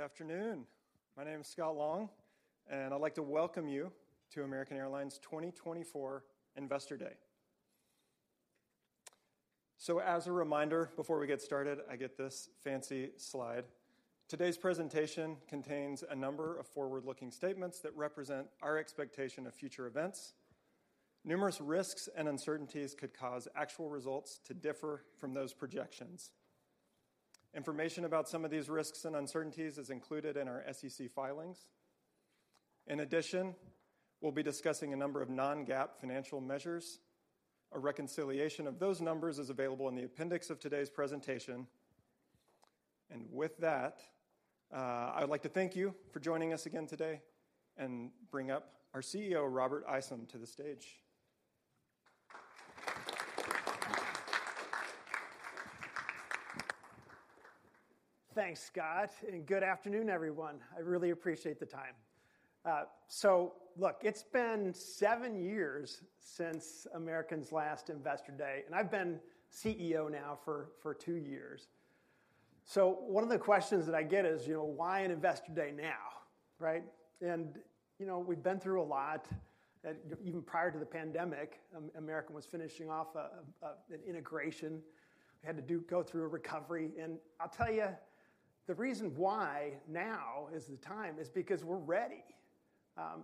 Good afternoon. My name is Scott Long, and I'd like to welcome you to American Airlines' 2024 Investor Day. As a reminder, before we get started, I get this fancy slide. Today's presentation contains a number of forward-looking statements that represent our expectation of future events. Numerous risks and uncertainties could cause actual results to differ from those projections. Information about some of these risks and uncertainties is included in our SEC filings. In addition, we'll be discussing a number of non-GAAP financial measures. A reconciliation of those numbers is available in the appendix of today's presentation. With that, I would like to thank you for joining us again today and bring up our CEO, Robert Isom, to the stage. Thanks, Scott, and good afternoon, everyone. I really appreciate the time. So look, it's been seven years since American's last Investor Day, and I've been CEO now for two years. So one of the questions that I get is, why an Investor Day now? And we've been through a lot. Even prior to the pandemic, American was finishing off an integration. We had to go through a recovery. And I'll tell you, the reason why now is the time is because we're ready.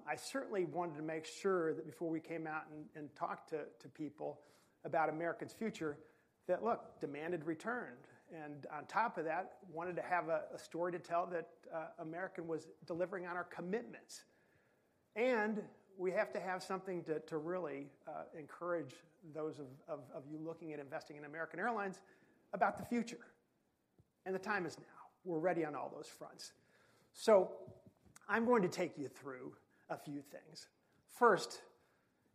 I certainly wanted to make sure that before we came out and talked to people about American's future, that, look, demand had returned. And on top of that, I wanted to have a story to tell that American was delivering on our commitments. And we have to have something to really encourage those of you looking at investing in American Airlines about the future. The time is now. We're ready on all those fronts. I'm going to take you through a few things. First,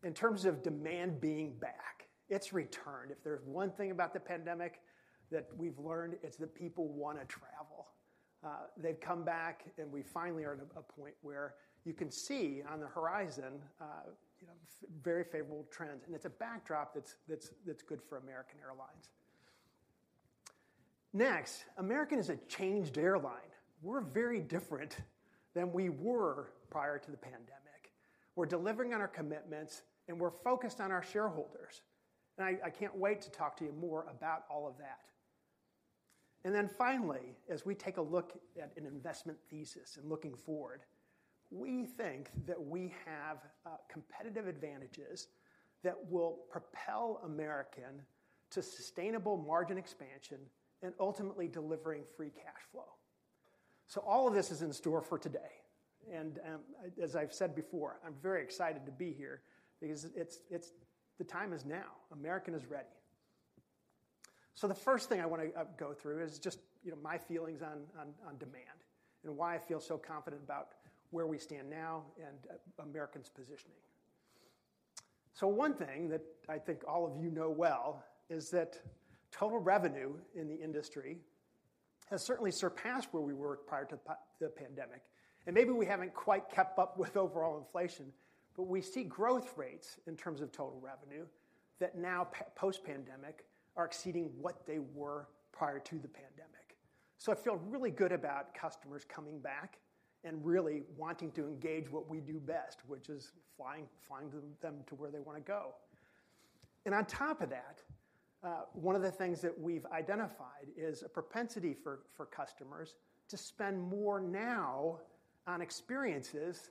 in terms of demand being back, it's returned. If there's one thing about the pandemic that we've learned, it's that people want to travel. They've come back, and we finally are at a point where you can see on the horizon very favorable trends. It's a backdrop that's good for American Airlines. Next, American is a changed airline. We're very different than we were prior to the pandemic. We're delivering on our commitments, and we're focused on our shareholders. I can't wait to talk to you more about all of that. And then finally, as we take a look at an investment thesis and looking forward, we think that we have competitive advantages that will propel American to sustainable margin expansion and ultimately delivering free cash flow. So all of this is in store for today. And as I've said before, I'm very excited to be here because the time is now. American is ready. So the first thing I want to go through is just my feelings on demand and why I feel so confident about where we stand now and American's positioning. So one thing that I think all of you know well is that total revenue in the industry has certainly surpassed where we were prior to the pandemic. Maybe we haven't quite kept up with overall inflation, but we see growth rates in terms of total revenue that now, post-pandemic, are exceeding what they were prior to the pandemic. I feel really good about customers coming back and really wanting to engage what we do best, which is flying them to where they want to go. On top of that, one of the things that we've identified is a propensity for customers to spend more now on experiences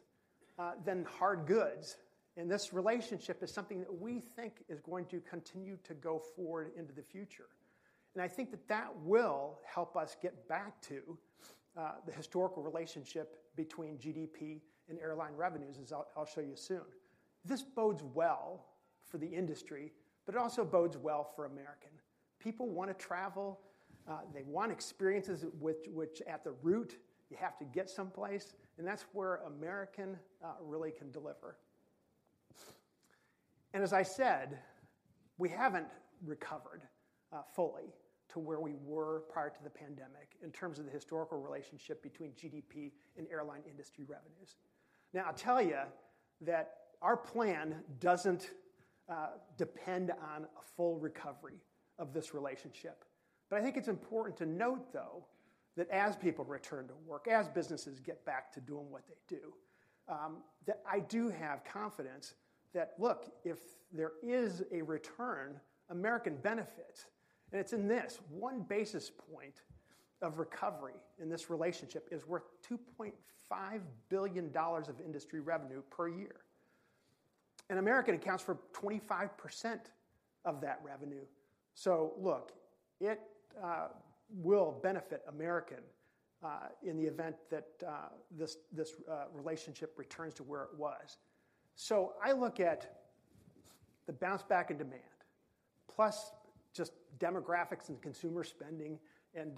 than hard goods. This relationship is something that we think is going to continue to go forward into the future. I think that that will help us get back to the historical relationship between GDP and airline revenues, as I'll show you soon. This bodes well for the industry, but it also bodes well for American. People want to travel. They want experiences which, at the root, you have to get someplace. That's where American really can deliver. As I said, we haven't recovered fully to where we were prior to the pandemic in terms of the historical relationship between GDP and airline industry revenues. Now, I'll tell you that our plan doesn't depend on a full recovery of this relationship. But I think it's important to note, though, that as people return to work, as businesses get back to doing what they do, that I do have confidence that, look, if there is a return, American benefits, and it's in this, one basis point of recovery in this relationship is worth $2.5 billion of industry revenue per year. American accounts for 25% of that revenue. So look, it will benefit American in the event that this relationship returns to where it was. So I look at the bounce back in demand plus just demographics and consumer spending and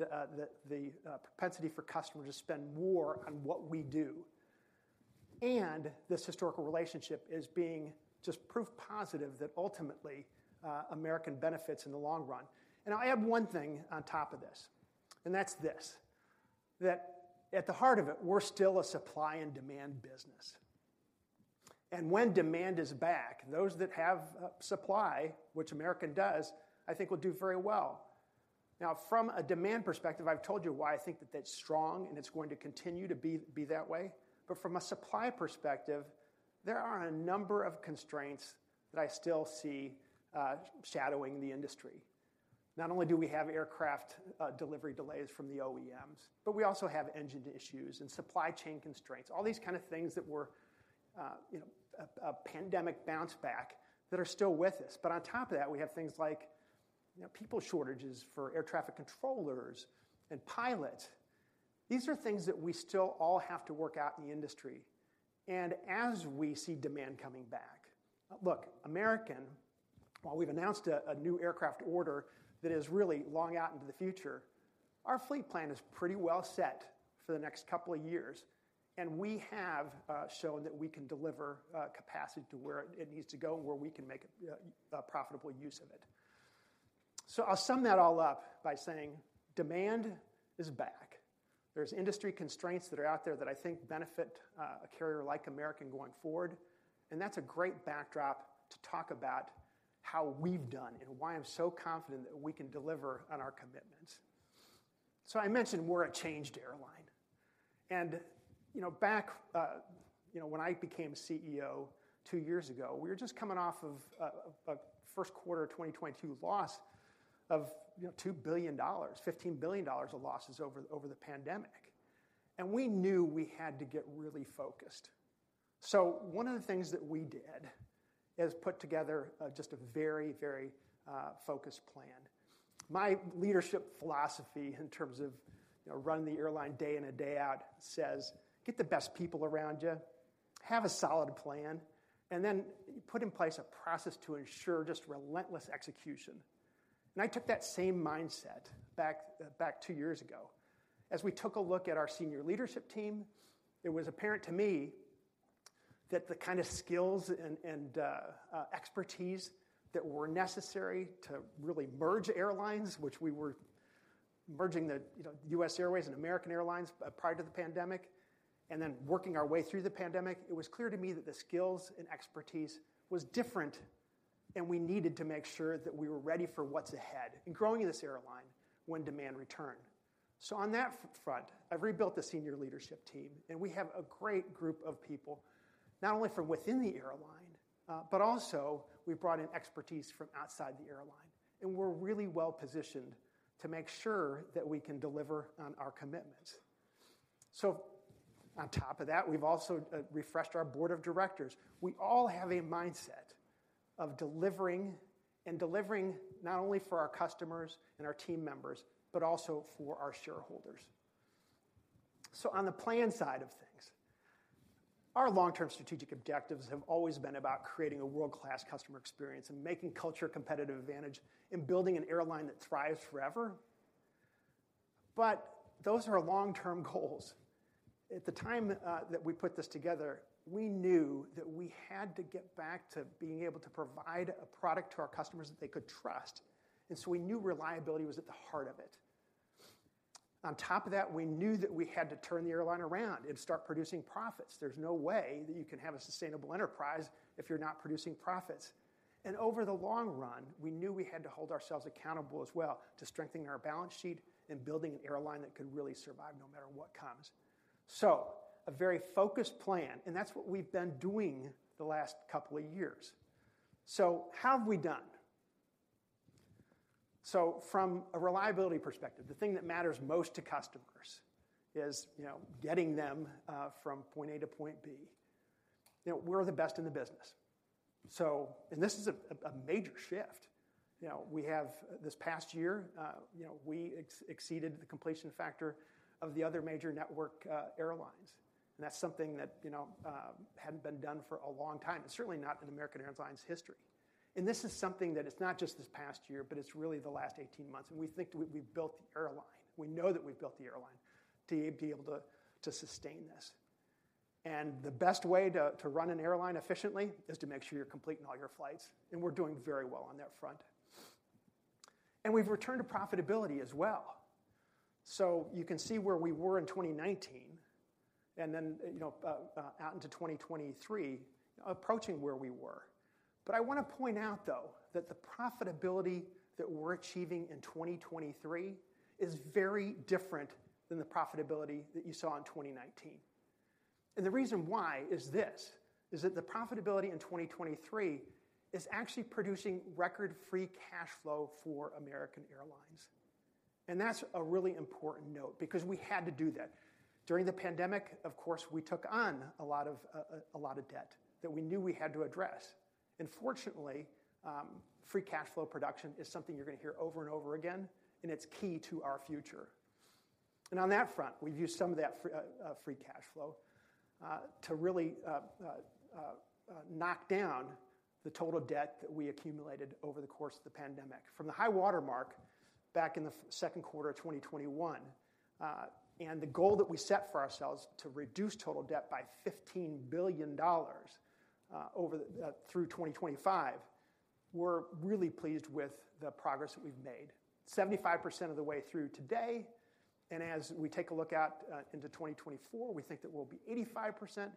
the propensity for customers to spend more on what we do. And this historical relationship is being just proof positive that ultimately American benefits in the long run. And I add one thing on top of this, and that's this, that at the heart of it, we're still a supply and demand business. And when demand is back, those that have supply, which American does, I think will do very well. Now, from a demand perspective, I've told you why I think that that's strong and it's going to continue to be that way. But from a supply perspective, there are a number of constraints that I still see shadowing the industry. Not only do we have aircraft delivery delays from the OEMs, but we also have engine issues and supply chain constraints, all these kind of things that were a pandemic bounce back that are still with us. But on top of that, we have things like people shortages for air traffic controllers and pilots. These are things that we still all have to work out in the industry. And as we see demand coming back, look, American, while we've announced a new aircraft order that is really long out into the future, our fleet plan is pretty well set for the next couple of years. And we have shown that we can deliver capacity to where it needs to go and where we can make profitable use of it. So I'll sum that all up by saying demand is back. There's industry constraints that are out there that I think benefit a carrier like American going forward. That's a great backdrop to talk about how we've done and why I'm so confident that we can deliver on our commitments. I mentioned we're a changed airline. Back when I became CEO two years ago, we were just coming off of a first quarter of 2022 loss of $2 billion, $15 billion of losses over the pandemic. We knew we had to get really focused. One of the things that we did is put together just a very, very focused plan. My leadership philosophy in terms of running the airline day in and day out says, get the best people around you, have a solid plan, and then put in place a process to ensure just relentless execution. I took that same mindset back two years ago. As we took a look at our senior leadership team, it was apparent to me that the kind of skills and expertise that were necessary to really merge airlines, which we were merging the US Airways and American Airlines prior to the pandemic, and then working our way through the pandemic, it was clear to me that the skills and expertise was different, and we needed to make sure that we were ready for what's ahead and growing in this airline when demand returned. So on that front, I've rebuilt the senior leadership team, and we have a great group of people not only from within the airline, but also we've brought in expertise from outside the airline. We're really well positioned to make sure that we can deliver on our commitments. On top of that, we've also refreshed our board of directors. We all have a mindset of delivering and delivering not only for our customers and our team members, but also for our shareholders. On the plan side of things, our long-term strategic objectives have always been about creating a world-class customer experience and making culture a competitive advantage and building an airline that thrives forever. But those are long-term goals. At the time that we put this together, we knew that we had to get back to being able to provide a product to our customers that they could trust. And so we knew reliability was at the heart of it. On top of that, we knew that we had to turn the airline around and start producing profits. There's no way that you can have a sustainable enterprise if you're not producing profits. Over the long run, we knew we had to hold ourselves accountable as well to strengthening our balance sheet and building an airline that could really survive no matter what comes. A very focused plan, and that's what we've been doing the last couple of years. So how have we done? From a reliability perspective, the thing that matters most to customers is getting them from point A to point B. We're the best in the business. This is a major shift. This past year, we exceeded the completion factor of the other major network airlines. That's something that hadn't been done for a long time. It's certainly not in American Airlines' history. This is something that it's not just this past year, but it's really the last 18 months. We think we've built the airline. We know that we've built the airline to be able to sustain this. The best way to run an airline efficiently is to make sure you're completing all your flights. We're doing very well on that front. We've returned to profitability as well. You can see where we were in 2019 and then out into 2023 approaching where we were. I want to point out, though, that the profitability that we're achieving in 2023 is very different than the profitability that you saw in 2019. The reason why is this: the profitability in 2023 is actually producing record free cash flow for American Airlines. That's a really important note because we had to do that. During the pandemic, of course, we took on a lot of debt that we knew we had to address. Fortunately, free cash flow production is something you're going to hear over and over again, and it's key to our future. On that front, we've used some of that free cash flow to really knock down the total debt that we accumulated over the course of the pandemic from the high watermark back in the second quarter of 2021. The goal that we set for ourselves to reduce total debt by $15 billion through 2025, we're really pleased with the progress that we've made. 75% of the way through today. As we take a look out into 2024, we think that we'll be 85%.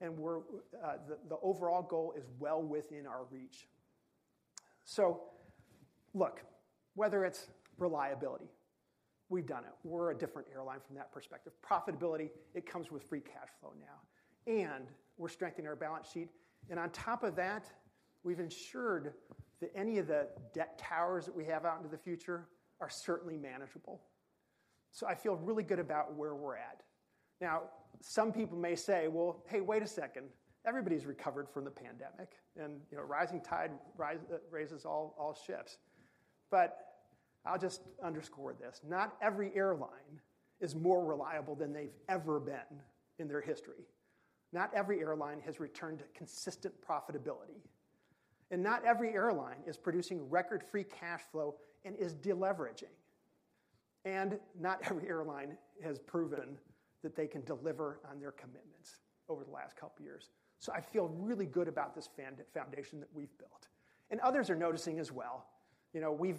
The overall goal is well within our reach. So look, whether it's reliability, we've done it. We're a different airline from that perspective. Profitability, it comes with free cash flow now. And we're strengthening our balance sheet. On top of that, we've ensured that any of the debt towers that we have out into the future are certainly manageable. So I feel really good about where we're at. Now, some people may say, "Well, hey, wait a second. Everybody's recovered from the pandemic. And rising tide raises all ships." But I'll just underscore this: not every airline is more reliable than they've ever been in their history. Not every airline has returned to consistent profitability. And not every airline is producing record free cash flow and is deleveraging. And not every airline has proven that they can deliver on their commitments over the last couple of years. So I feel really good about this foundation that we've built. And others are noticing as well. We've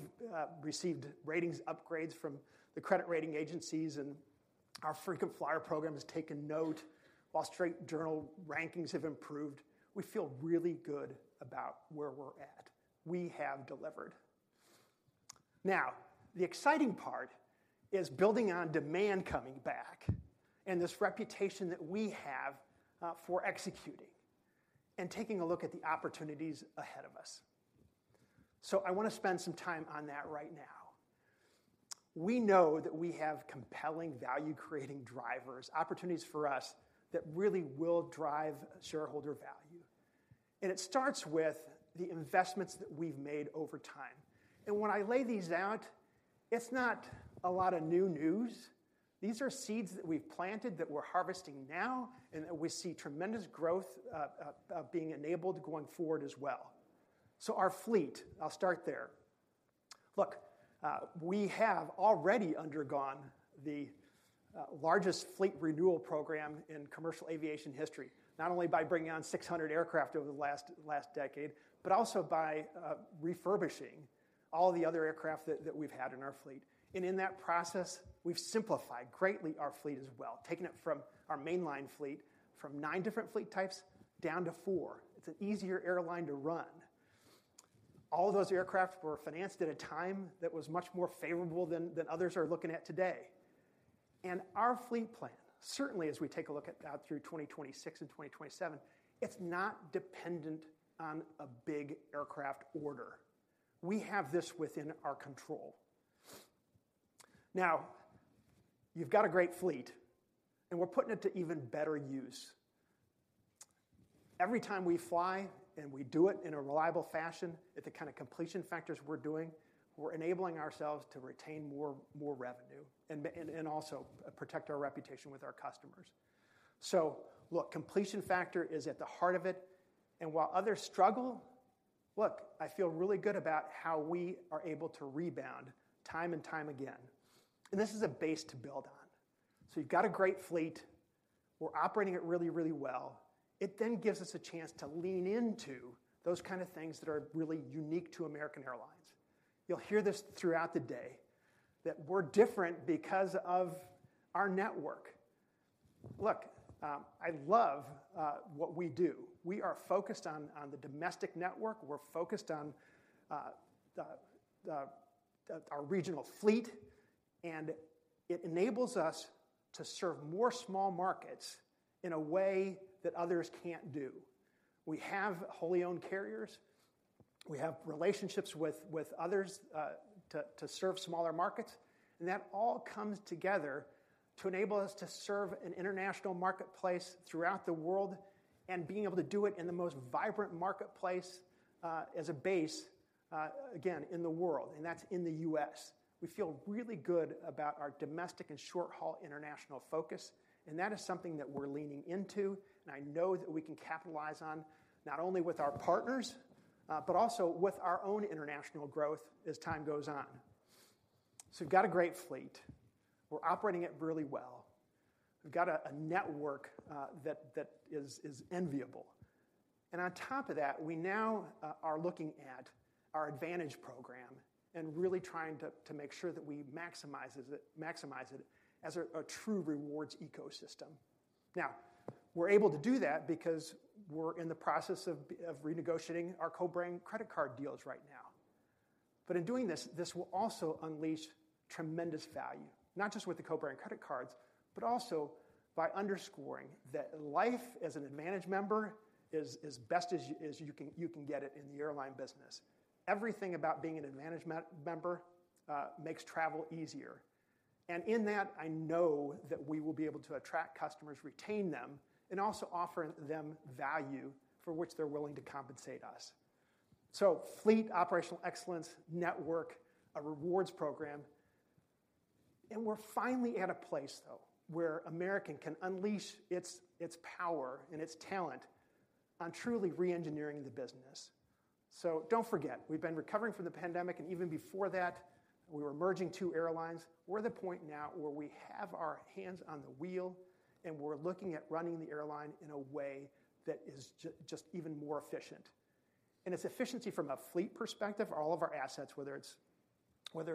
received ratings upgrades from the credit rating agencies, and our frequent flyer program has taken note. Wall Street Journal rankings have improved. We feel really good about where we're at. We have delivered. Now, the exciting part is building on demand coming back and this reputation that we have for executing and taking a look at the opportunities ahead of us. I want to spend some time on that right now. We know that we have compelling value-creating drivers, opportunities for us that really will drive shareholder value. It starts with the investments that we've made over time. When I lay these out, it's not a lot of new news. These are seeds that we've planted that we're harvesting now and that we see tremendous growth being enabled going forward as well. Our fleet, I'll start there. Look, we have already undergone the largest fleet renewal program in commercial aviation history, not only by bringing on 600 aircraft over the last decade, but also by refurbishing all the other aircraft that we've had in our fleet. And in that process, we've simplified greatly our fleet as well, taking it from our mainline fleet from nine different fleet types down to four. It's an easier airline to run. All of those aircraft were financed at a time that was much more favorable than others are looking at today. And our fleet plan, certainly as we take a look at that through 2026 and 2027, it's not dependent on a big aircraft order. We have this within our control. Now, you've got a great fleet, and we're putting it to even better use. Every time we fly and we do it in a reliable fashion at the kind of completion factors we're doing, we're enabling ourselves to retain more revenue and also protect our reputation with our customers. So look, completion factor is at the heart of it. And while others struggle, look, I feel really good about how we are able to rebound time and time again. And this is a base to build on. So you've got a great fleet. We're operating it really, really well. It then gives us a chance to lean into those kind of things that are really unique to American Airlines. You'll hear this throughout the day that we're different because of our network. Look, I love what we do. We are focused on the domestic network. We're focused on our regional fleet. And it enables us to serve more small markets in a way that others can't do. We have wholly owned carriers. We have relationships with others to serve smaller markets. And that all comes together to enable us to serve an international marketplace throughout the world and being able to do it in the most vibrant marketplace as a base, again, in the world. And that's in the U.S. We feel really good about our domestic and short-haul international focus. And that is something that we're leaning into. And I know that we can capitalize on not only with our partners, but also with our own international growth as time goes on. So we've got a great fleet. We're operating it really well. We've got a network that is enviable. On top of that, we now are looking at our Advantage program and really trying to make sure that we maximize it as a true rewards ecosystem. Now, we're able to do that because we're in the process of renegotiating our co-brand credit card deals right now. But in doing this, this will also unleash tremendous value, not just with the co-brand credit cards, but also by underscoring that life as an Advantage member is best as you can get it in the airline business. Everything about being an Advantage member makes travel easier. And in that, I know that we will be able to attract customers, retain them, and also offer them value for which they're willing to compensate us. Fleet, operational excellence, network, a rewards program. We're finally at a place, though, where American can unleash its power and its talent on truly reengineering the business. Don't forget, we've been recovering from the pandemic. Even before that, we were merging two airlines. We're at the point now where we have our hands on the wheel, and we're looking at running the airline in a way that is just even more efficient. It's efficiency from a fleet perspective, all of our assets, whether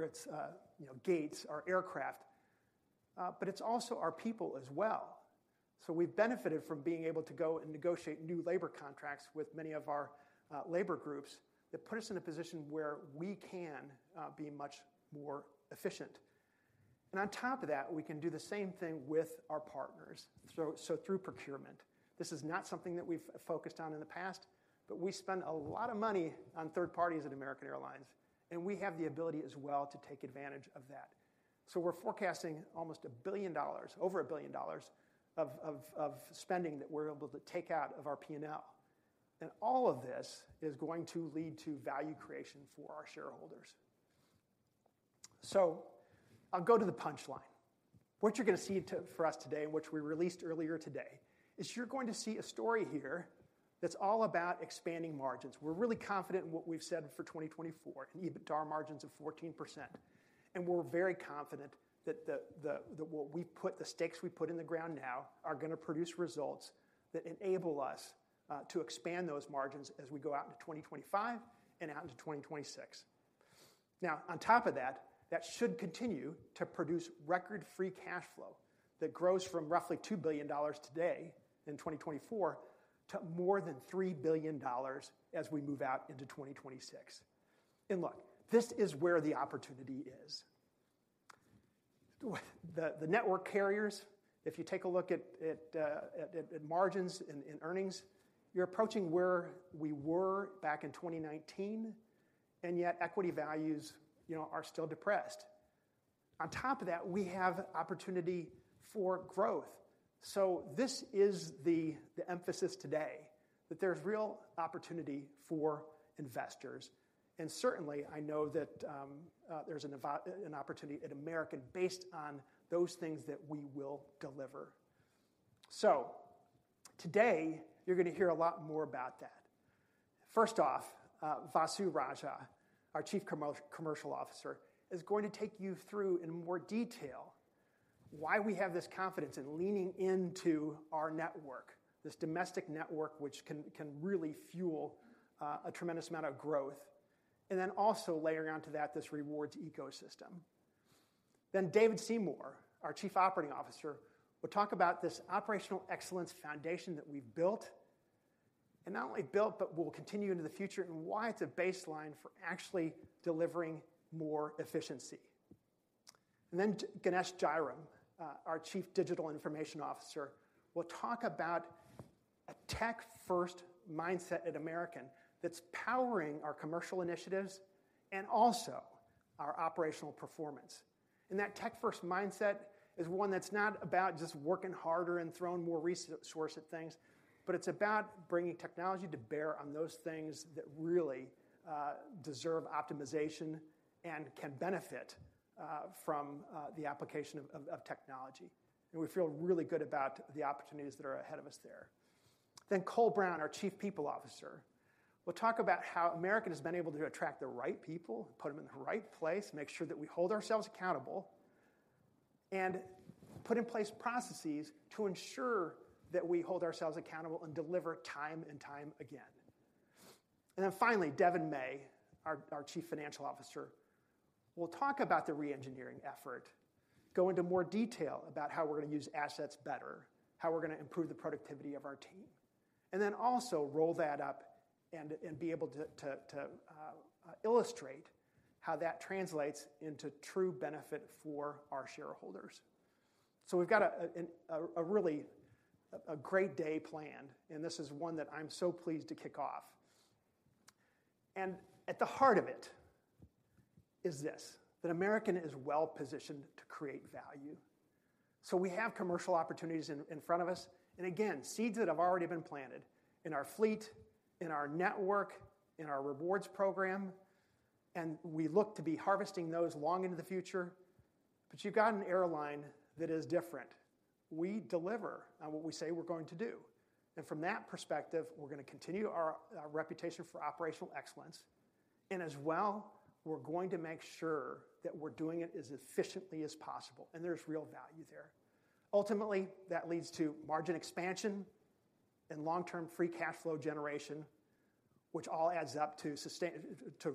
it's gates or aircraft, but it's also our people as well. We've benefited from being able to go and negotiate new labor contracts with many of our labor groups that put us in a position where we can be much more efficient. On top of that, we can do the same thing with our partners, so through procurement. This is not something that we've focused on in the past, but we spend a lot of money on third parties at American Airlines, and we have the ability as well to take advantage of that. So we're forecasting almost $1 billion, over $1 billion of spending that we're able to take out of our P&L. And all of this is going to lead to value creation for our shareholders. So I'll go to the punchline. What you're going to see for us today, and what we released earlier today, is you're going to see a story here that's all about expanding margins. We're really confident in what we've said for 2024, an EBITDAR margins of 14%. We're very confident that what we put, the stakes we put in the ground now, are going to produce results that enable us to expand those margins as we go out into 2025 and out into 2026. Now, on top of that, that should continue to produce record free cash flow that grows from roughly $2 billion today in 2024 to more than $3 billion as we move out into 2026. Look, this is where the opportunity is. The network carriers, if you take a look at margins and earnings, you're approaching where we were back in 2019, and yet equity values are still depressed. On top of that, we have opportunity for growth. This is the emphasis today, that there's real opportunity for investors. Certainly, I know that there's an opportunity at American based on those things that we will deliver. So today, you're going to hear a lot more about that. First off, Vasu Raja, our Chief Commercial Officer, is going to take you through in more detail why we have this confidence in leaning into our network, this domestic network which can really fuel a tremendous amount of growth, and then also layering onto that this rewards ecosystem. Then David Seymour, our Chief Operating Officer, will talk about this operational excellence foundation that we've built, and not only built, but will continue into the future, and why it's a baseline for actually delivering more efficiency. And then Ganesh Jayaram, our Chief Digital Information Officer, will talk about a tech-first mindset at American that's powering our commercial initiatives and also our operational performance. That tech-first mindset is one that's not about just working harder and throwing more resource at things, but it's about bringing technology to bear on those things that really deserve optimization and can benefit from the application of technology. We feel really good about the opportunities that are ahead of us there. Then Cole Brown, our Chief People Officer, will talk about how American has been able to attract the right people, put them in the right place, make sure that we hold ourselves accountable, and put in place processes to ensure that we hold ourselves accountable and deliver time and time again. Then finally, Devon May, our Chief Financial Officer, will talk about the reengineering effort, go into more detail about how we're going to use assets better, how we're going to improve the productivity of our team, and then also roll that up and be able to illustrate how that translates into true benefit for our shareholders. We've got a really great day planned, and this is one that I'm so pleased to kick off. At the heart of it is this: that American is well-positioned to create value. We have commercial opportunities in front of us, and again, seeds that have already been planted in our fleet, in our network, in our rewards program. We look to be harvesting those long into the future. But you've got an airline that is different. We deliver on what we say we're going to do. From that perspective, we're going to continue our reputation for operational excellence. As well, we're going to make sure that we're doing it as efficiently as possible, and there's real value there. Ultimately, that leads to margin expansion and long-term free cash flow generation, which all adds up to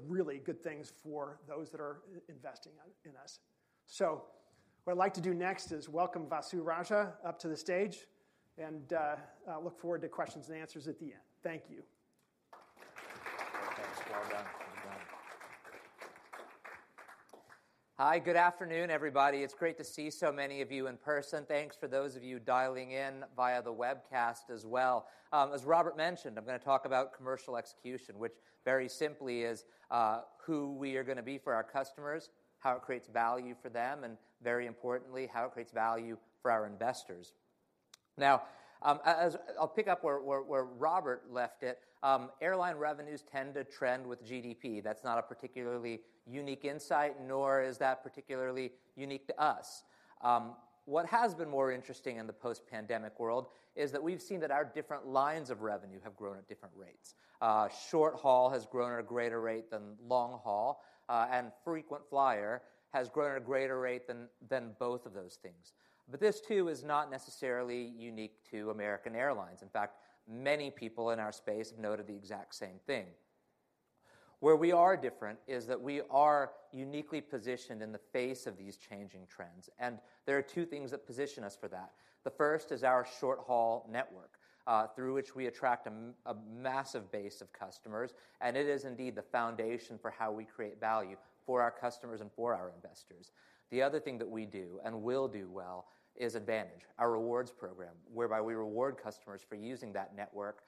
really good things for those that are investing in us. What I'd like to do next is welcome Vasu Raja up to the stage and look forward to questions and answers at the end. Thank you. Thanks. Well done. Hi. Good afternoon, everybody. It's great to see so many of you in person. Thanks for those of you dialing in via the webcast as well. As Robert mentioned, I'm going to talk about commercial execution, which very simply is who we are going to be for our customers, how it creates value for them, and very importantly, how it creates value for our investors. Now, I'll pick up where Robert left it. Airline revenues tend to trend with GDP. That's not a particularly unique insight, nor is that particularly unique to us. What has been more interesting in the post-pandemic world is that we've seen that our different lines of revenue have grown at different rates. Short-haul has grown at a greater rate than long-haul, and frequent flyer has grown at a greater rate than both of those things. But this, too, is not necessarily unique to American Airlines. In fact, many people in our space have noted the exact same thing. Where we are different is that we are uniquely positioned in the face of these changing trends. There are two things that position us for that. The first is our short-haul network through which we attract a massive base of customers. It is indeed the foundation for how we create value for our customers and for our investors. The other thing that we do and will do well is AAdvantage, our rewards program whereby we reward customers for using that network.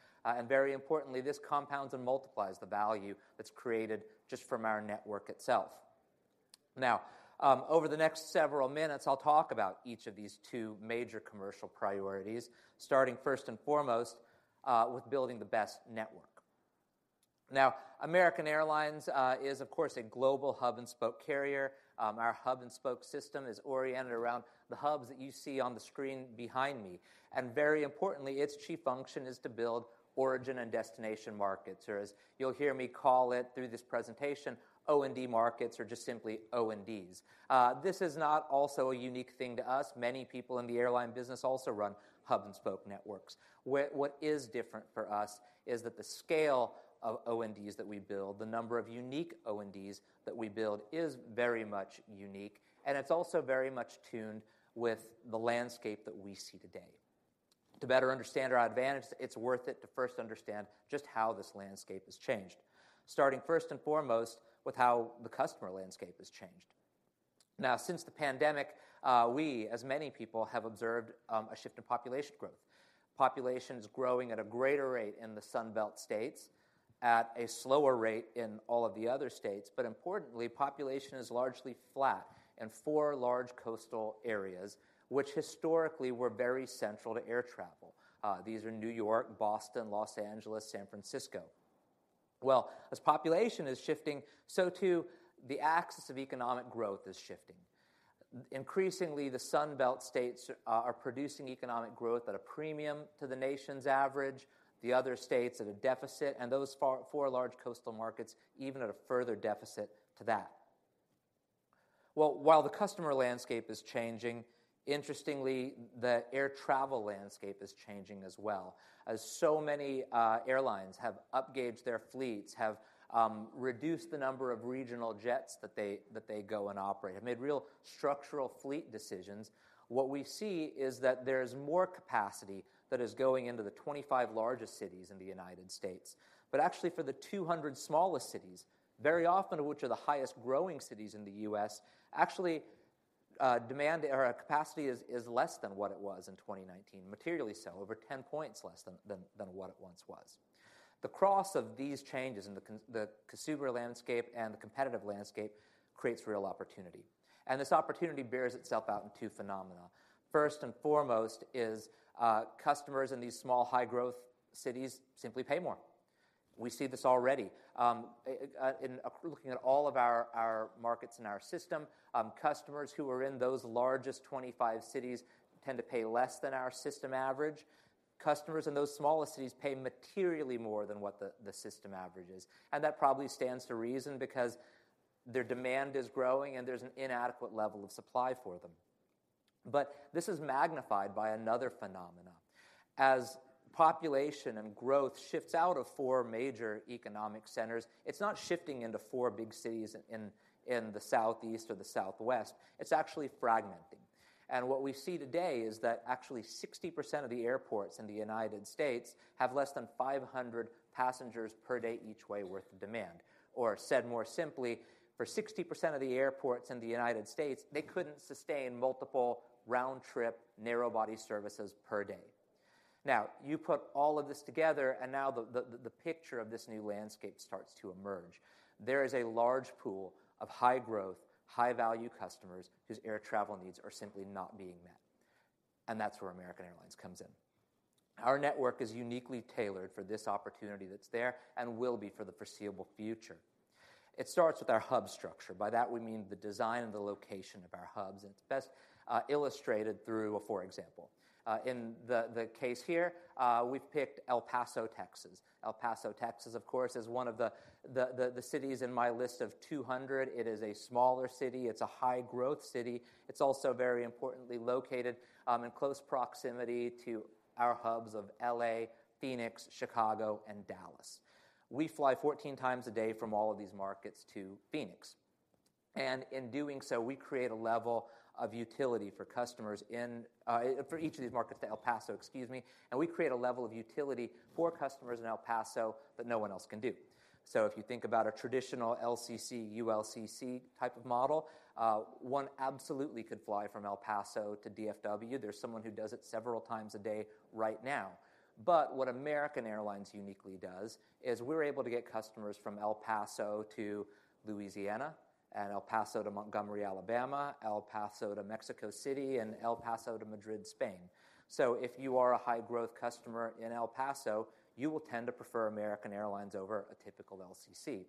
Very importantly, this compounds and multiplies the value that's created just from our network itself. Now, over the next several minutes, I'll talk about each of these two major commercial priorities, starting first and foremost with building the best network. American Airlines is, of course, a global hub-and-spoke carrier. Our hub-and-spoke system is oriented around the hubs that you see on the screen behind me. Very importantly, its chief function is to build origin and destination markets, or as you'll hear me call it through this presentation, O&D markets or just simply O&Ds. This is not also a unique thing to us. Many people in the airline business also run hub-and-spoke networks. What is different for us is that the scale of O&Ds that we build, the number of unique O&Ds that we build, is very much unique. It's also very much tuned with the landscape that we see today. To better understand our advantage, it's worth it to first understand just how this landscape has changed, starting first and foremost with how the customer landscape has changed. Now, since the pandemic, we, as many people, have observed a shift in population growth. Population is growing at a greater rate in the Sunbelt states, at a slower rate in all of the other states. But importantly, population is largely flat in four large coastal areas which historically were very central to air travel. These are New York, Boston, Los Angeles, San Francisco. Well, as population is shifting, so too the axis of economic growth is shifting. Increasingly, the Sunbelt states are producing economic growth at a premium to the nation's average, the other states at a deficit, and those four large coastal markets even at a further deficit to that. Well, while the customer landscape is changing, interestingly, the air travel landscape is changing as well. As so many airlines have upgauged their fleets, have reduced the number of regional jets that they go and operate, have made real structural fleet decisions, what we see is that there is more capacity that is going into the 25 largest cities in the United States. But actually, for the 200 smallest cities, very often of which are the highest growing cities in the US, actually demand or capacity is less than what it was in 2019, materially so, over 10 points less than what it once was. The crux of these changes in the consumer landscape and the competitive landscape creates real opportunity. And this opportunity bears itself out in two phenomena. First and foremost is customers in these small high-growth cities simply pay more. We see this already. Looking at all of our markets in our system, customers who are in those largest 25 cities tend to pay less than our system average. Customers in those smallest cities pay materially more than what the system average is. That probably stands to reason because their demand is growing and there's an inadequate level of supply for them. This is magnified by another phenomenon. As population and growth shifts out of four major economic centers, it's not shifting into four big cities in the Southeast or the Southwest. It's actually fragmenting. What we see today is that actually 60% of the airports in the United States have less than 500 passengers per day each way worth of demand. Or said more simply, for 60% of the airports in the United States, they couldn't sustain multiple round-trip narrow-body services per day. Now, you put all of this together, and now the picture of this new landscape starts to emerge. There is a large pool of high-growth, high-value customers whose air travel needs are simply not being met. And that's where American Airlines comes in. Our network is uniquely tailored for this opportunity that's there and will be for the foreseeable future. It starts with our hub structure. By that, we mean the design and the location of our hubs. And it's best illustrated through a for example. In the case here, we've picked El Paso, Texas. El Paso, Texas, of course, is one of the cities in my list of 200. It is a smaller city. It's a high-growth city. It's also very importantly located in close proximity to our hubs of LA, Phoenix, Chicago, and Dallas. We fly 14 times a day from all of these markets to Phoenix. And in doing so, we create a level of utility for customers in for each of these markets to El Paso, excuse me. We create a level of utility for customers in El Paso that no one else can do. So if you think about a traditional LCC/ULCC type of model, one absolutely could fly from El Paso to DFW. There's someone who does it several times a day right now. But what American Airlines uniquely does is we're able to get customers from El Paso to Louisiana, and El Paso to Montgomery, Alabama, El Paso to Mexico City, and El Paso to Madrid, Spain. So if you are a high-growth customer in El Paso, you will tend to prefer American Airlines over a typical LCC.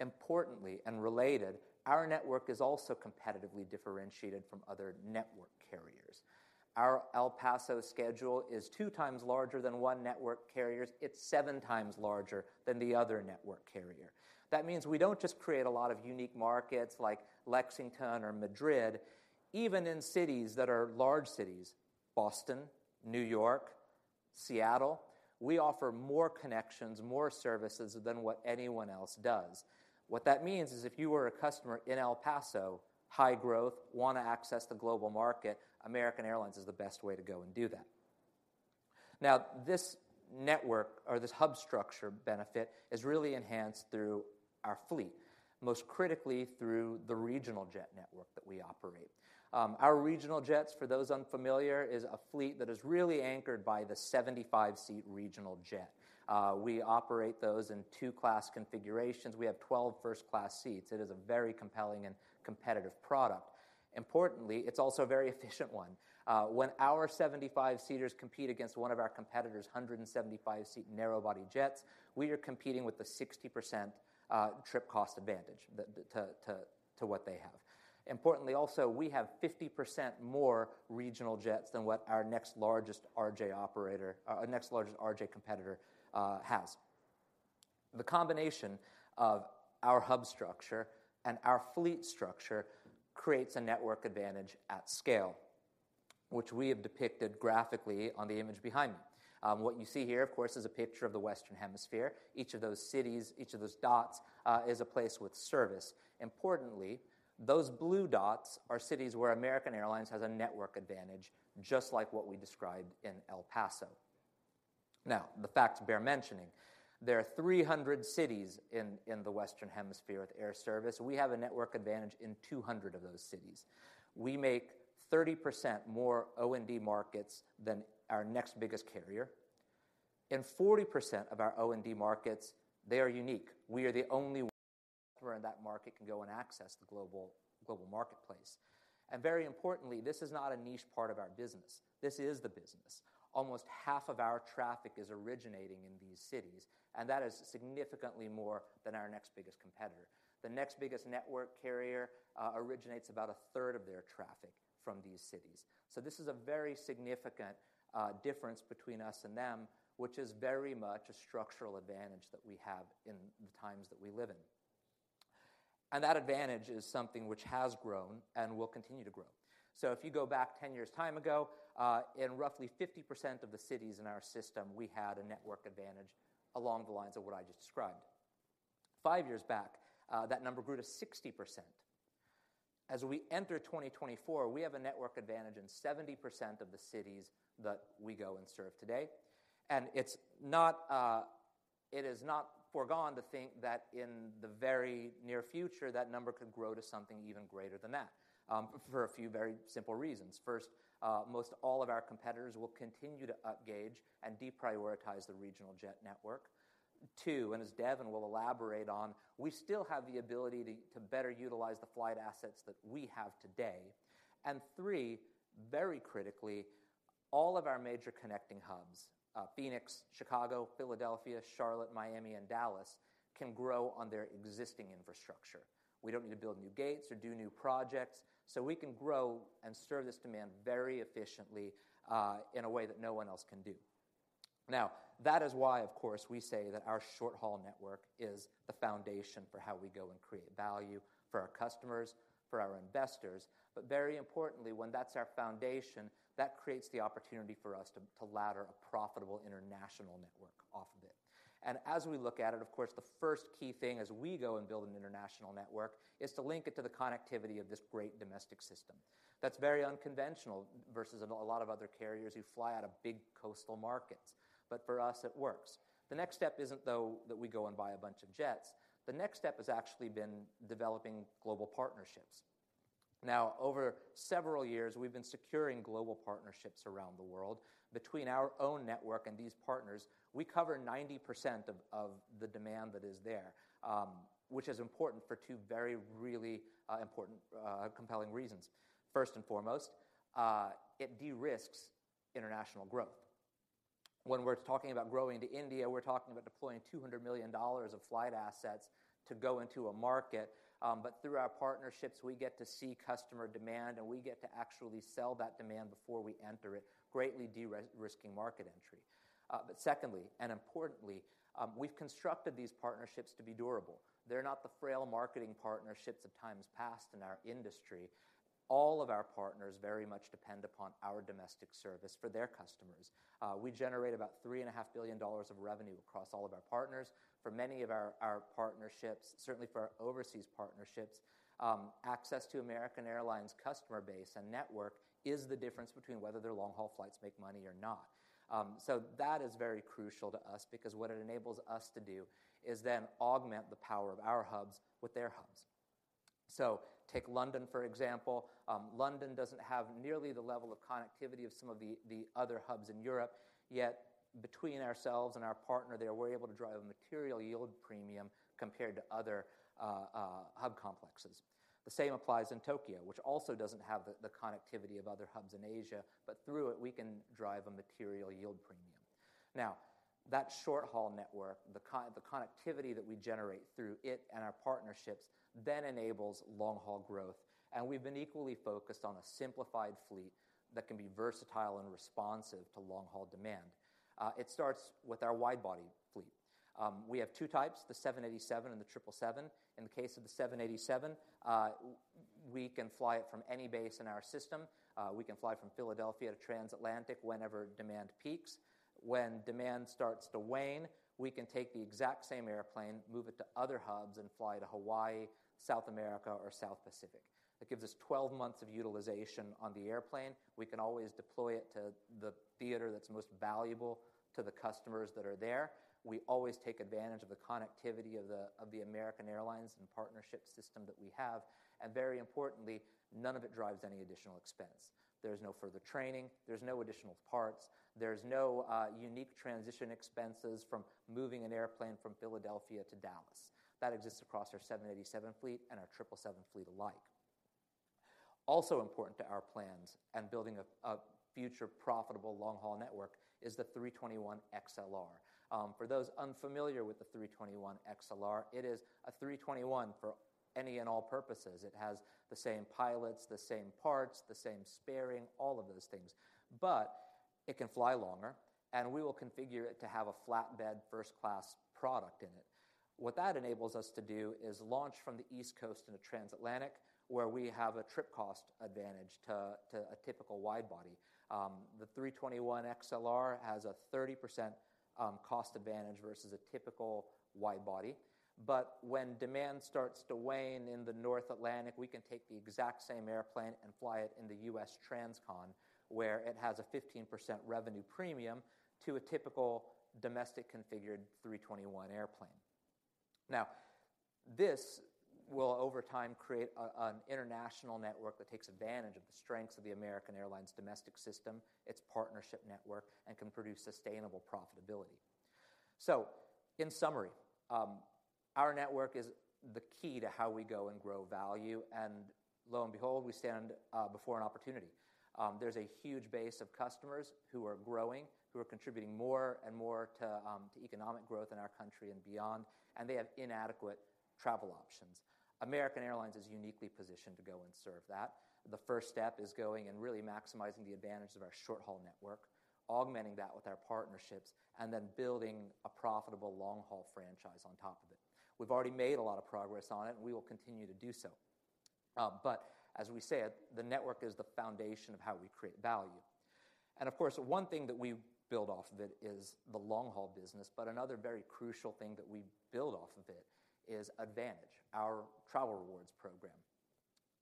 Importantly and related, our network is also competitively differentiated from other network carriers. Our El Paso schedule is two times larger than one network carrier's. It's seven times larger than the other network carrier. That means we don't just create a lot of unique markets like Lexington or Madrid. Even in cities that are large cities, Boston, New York, Seattle, we offer more connections, more services than what anyone else does. What that means is if you were a customer in El Paso, high-growth, want to access the global market, American Airlines is the best way to go and do that. Now, this network or this hub structure benefit is really enhanced through our fleet, most critically through the regional jet network that we operate. Our regional jets, for those unfamiliar, is a fleet that is really anchored by the 75-seat regional jet. We operate those in two-class configurations. We have 12 first-class seats. It is a very compelling and competitive product. Importantly, it's also a very efficient one. When our 75-seaters compete against one of our competitors' 175-seat narrow-body jets, we are competing with the 60% trip cost advantage to what they have. Importantly also, we have 50% more regional jets than what our next largest RJ competitor has. The combination of our hub structure and our fleet structure creates a network advantage at scale, which we have depicted graphically on the image behind me. What you see here, of course, is a picture of the Western Hemisphere. Each of those cities, each of those dots, is a place with service. Importantly, those blue dots are cities where American Airlines has a network advantage, just like what we described in El Paso. Now, the facts bear mentioning. There are 300 cities in the Western Hemisphere with air service. We have a network advantage in 200 of those cities. We make 30% more O&D markets than our next biggest carrier. 40% of our O&D markets, they are unique. We are the only customer in that market can go and access the global marketplace. Very importantly, this is not a niche part of our business. This is the business. Almost half of our traffic is originating in these cities. That is significantly more than our next biggest competitor. The next biggest network carrier originates about a third of their traffic from these cities. This is a very significant difference between us and them, which is very much a structural advantage that we have in the times that we live in. That advantage is something which has grown and will continue to grow. So if you go back 10 years' time ago, in roughly 50% of the cities in our system, we had a network advantage along the lines of what I just described. Five years back, that number grew to 60%. As we enter 2024, we have a network advantage in 70% of the cities that we go and serve today. And it is not forgone to think that in the very near future, that number could grow to something even greater than that for a few very simple reasons. First, most all of our competitors will continue to upgage and deprioritize the regional jet network. Two, and as Devon will elaborate on, we still have the ability to better utilize the flight assets that we have today. And three, very critically, all of our major connecting hubs, Phoenix, Chicago, Philadelphia, Charlotte, Miami, and Dallas, can grow on their existing infrastructure. We don't need to build new gates or do new projects. So we can grow and serve this demand very efficiently in a way that no one else can do. Now, that is why, of course, we say that our short-haul network is the foundation for how we go and create value for our customers, for our investors. But very importantly, when that's our foundation, that creates the opportunity for us to ladder a profitable international network off of it. And as we look at it, of course, the first key thing as we go and build an international network is to link it to the connectivity of this great domestic system. That's very unconventional versus a lot of other carriers who fly out of big coastal markets. But for us, it works. The next step isn't, though, that we go and buy a bunch of jets. The next step has actually been developing global partnerships. Now, over several years, we've been securing global partnerships around the world. Between our own network and these partners, we cover 90% of the demand that is there, which is important for two very really important, compelling reasons. First and foremost, it de-risks international growth. When we're talking about growing to India, we're talking about deploying $200 million of flight assets to go into a market. But through our partnerships, we get to see customer demand, and we get to actually sell that demand before we enter it, greatly de-risking market entry. But secondly, and importantly, we've constructed these partnerships to be durable. They're not the frail marketing partnerships of times past in our industry. All of our partners very much depend upon our domestic service for their customers. We generate about $3.5 billion of revenue across all of our partners. For many of our partnerships, certainly for our overseas partnerships, access to American Airlines' customer base and network is the difference between whether their long-haul flights make money or not. So that is very crucial to us because what it enables us to do is then augment the power of our hubs with their hubs. So take London, for example. London doesn't have nearly the level of connectivity of some of the other hubs in Europe. Yet between ourselves and our partner there, we're able to drive a material yield premium compared to other hub complexes. The same applies in Tokyo, which also doesn't have the connectivity of other hubs in Asia. But through it, we can drive a material yield premium. Now, that short-haul network, the connectivity that we generate through it and our partnerships then enables long-haul growth. And we've been equally focused on a simplified fleet that can be versatile and responsive to long-haul demand. It starts with our wide-body fleet. We have two types, the 787 and the 777. In the case of the 787, we can fly it from any base in our system. We can fly from Philadelphia to transatlantic whenever demand peaks. When demand starts to wane, we can take the exact same airplane, move it to other hubs, and fly to Hawaii, South America, or South Pacific. That gives us 12 months of utilization on the airplane. We can always deploy it to the theater that's most valuable to the customers that are there. We always take advantage of the connectivity of the American Airlines and partnership system that we have. And very importantly, none of it drives any additional expense. There's no further training. There's no additional parts. There's no unique transition expenses from moving an airplane from Philadelphia to Dallas. That exists across our 787 fleet and our 777 fleet alike. Also important to our plans and building a future profitable long-haul network is the 321 XLR. For those unfamiliar with the 321 XLR, it is a 321 for any and all purposes. It has the same pilots, the same parts, the same sparing, all of those things. But it can fly longer. And we will configure it to have a flatbed first-class product in it. What that enables us to do is launch from the East Coast into transatlantic, where we have a trip cost advantage to a typical wide-body. The 321 XLR has a 30% cost advantage versus a typical wide-body. When demand starts to wane in the North Atlantic, we can take the exact same airplane and fly it in the US TransCon, where it has a 15% revenue premium to a typical domestic-configured 321 airplane. Now, this will over time create an international network that takes advantage of the strengths of the American Airlines domestic system, its partnership network, and can produce sustainable profitability. In summary, our network is the key to how we go and grow value. Lo and behold, we stand before an opportunity. There's a huge base of customers who are growing, who are contributing more and more to economic growth in our country and beyond. They have inadequate travel options. American Airlines is uniquely positioned to go and serve that. The first step is going and really maximizing the advantage of our short-haul network, augmenting that with our partnerships, and then building a profitable long-haul franchise on top of it. We've already made a lot of progress on it, and we will continue to do so. But as we say, the network is the foundation of how we create value. And of course, one thing that we build off of it is the long-haul business. But another very crucial thing that we build off of it is AAdvantage, our travel rewards program.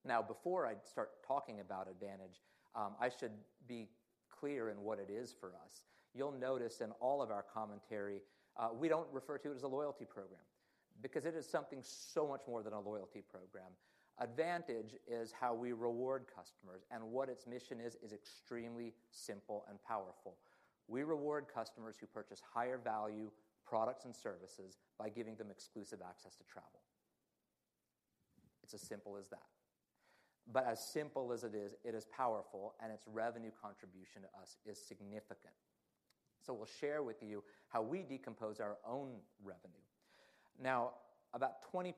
Now, before I start talking about AAdvantage, I should be clear in what it is for us. You'll notice in all of our commentary, we don't refer to it as a loyalty program because it is something so much more than a loyalty program. AAdvantage is how we reward customers. What its mission is, is extremely simple and powerful. We reward customers who purchase higher value products and services by giving them exclusive access to travel. It's as simple as that. But as simple as it is, it is powerful. And its revenue contribution to us is significant. So we'll share with you how we decompose our own revenue. Now, about 20%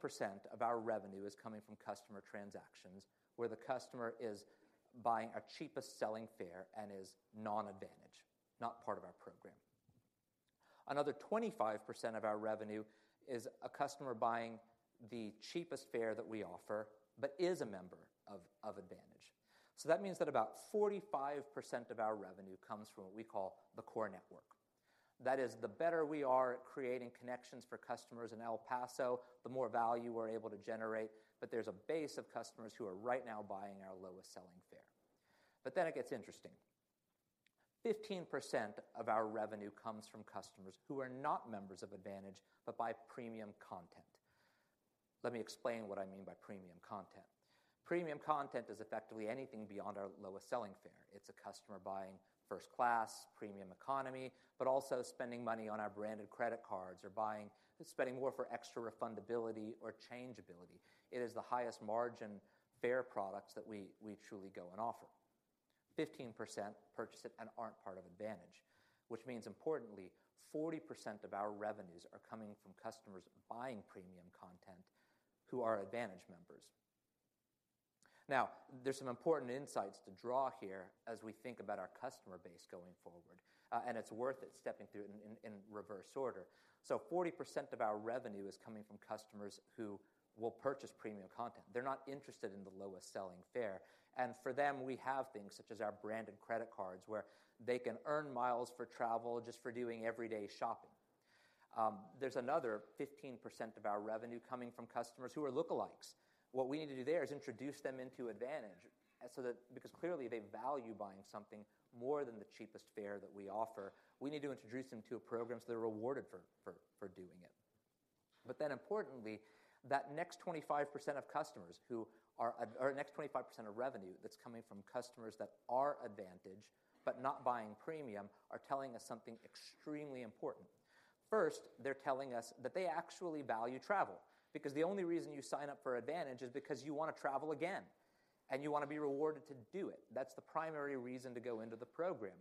of our revenue is coming from customer transactions where the customer is buying our cheapest selling fare and is non-AAdvantage, not part of our program. Another 25% of our revenue is a customer buying the cheapest fare that we offer but is a member of AAdvantage. So that means that about 45% of our revenue comes from what we call the core network. That is, the better we are at creating connections for customers in El Paso, the more value we're able to generate. But there's a base of customers who are right now buying our lowest selling fare. But then it gets interesting. 15% of our revenue comes from customers who are not members of AAdvantage but buy premium content. Let me explain what I mean by premium content. Premium content is effectively anything beyond our lowest selling fare. It's a customer buying first-class premium economy, but also spending money on our branded credit cards or spending more for extra refundability or changeability. It is the highest margin fare products that we truly go and offer. 15% purchase it and aren't part of AAdvantage, which means, importantly, 40% of our revenues are coming from customers buying premium content who are AAdvantage members. Now, there's some important insights to draw here as we think about our customer base going forward. And it's worth it stepping through it in reverse order. 40% of our revenue is coming from customers who will purchase premium content. They're not interested in the lowest selling fare. For them, we have things such as our branded credit cards where they can earn miles for travel just for doing everyday shopping. There's another 15% of our revenue coming from customers who are lookalikes. What we need to do there is introduce them into AAdvantage because clearly they value buying something more than the cheapest fare that we offer. We need to introduce them to a program so they're rewarded for doing it. Then importantly, that next 25% of customers who are next 25% of revenue that's coming from customers that are AAdvantage but not buying premium are telling us something extremely important. First, they're telling us that they actually value travel because the only reason you sign up for AAdvantage is because you want to travel again and you want to be rewarded to do it. That's the primary reason to go into the program.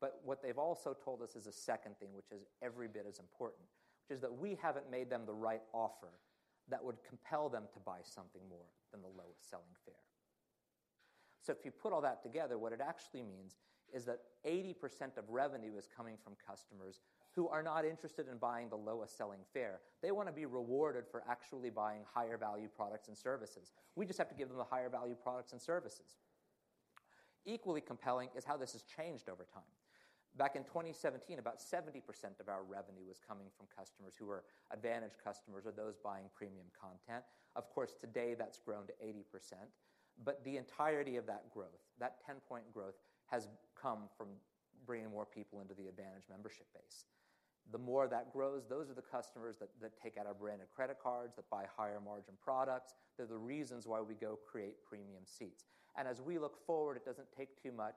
But what they've also told us is a second thing, which is every bit as important, which is that we haven't made them the right offer that would compel them to buy something more than the lowest selling fare. So if you put all that together, what it actually means is that 80% of revenue is coming from customers who are not interested in buying the lowest selling fare. They want to be rewarded for actually buying higher value products and services. We just have to give them the higher value products and services. Equally compelling is how this has changed over time. Back in 2017, about 70% of our revenue was coming from customers who were AAdvantage customers or those buying premium content. Of course, today that's grown to 80%. But the entirety of that growth, that 10-point growth, has come from bringing more people into the AAdvantage membership base. The more that grows, those are the customers that take out our branded credit cards, that buy higher margin products. They're the reasons why we go create premium seats. And as we look forward, it doesn't take too much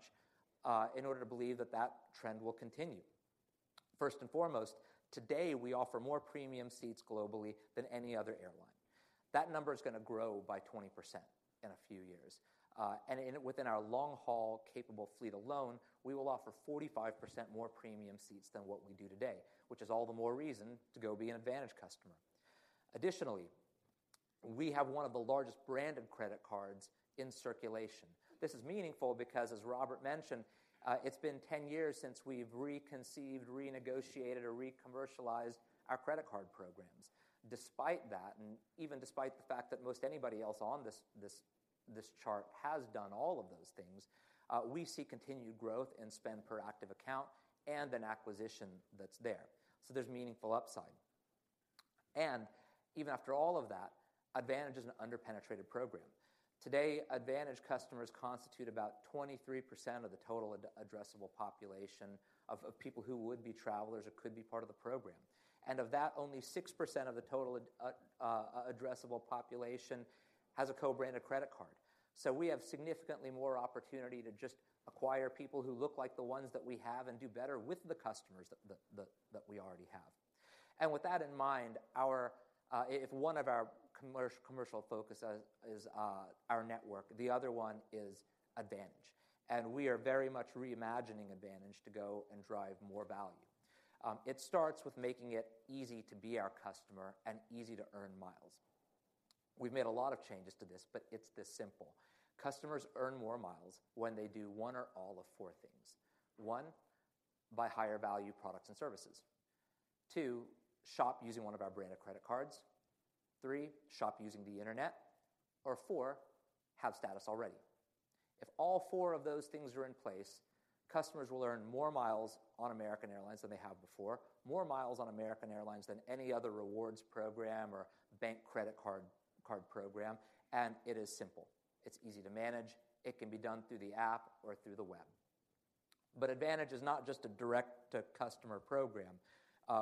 in order to believe that that trend will continue. First and foremost, today we offer more premium seats globally than any other airline. That number is going to grow by 20% in a few years. Within our long-haul capable fleet alone, we will offer 45% more premium seats than what we do today, which is all the more reason to go be an Advantage customer. Additionally, we have one of the largest branded credit cards in circulation. This is meaningful because, as Robert mentioned, it's been 10 years since we've reconceived, renegotiated, or recommercialized our credit card programs. Despite that, and even despite the fact that most anybody else on this chart has done all of those things, we see continued growth in spend per active account and then acquisition that's there. So there's meaningful upside. And even after all of that, Advantage is an underpenetrated program. Today, Advantage customers constitute about 23% of the total addressable population of people who would be travelers or could be part of the program. And of that, only 6% of the total addressable population has a co-branded credit card. So we have significantly more opportunity to just acquire people who look like the ones that we have and do better with the customers that we already have. And with that in mind, if one of our commercial focuses is our network, the other one is AAdvantage. And we are very much reimagining AAdvantage to go and drive more value. It starts with making it easy to be our customer and easy to earn miles. We've made a lot of changes to this, but it's this simple. Customers earn more miles when they do one or all of four things. One, buy higher value products and services. Two, shop using one of our branded credit cards. Three, shop using the Internet. Or four, have status already. If all four of those things are in place, customers will earn more miles on American Airlines than they have before, more miles on American Airlines than any other rewards program or bank credit card program. It is simple. It's easy to manage. It can be done through the app or through the web. But Advantage is not just a direct-to-customer program.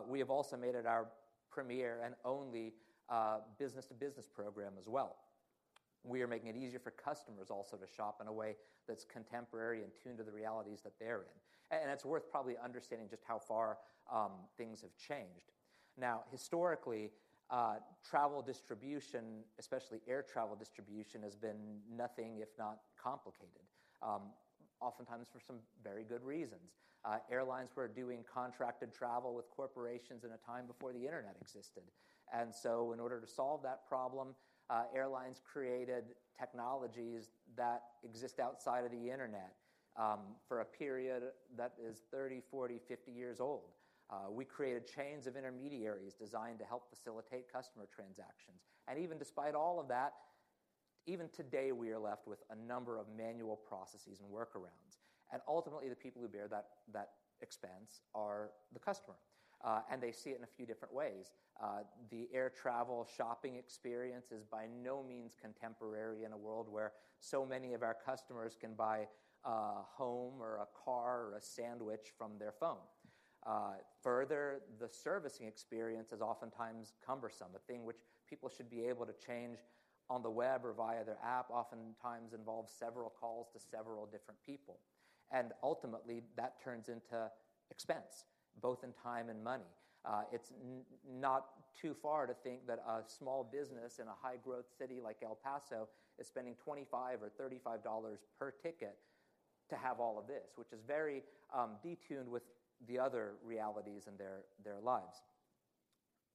We have also made it our premier and only business-to-business program as well. We are making it easier for customers also to shop in a way that's contemporary and tuned to the realities that they're in. It's worth probably understanding just how far things have changed. Now, historically, travel distribution, especially air travel distribution, has been nothing if not complicated, oftentimes for some very good reasons. Airlines were doing contracted travel with corporations in a time before the Internet existed. In order to solve that problem, airlines created technologies that exist outside of the Internet for a period that is 30, 40, 50 years old. We created chains of intermediaries designed to help facilitate customer transactions. Even despite all of that, even today we are left with a number of manual processes and workarounds. Ultimately, the people who bear that expense are the customer. They see it in a few different ways. The air travel shopping experience is by no means contemporary in a world where so many of our customers can buy a home or a car or a sandwich from their phone. Further, the servicing experience is oftentimes cumbersome. A thing which people should be able to change on the web or via their app oftentimes involves several calls to several different people. Ultimately, that turns into expense, both in time and money. It's not too far to think that a small business in a high-growth city like El Paso is spending $25 or $35 per ticket to have all of this, which is very detuned with the other realities in their lives.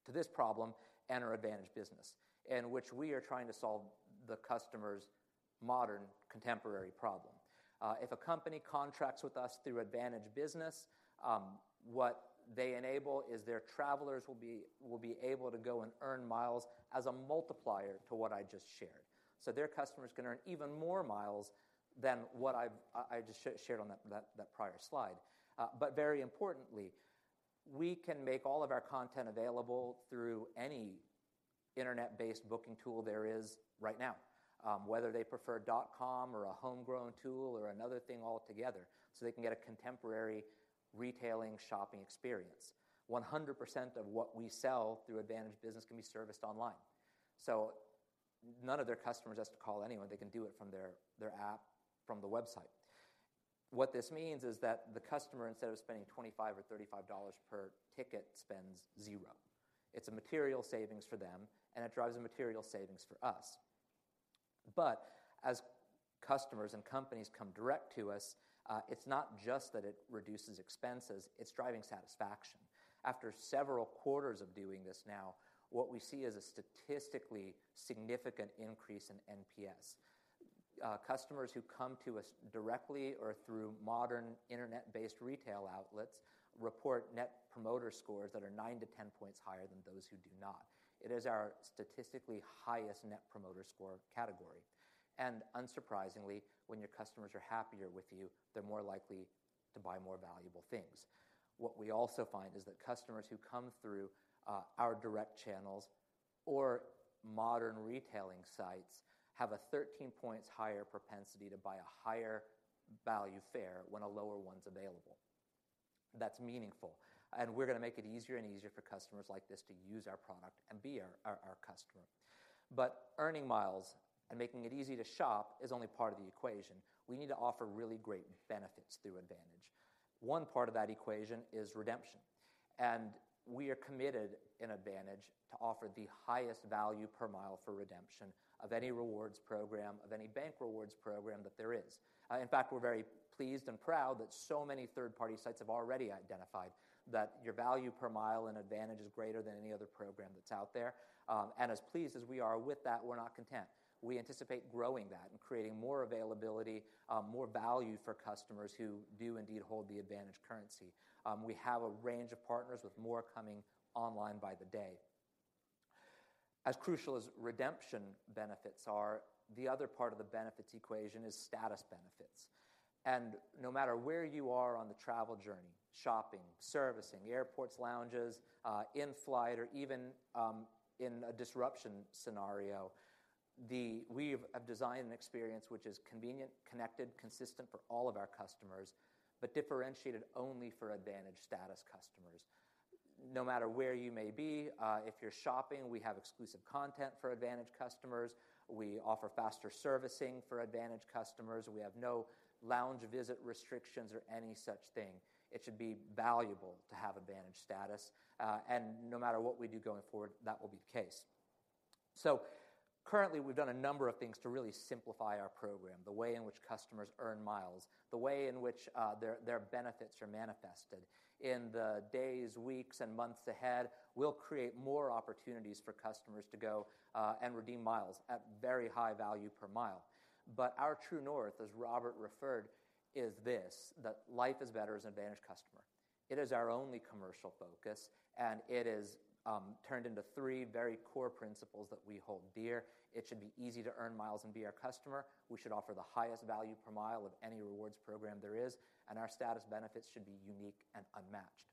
To this problem. Our AAdvantage Business, in which we are trying to solve the customer's modern, contemporary problem. If a company contracts with us through AAdvantage Business, what they enable is their travelers will be able to go and earn miles as a multiplier to what I just shared. So their customer is going to earn even more miles than what I just shared on that prior slide. Very importantly, we can make all of our content available through any internet-based booking tool there is right now, whether they prefer dot com or a homegrown tool or another thing altogether, so they can get a contemporary retailing shopping experience. 100% of what we sell through AAdvantage Business can be serviced online. So none of their customers has to call anyone. They can do it from their app, from the website. What this means is that the customer, instead of spending $25 or $35 per ticket, spends zero. It's a material savings for them, and it drives a material savings for us. But as customers and companies come direct to us, it's not just that it reduces expenses, it's driving satisfaction. After several quarters of doing this now, what we see is a statistically significant increase in NPS. Customers who come to us directly or through modern Internet-based retail outlets report Net Promoter Scores that are 9-10 points higher than those who do not. It is our statistically highest Net Promoter Score category. Unsurprisingly, when your customers are happier with you, they're more likely to buy more valuable things. What we also find is that customers who come through our direct channels or modern retailing sites have a 13 points higher propensity to buy a higher value fare when a lower one is available. That's meaningful. We're going to make it easier and easier for customers like this to use our product and be our customer. Earning miles and making it easy to shop is only part of the equation. We need to offer really great benefits through AAdvantage. One part of that equation is redemption. We are committed in AAdvantage to offer the highest value per mile for redemption of any rewards program, of any bank rewards program that there is. In fact, we're very pleased and proud that so many third-party sites have already identified that your value per mile in AAdvantage is greater than any other program that's out there. As pleased as we are with that, we're not content. We anticipate growing that and creating more availability, more value for customers who do indeed hold the AAdvantage currency. We have a range of partners with more coming online by the day. As crucial as redemption benefits are, the other part of the benefits equation is status benefits. No matter where you are on the travel journey, shopping, servicing, airports, lounges, in flight, or even in a disruption scenario, we have designed an experience which is convenient, connected, consistent for all of our customers, but differentiated only for Advantage status customers. No matter where you may be, if you're shopping, we have exclusive content for Advantage customers. We offer faster servicing for Advantage customers. We have no lounge visit restrictions or any such thing. It should be valuable to have Advantage status. And no matter what we do going forward, that will be the case. Currently, we've done a number of things to really simplify our program, the way in which customers earn miles, the way in which their benefits are manifested. In the days, weeks, and months ahead, we'll create more opportunities for customers to go and redeem miles at very high value per mile. But our true north, as Robert referred, is this: that life is better as an AAdvantage customer. It is our only commercial focus, and it is turned into three very core principles that we hold dear. It should be easy to earn miles and be our customer. We should offer the highest value per mile of any rewards program there is. And our status benefits should be unique and unmatched.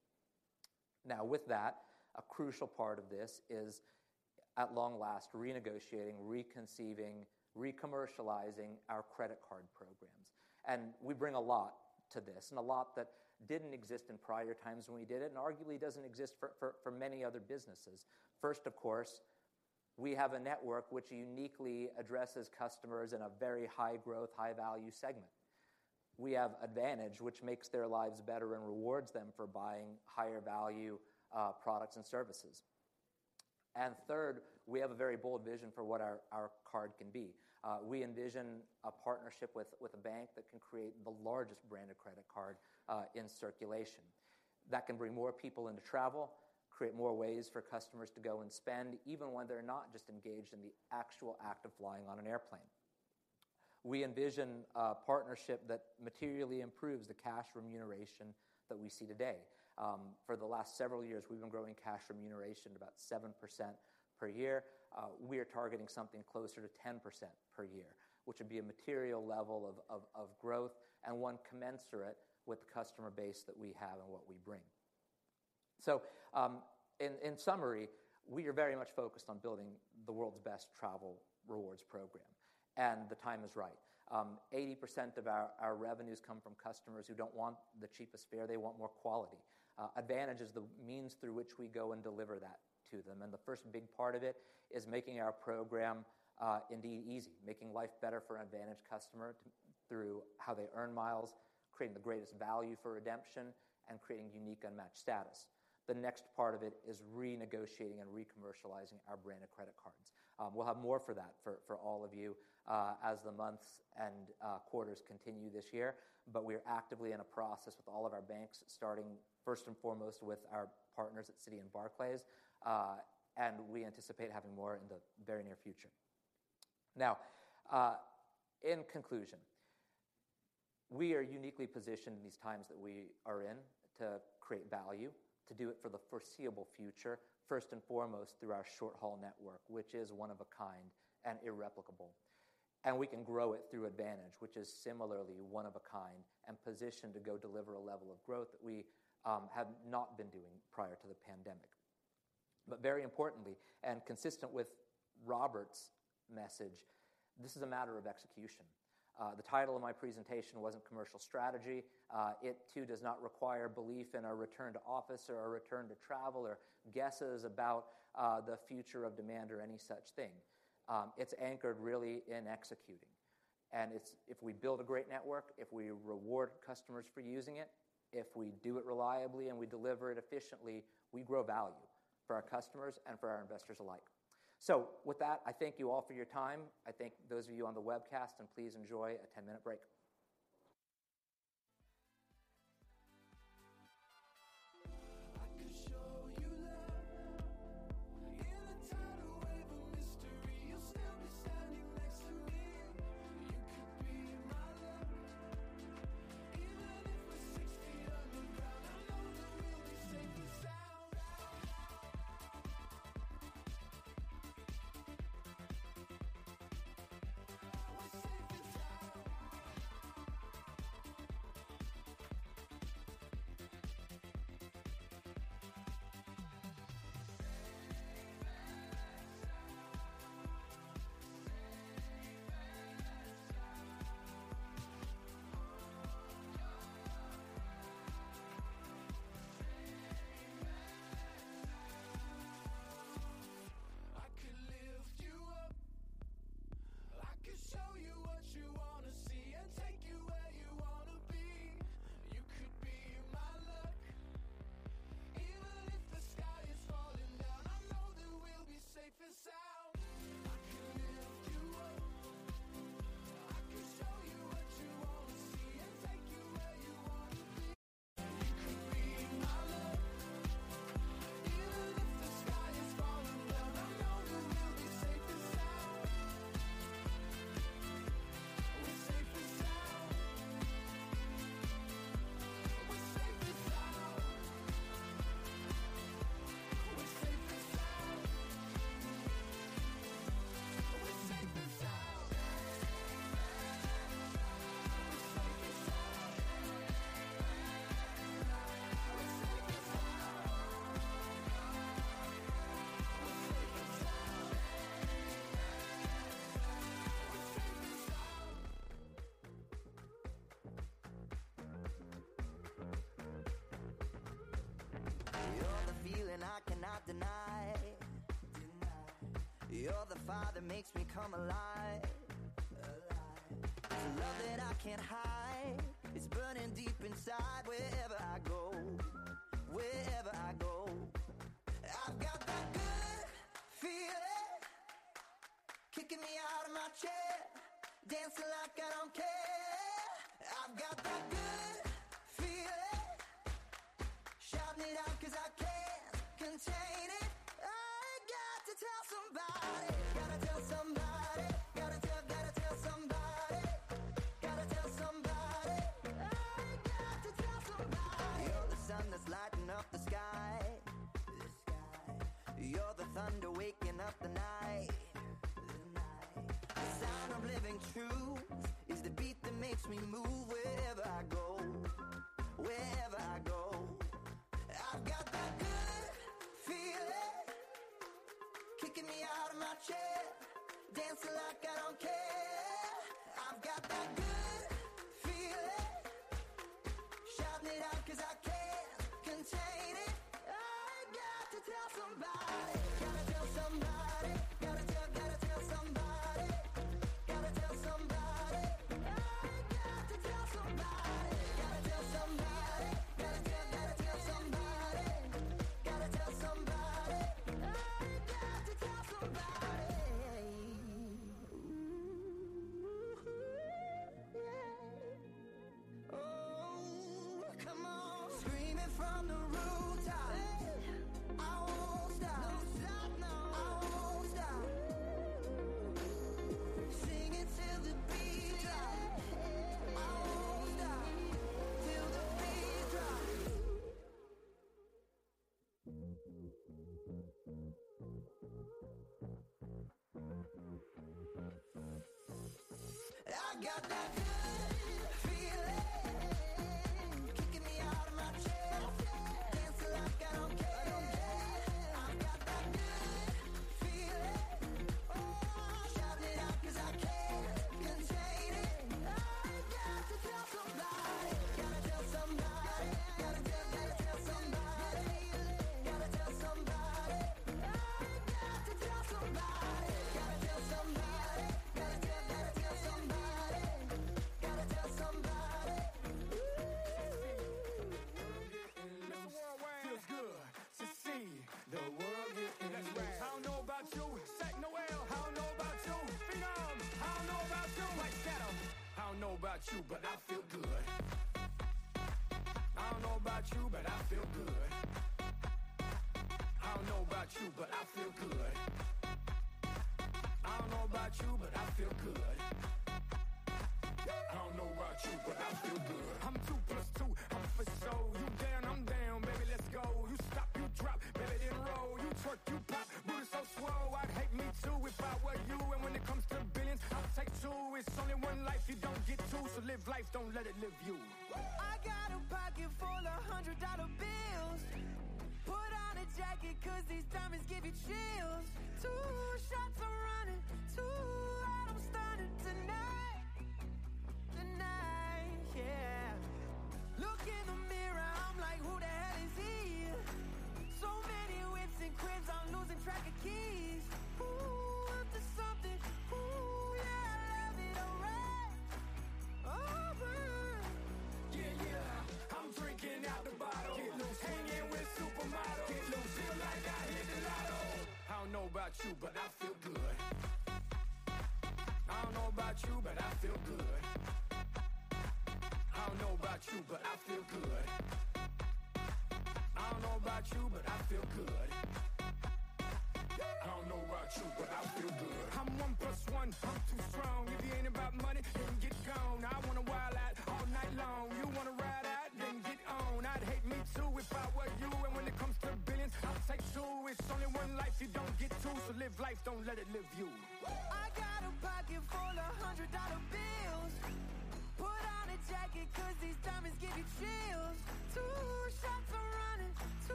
Now, with that, a crucial part of this is, at long last, renegotiating, reconceiving, recommercializing our credit card programs. And we bring a lot to this, and a lot that didn't exist in prior times when we did it and arguably doesn't exist for many other businesses. First, of course, we have a network which uniquely addresses customers in a very high-growth, high-value segment. We have AAdvantage, which makes their lives better and rewards them for buying higher value products and services. And third, we have a very bold vision for what our card can be. We envision a partnership with a bank that can create the largest branded credit card in circulation that can bring more people into travel, create more ways for customers to go and spend, even when they're not just engaged in the actual act of flying on an airplane. We envision a partnership that materially improves the cash remuneration that we see today. For the last several years, we've been growing cash remuneration about 7% per year. We are targeting something closer to 10% per year, which would be a material level of growth. And one commensurate with the customer base that we have and what we bring. So in summary, we are very much focused on building the world's best travel rewards program. And the time is right. 80% of our revenues come from customers who don't want the cheapest fare. They want more quality. AAdvantage is the means through which we go and deliver that to them. And the first big part of it is making our program indeed easy, making life better for an AAdvantage customer through how they earn miles, creating the greatest value for redemption, and creating unique, unmatched status. The next part of it is renegotiating and recommercializing our branded credit cards. We'll have more for that for all of you as the months and quarters continue this year. But we are actively in a process with all of our banks, starting first and foremost with our partners at Citi and Barclays. And we anticipate having more in the very near future. Now, in conclusion, we are uniquely positioned in these times that we are in to create value, to do it for the foreseeable future, first and foremost through our short-haul network, which is one of a kind and irreplicable. We can grow it through advantage, which is similarly one of a kind and positioned to go deliver a level of growth that we have not been doing prior to the pandemic. But very importantly and consistent with Robert's message, this is a matter of execution. The title of my presentation wasn't Commercial Strategy. It, too, does not require belief in our return to office or our return to travel or guesses about the future of demand or any such thing. It's anchored really in executing. And if we build a great network, if we reward customers for using it, if we do it reliably and we deliver it efficiently, we grow value for our customers and for our investors alike. So with that, I thank you all for your time. I thank those of you on the webcast, and please enjoy a 10-minute break. All right.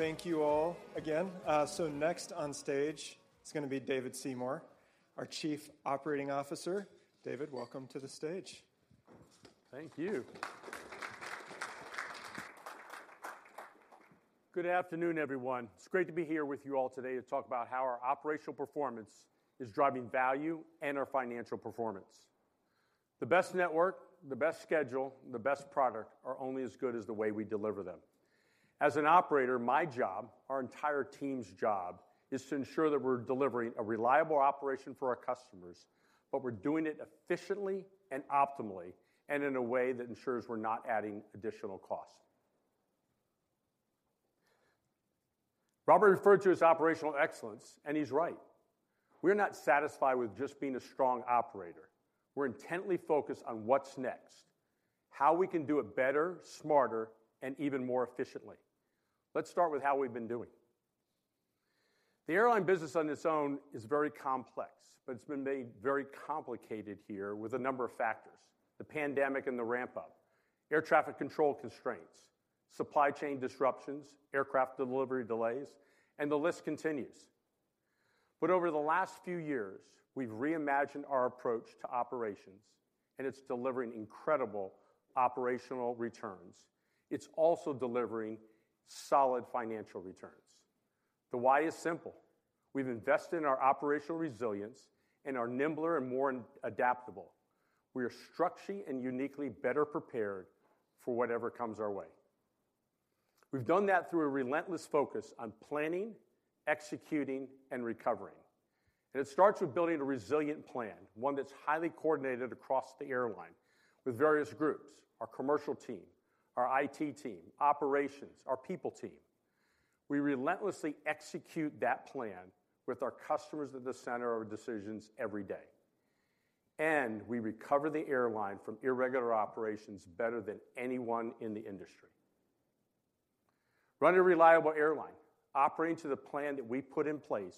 Thank you all again. So next on stage is going to be David Seymour, our Chief Operating Officer. David, welcome to the stage. Thank you. Good afternoon, everyone. It's great to be here with you all today to talk about how our operational performance is driving value and our financial performance. The best network, the best schedule, the best product are only as good as the way we deliver them. As an operator, my job, our entire team's job, is to ensure that we're delivering a reliable operation for our customers, but we're doing it efficiently and optimally and in a way that ensures we're not adding additional costs. Robert referred to his operational excellence, and he's right. We are not satisfied with just being a strong operator. We're intently focused on what's next, how we can do it better, smarter, and even more efficiently. Let's start with how we've been doing. The airline business on its own is very complex, but it's been made very complicated here with a number of factors: the pandemic and the ramp-up, air traffic control constraints, supply chain disruptions, aircraft delivery delays, and the list continues. But over the last few years, we've reimagined our approach to operations, and it's delivering incredible operational returns. It's also delivering solid financial returns. The why is simple. We've invested in our operational resilience, and we are more nimble and adaptable. We are structurally and uniquely better prepared for whatever comes our way. We've done that through a relentless focus on planning, executing, and recovering. It starts with building a resilient plan, one that's highly coordinated across the airline with various groups: our commercial team, our IT team, operations, our people team. We relentlessly execute that plan with our customers at the center of our decisions every day. We recover the airline from irregular operations better than anyone in the industry. Running a reliable airline, operating to the plan that we put in place,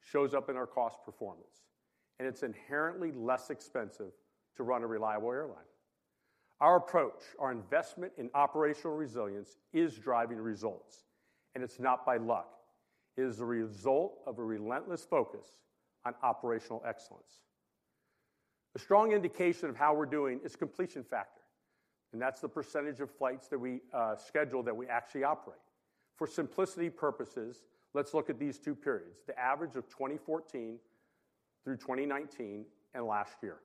shows up in our cost performance. It's inherently less expensive to run a reliable airline. Our approach, our investment in operational resilience, is driving results. It's not by luck. It is the result of a relentless focus on operational excellence. A strong indication of how we're doing is Completion Factor. That's the percentage of flights that we schedule that we actually operate. For simplicity purposes, let's look at these two periods: the average of 2014 through 2019 and last year.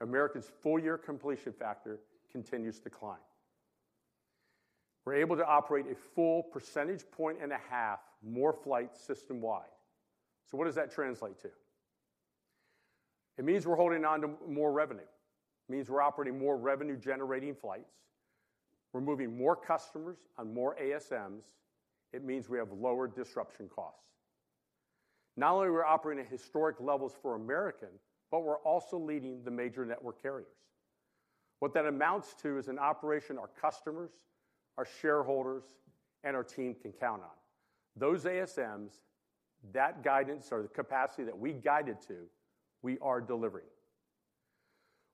American's full-year completion factor continues to climb. We're able to operate 1.5 percentage points more flights system-wide. So what does that translate to? It means we're holding on to more revenue. It means we're operating more revenue-generating flights. We're moving more customers on more ASMs. It means we have lower disruption costs. Not only are we operating at historic levels for American, but we're also leading the major network carriers. What that amounts to is an operation our customers, our shareholders, and our team can count on. Those ASMs, that guidance, or the capacity that we guided to, we are delivering.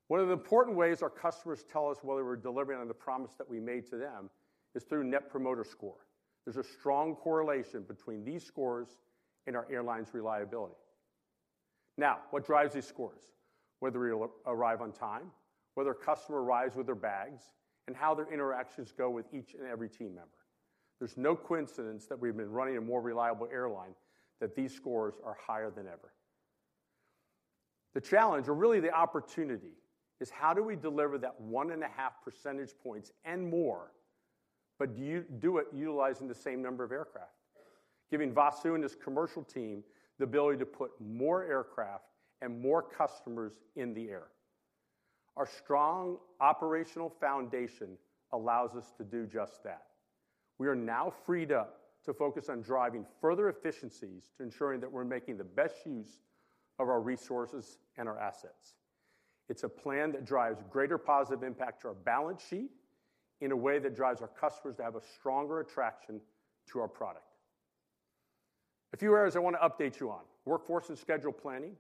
One of the important ways our customers tell us whether we're delivering on the promise that we made to them is through Net Promoter Score. There's a strong correlation between these scores and our airline's reliability. Now, what drives these scores? Whether we arrive on time, whether a customer arrives with their bags, and how their interactions go with each and every team member. There's no coincidence that we've been running a more reliable airline, that these scores are higher than ever. The challenge, or really the opportunity, is how do we deliver that 1.5 percentage points and more, but do it utilizing the same number of aircraft, giving Vasu and his commercial team the ability to put more aircraft and more customers in the air? Our strong operational foundation allows us to do just that. We are now freed up to focus on driving further efficiencies to ensuring that we're making the best use of our resources and our assets. It's a plan that drives greater positive impact to our balance sheet in a way that drives our customers to have a stronger attraction to our product. A few areas I want to update you on: workforce and schedule planning,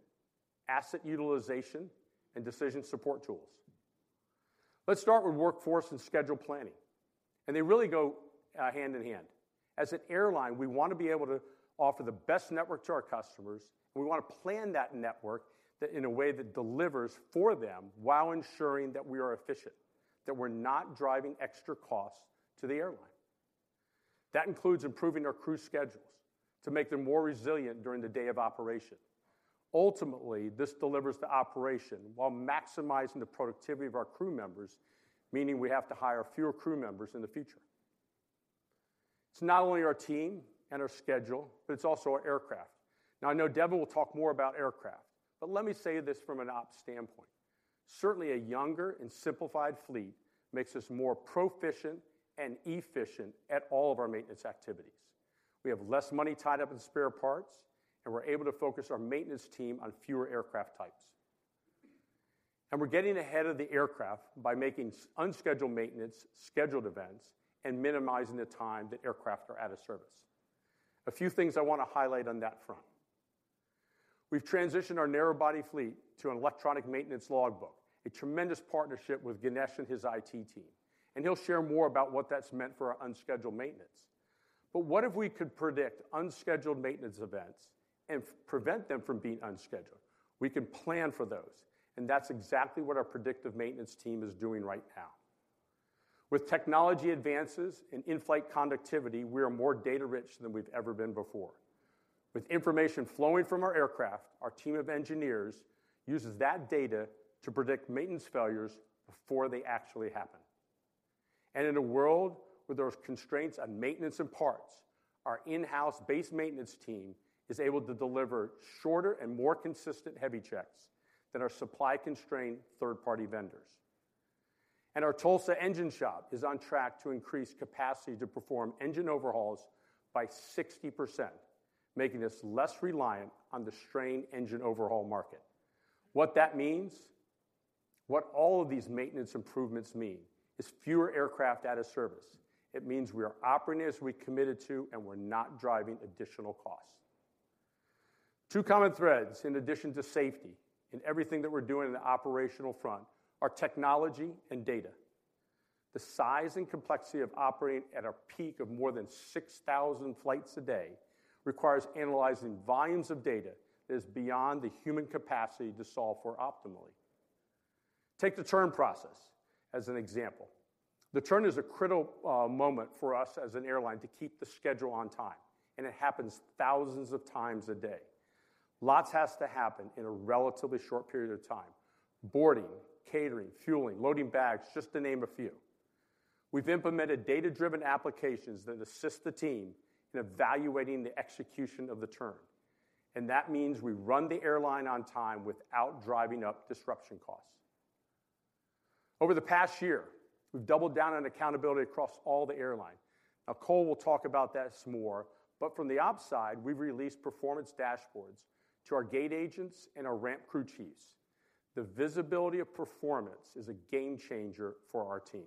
asset utilization, and decision support tools. Let's start with workforce and schedule planning. They really go hand in hand. As an airline, we want to be able to offer the best network to our customers. We want to plan that network in a way that delivers for them while ensuring that we are efficient, that we're not driving extra costs to the airline. That includes improving our crew schedules to make them more resilient during the day of operation. Ultimately, this delivers the operation while maximizing the productivity of our crew members, meaning we have to hire fewer crew members in the future. It's not only our team and our schedule, but it's also our aircraft. Now, I know Devon will talk more about aircraft, but let me say this from an ops standpoint. Certainly, a younger and simplified fleet makes us more proficient and efficient at all of our maintenance activities. We have less money tied up in spare parts, and we're able to focus our maintenance team on fewer aircraft types. We're getting ahead of the aircraft by making unscheduled maintenance, scheduled events, and minimizing the time that aircraft are out of service. A few things I want to highlight on that front. We've transitioned our narrow-body fleet to an electronic maintenance logbook, a tremendous partnership with Ganesh and his IT team. He'll share more about what that's meant for our unscheduled maintenance. What if we could predict unscheduled maintenance events and prevent them from being unscheduled? We can plan for those. That's exactly what our predictive maintenance team is doing right now. With technology advances in in-flight connectivity, we are more data-rich than we've ever been before. With information flowing from our aircraft, our team of engineers uses that data to predict maintenance failures before they actually happen. In a world where there are constraints on maintenance and parts, our in-house base maintenance team is able to deliver shorter and more consistent heavy checks than our supply-constrained third-party vendors. Our Tulsa engine shop is on track to increase capacity to perform engine overhauls by 60%, making us less reliant on the strained engine overhaul market. What that means, what all of these maintenance improvements mean, is fewer aircraft out of service. It means we are operating as we committed to, and we're not driving additional costs. Two common threads, in addition to safety in everything that we're doing on the operational front, are technology and data. The size and complexity of operating at a peak of more than 6,000 flights a day requires analyzing volumes of data that is beyond the human capacity to solve for optimally. Take the turn process as an example. The turn is a critical moment for us as an airline to keep the schedule on time. It happens thousands of times a day. Lots has to happen in a relatively short period of time: boarding, catering, fueling, loading bags, just to name a few. We've implemented data-driven applications that assist the team in evaluating the execution of the turn. That means we run the airline on time without driving up disruption costs. Over the past year, we've doubled down on accountability across all the airline. Now, Cole will talk about this more. But from the ops side, we've released performance dashboards to our gate agents and our ramp crew chiefs. The visibility of performance is a game changer for our team.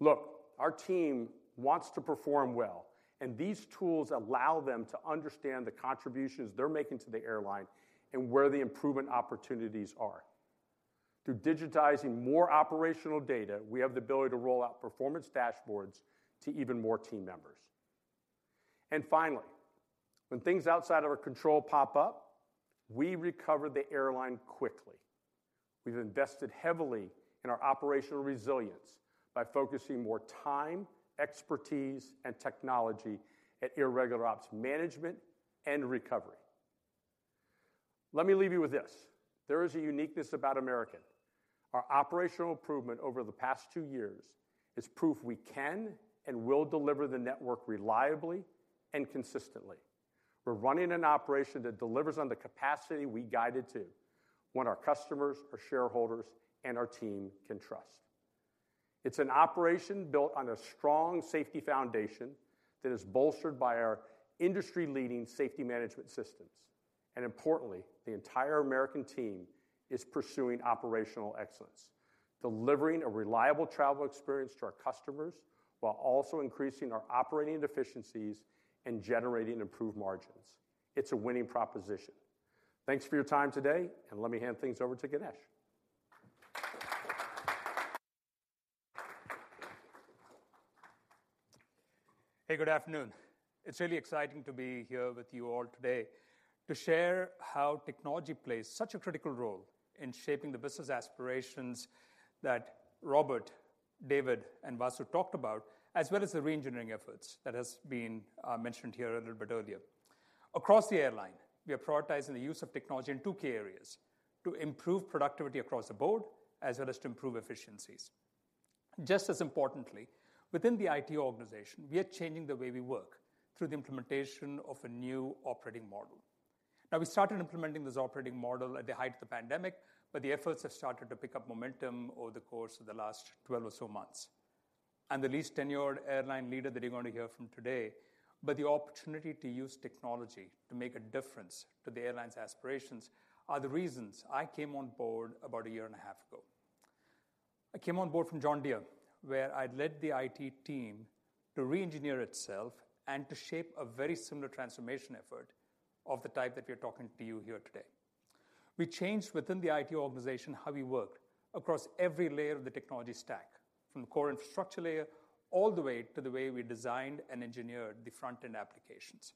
Look, our team wants to perform well. And these tools allow them to understand the contributions they're making to the airline and where the improvement opportunities are. Through digitizing more operational data, we have the ability to roll out performance dashboards to even more team members. And finally, when things outside of our control pop up, we recover the airline quickly. We've invested heavily in our operational resilience by focusing more time, expertise, and technology at irregular ops management and recovery. Let me leave you with this. There is a uniqueness about American. Our operational improvement over the past two years is proof we can and will deliver the network reliably and consistently. We're running an operation that delivers on the capacity we guided to, one that our customers, our shareholders, and our team can trust. It's an operation built on a strong safety foundation that is bolstered by our industry-leading safety management systems. Importantly, the entire American team is pursuing operational excellence, delivering a reliable travel experience to our customers while also increasing our operating efficiencies and generating improved margins. It's a winning proposition. Thanks for your time today. Let me hand things over to Ganesh. Hey, good afternoon. It's really exciting to be here with you all today to share how technology plays such a critical role in shaping the business aspirations that Robert, David, and Vasu talked about, as well as the reengineering efforts that have been mentioned here a little bit earlier. Across the airline, we are prioritizing the use of technology in two key areas: to improve productivity across the board, as well as to improve efficiencies. Just as importantly, within the IT organization, we are changing the way we work through the implementation of a new operating model. Now, we started implementing this operating model at the height of the pandemic, but the efforts have started to pick up momentum over the course of the last 12 or so months. The least tenured airline leader that you're going to hear from today, but the opportunity to use technology to make a difference to the airline's aspirations are the reasons I came on board about a year and a half ago. I came on board from John Deere, where I'd led the IT team to reengineer itself and to shape a very similar transformation effort of the type that we are talking to you here today. We changed within the IT organization how we worked across every layer of the technology stack, from the core infrastructure layer all the way to the way we designed and engineered the front-end applications.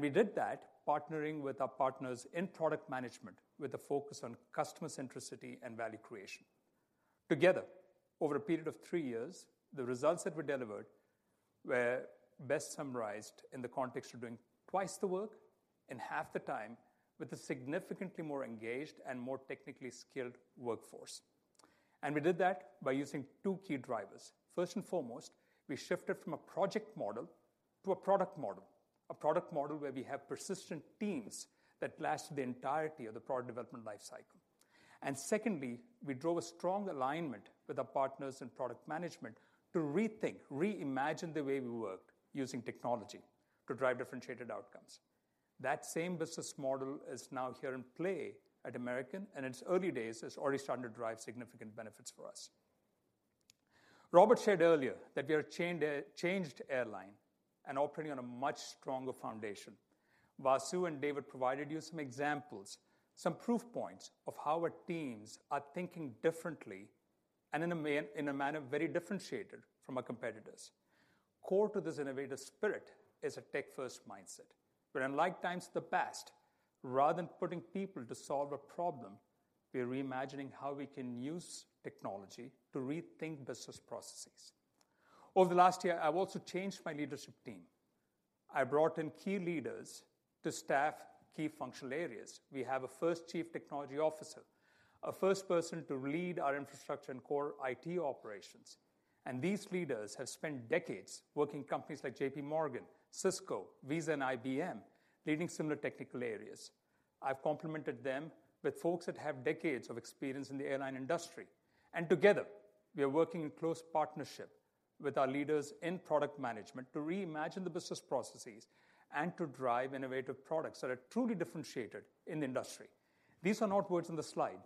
We did that partnering with our partners in product management with a focus on customer centricity and value creation. Together, over a period of three years, the results that were delivered were best summarized in the context of doing twice the work in half the time with a significantly more engaged and more technically skilled workforce. We did that by using two key drivers. First and foremost, we shifted from a project model to a product model, a product model where we have persistent teams that last the entirety of the product development lifecycle. And secondly, we drove a strong alignment with our partners in product management to rethink, reimagine the way we worked using technology to drive differentiated outcomes. That same business model is now here in play at American. And in its early days, it's already starting to drive significant benefits for us. Robert shared earlier that we are a changed airline and operating on a much stronger foundation. Vasu and David provided you some examples, some proof points of how our teams are thinking differently and in a manner very differentiated from our competitors. Core to this innovative spirit is a tech-first mindset. Unlike times in the past, rather than putting people to solve a problem, we are reimagining how we can use technology to rethink business processes. Over the last year, I've also changed my leadership team. I brought in key leaders to staff key functional areas. We have a first chief technology officer, a first person to lead our infrastructure and core IT operations. These leaders have spent decades working in companies like J.P. Morgan, Cisco, Visa, and IBM, leading similar technical areas. I've complemented them with folks that have decades of experience in the airline industry. Together, we are working in close partnership with our leaders in product management to reimagine the business processes and to drive innovative products that are truly differentiated in the industry. These are not words on the slide.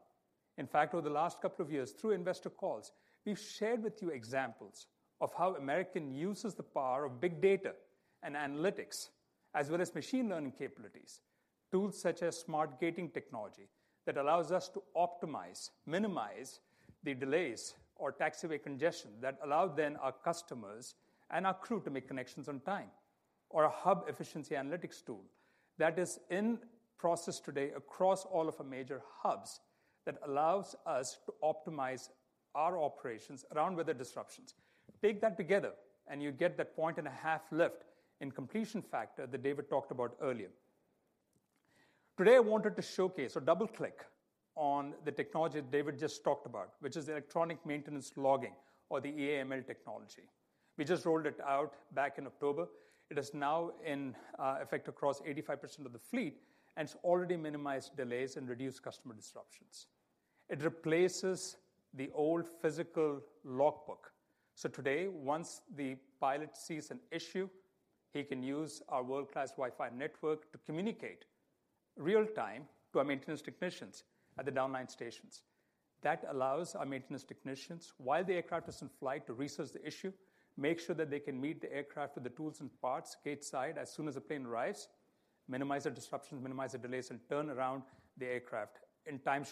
In fact, over the last couple of years, through investor calls, we've shared with you examples of how American uses the power of big data and analytics, as well as machine learning capabilities, tools such as Smart Gating technology that allows us to optimize, minimize the delays or taxiway congestion that allow then our customers and our crew to make connections on time, or a Hub Efficiency Analytics Tool that is in process today across all of our major hubs that allows us to optimize our operations around weather disruptions. Take that together, and you get that 1.5-point lift in completion factor that David talked about earlier. Today, I wanted to showcase or double-click on the technology that David just talked about, which is electronic maintenance logging, or the EAML technology. We just rolled it out back in October. It is now in effect across 85% of the fleet. It's already minimized delays and reduced customer disruptions. It replaces the old physical logbook. So today, once the pilot sees an issue, he can use our world-class Wi-Fi network to communicate real-time to our maintenance technicians at the downline stations. That allows our maintenance technicians, while the aircraft is in flight, to research the issue, make sure that they can meet the aircraft with the tools and parts gate-side as soon as the plane arrives, minimize the disruptions, minimize the delays, and turn around the aircraft in time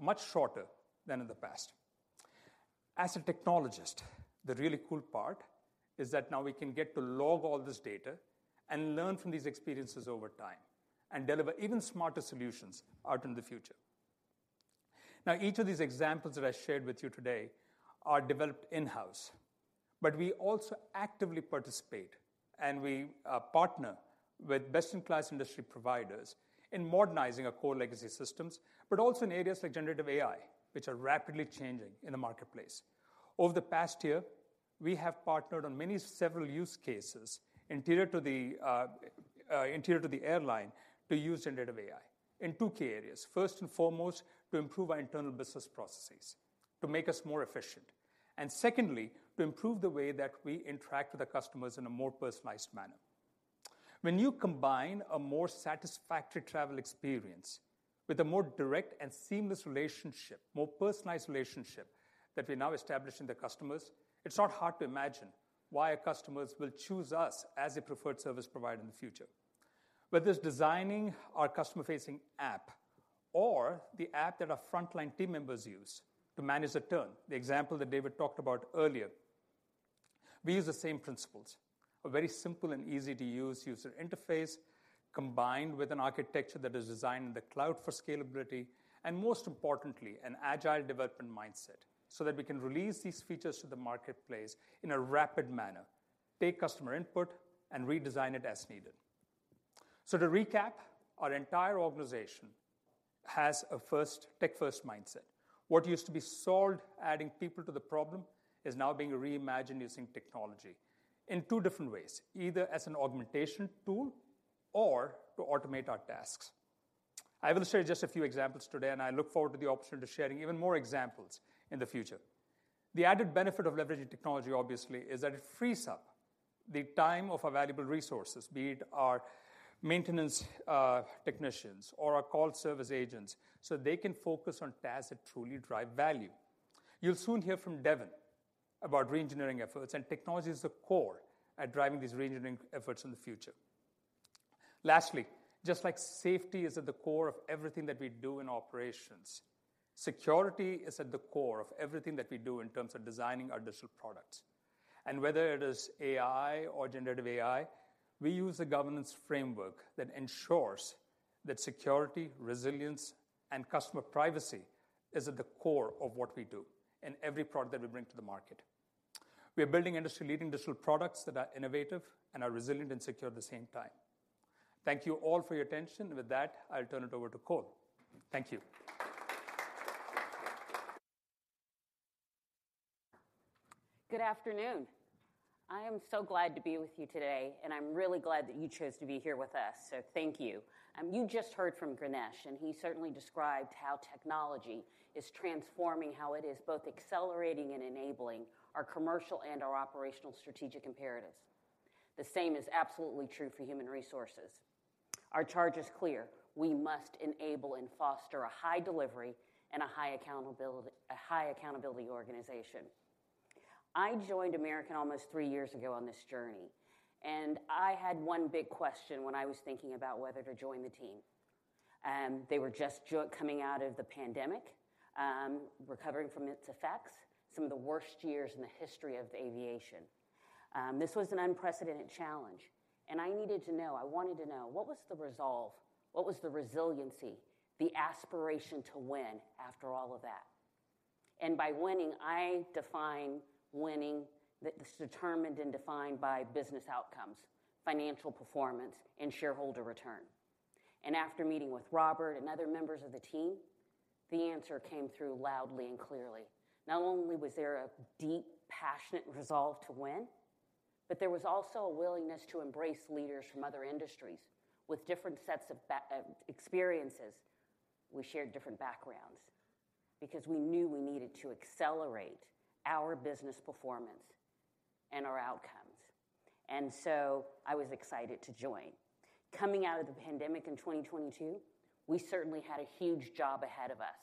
much shorter than in the past. As a technologist, the really cool part is that now we can get to log all this data and learn from these experiences over time and deliver even smarter solutions out in the future. Now, each of these examples that I shared with you today are developed in-house. But we also actively participate. We partner with best-in-class industry providers in modernizing our core legacy systems, but also in areas like generative AI, which are rapidly changing in the marketplace. Over the past year, we have partnered on many several use cases interior to the airline to use generative AI in two key areas: first and foremost, to improve our internal business processes, to make us more efficient, and secondly, to improve the way that we interact with our customers in a more personalized manner. When you combine a more satisfactory travel experience with a more direct and seamless relationship, more personalized relationship that we now establish in the customers, it's not hard to imagine why our customers will choose us as a preferred service provider in the future, whether it's designing our customer-facing app or the app that our frontline team members use to manage the turn, the example that David talked about earlier. We use the same principles: a very simple and easy-to-use user interface combined with an architecture that is designed in the cloud for scalability and, most importantly, an agile development mindset so that we can release these features to the marketplace in a rapid manner, take customer input, and redesign it as needed. So to recap, our entire organization has a tech-first mindset. What used to be solved adding people to the problem is now being reimagined using technology in two different ways: either as an augmentation tool or to automate our tasks. I will share just a few examples today. And I look forward to the opportunity to share even more examples in the future. The added benefit of leveraging technology, obviously, is that it frees up the time of our valuable resources, be it our maintenance technicians or our call service agents, so they can focus on tasks that truly drive value. You'll soon hear from Devon about reengineering efforts and technology as the core at driving these reengineering efforts in the future. Lastly, just like safety is at the core of everything that we do in operations, security is at the core of everything that we do in terms of designing our digital products. Whether it is AI or generative AI, we use a governance framework that ensures that security, resilience, and customer privacy are at the core of what we do in every product that we bring to the market. We are building industry-leading digital products that are innovative and are resilient and secure at the same time. Thank you all for your attention. With that, I'll turn it over to Cole. Thank you. Good afternoon. I am so glad to be with you today. I'm really glad that you chose to be here with us. So thank you. You just heard from Ganesh. He certainly described how technology is transforming how it is both accelerating and enabling our commercial and our operational strategic imperatives. The same is absolutely true for human resources. Our charge is clear. We must enable and foster a high delivery and a high accountability organization. I joined American almost three years ago on this journey. I had one big question when I was thinking about whether to join the team. They were just coming out of the pandemic, recovering from its effects, some of the worst years in the history of aviation. This was an unprecedented challenge. I needed to know. I wanted to know, what was the resolve? What was the resiliency, the aspiration to win after all of that? By winning, I define winning that's determined and defined by business outcomes, financial performance, and shareholder return. After meeting with Robert and other members of the team, the answer came through loudly and clearly. Not only was there a deep, passionate resolve to win, but there was also a willingness to embrace leaders from other industries with different sets of experiences. We shared different backgrounds because we knew we needed to accelerate our business performance and our outcomes. And so I was excited to join. Coming out of the pandemic in 2022, we certainly had a huge job ahead of us.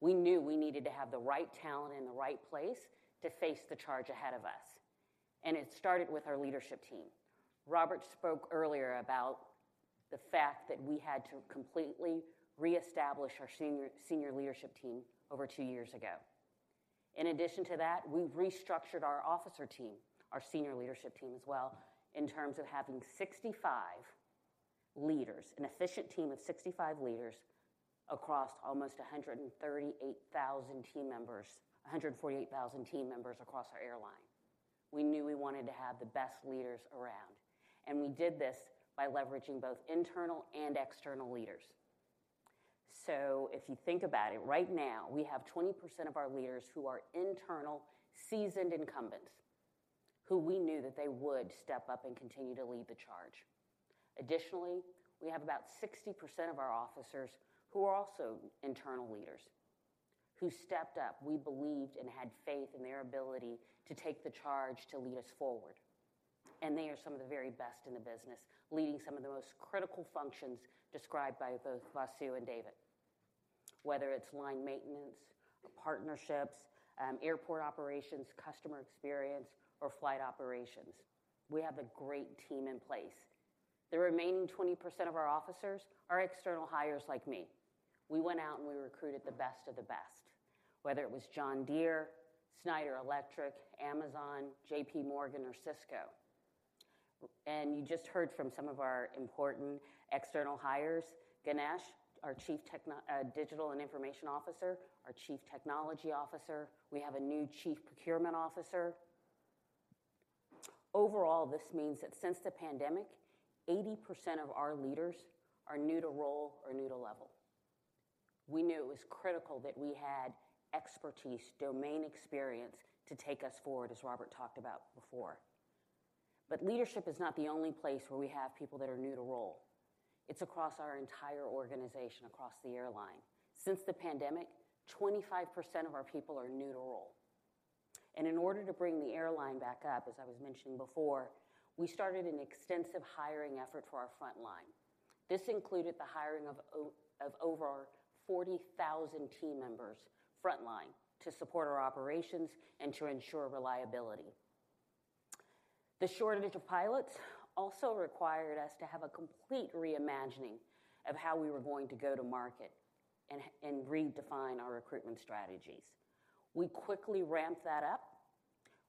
We knew we needed to have the right talent in the right place to face the charge ahead of us. And it started with our leadership team. Robert spoke earlier about the fact that we had to completely reestablish our senior leadership team over 2 years ago. In addition to that, we restructured our officer team, our senior leadership team as well, in terms of having 65 leaders, an efficient team of 65 leaders across almost 148,000 team members across our airline. We knew we wanted to have the best leaders around. We did this by leveraging both internal and external leaders. If you think about it, right now, we have 20% of our leaders who are internal, seasoned incumbents, who we knew that they would step up and continue to lead the charge. Additionally, we have about 60% of our officers who are also internal leaders who stepped up, we believed, and had faith in their ability to take the charge to lead us forward. They are some of the very best in the business, leading some of the most critical functions described by both Vasu and David, whether it's line maintenance, partnerships, airport operations, customer experience, or flight operations. We have a great team in place. The remaining 20% of our officers are external hires like me. We went out, and we recruited the best of the best, whether it was John Deere, Schneider Electric, Amazon, J.P. Morgan, or Cisco. And you just heard from some of our important external hires, Ganesh, our Chief Digital and Information Officer, our Chief Technology Officer. We have a new Chief Procurement Officer. Overall, this means that since the pandemic, 80% of our leaders are new to role or new to level. We knew it was critical that we had expertise, domain experience to take us forward, as Robert talked about before. But leadership is not the only place where we have people that are new to role. It's across our entire organization, across the airline. Since the pandemic, 25% of our people are new to role. And in order to bring the airline back up, as I was mentioning before, we started an extensive hiring effort for our frontline. This included the hiring of over 40,000 team members frontline to support our operations and to ensure reliability. The shortage of pilots also required us to have a complete reimagining of how we were going to go to market and redefine our recruitment strategies. We quickly ramped that up.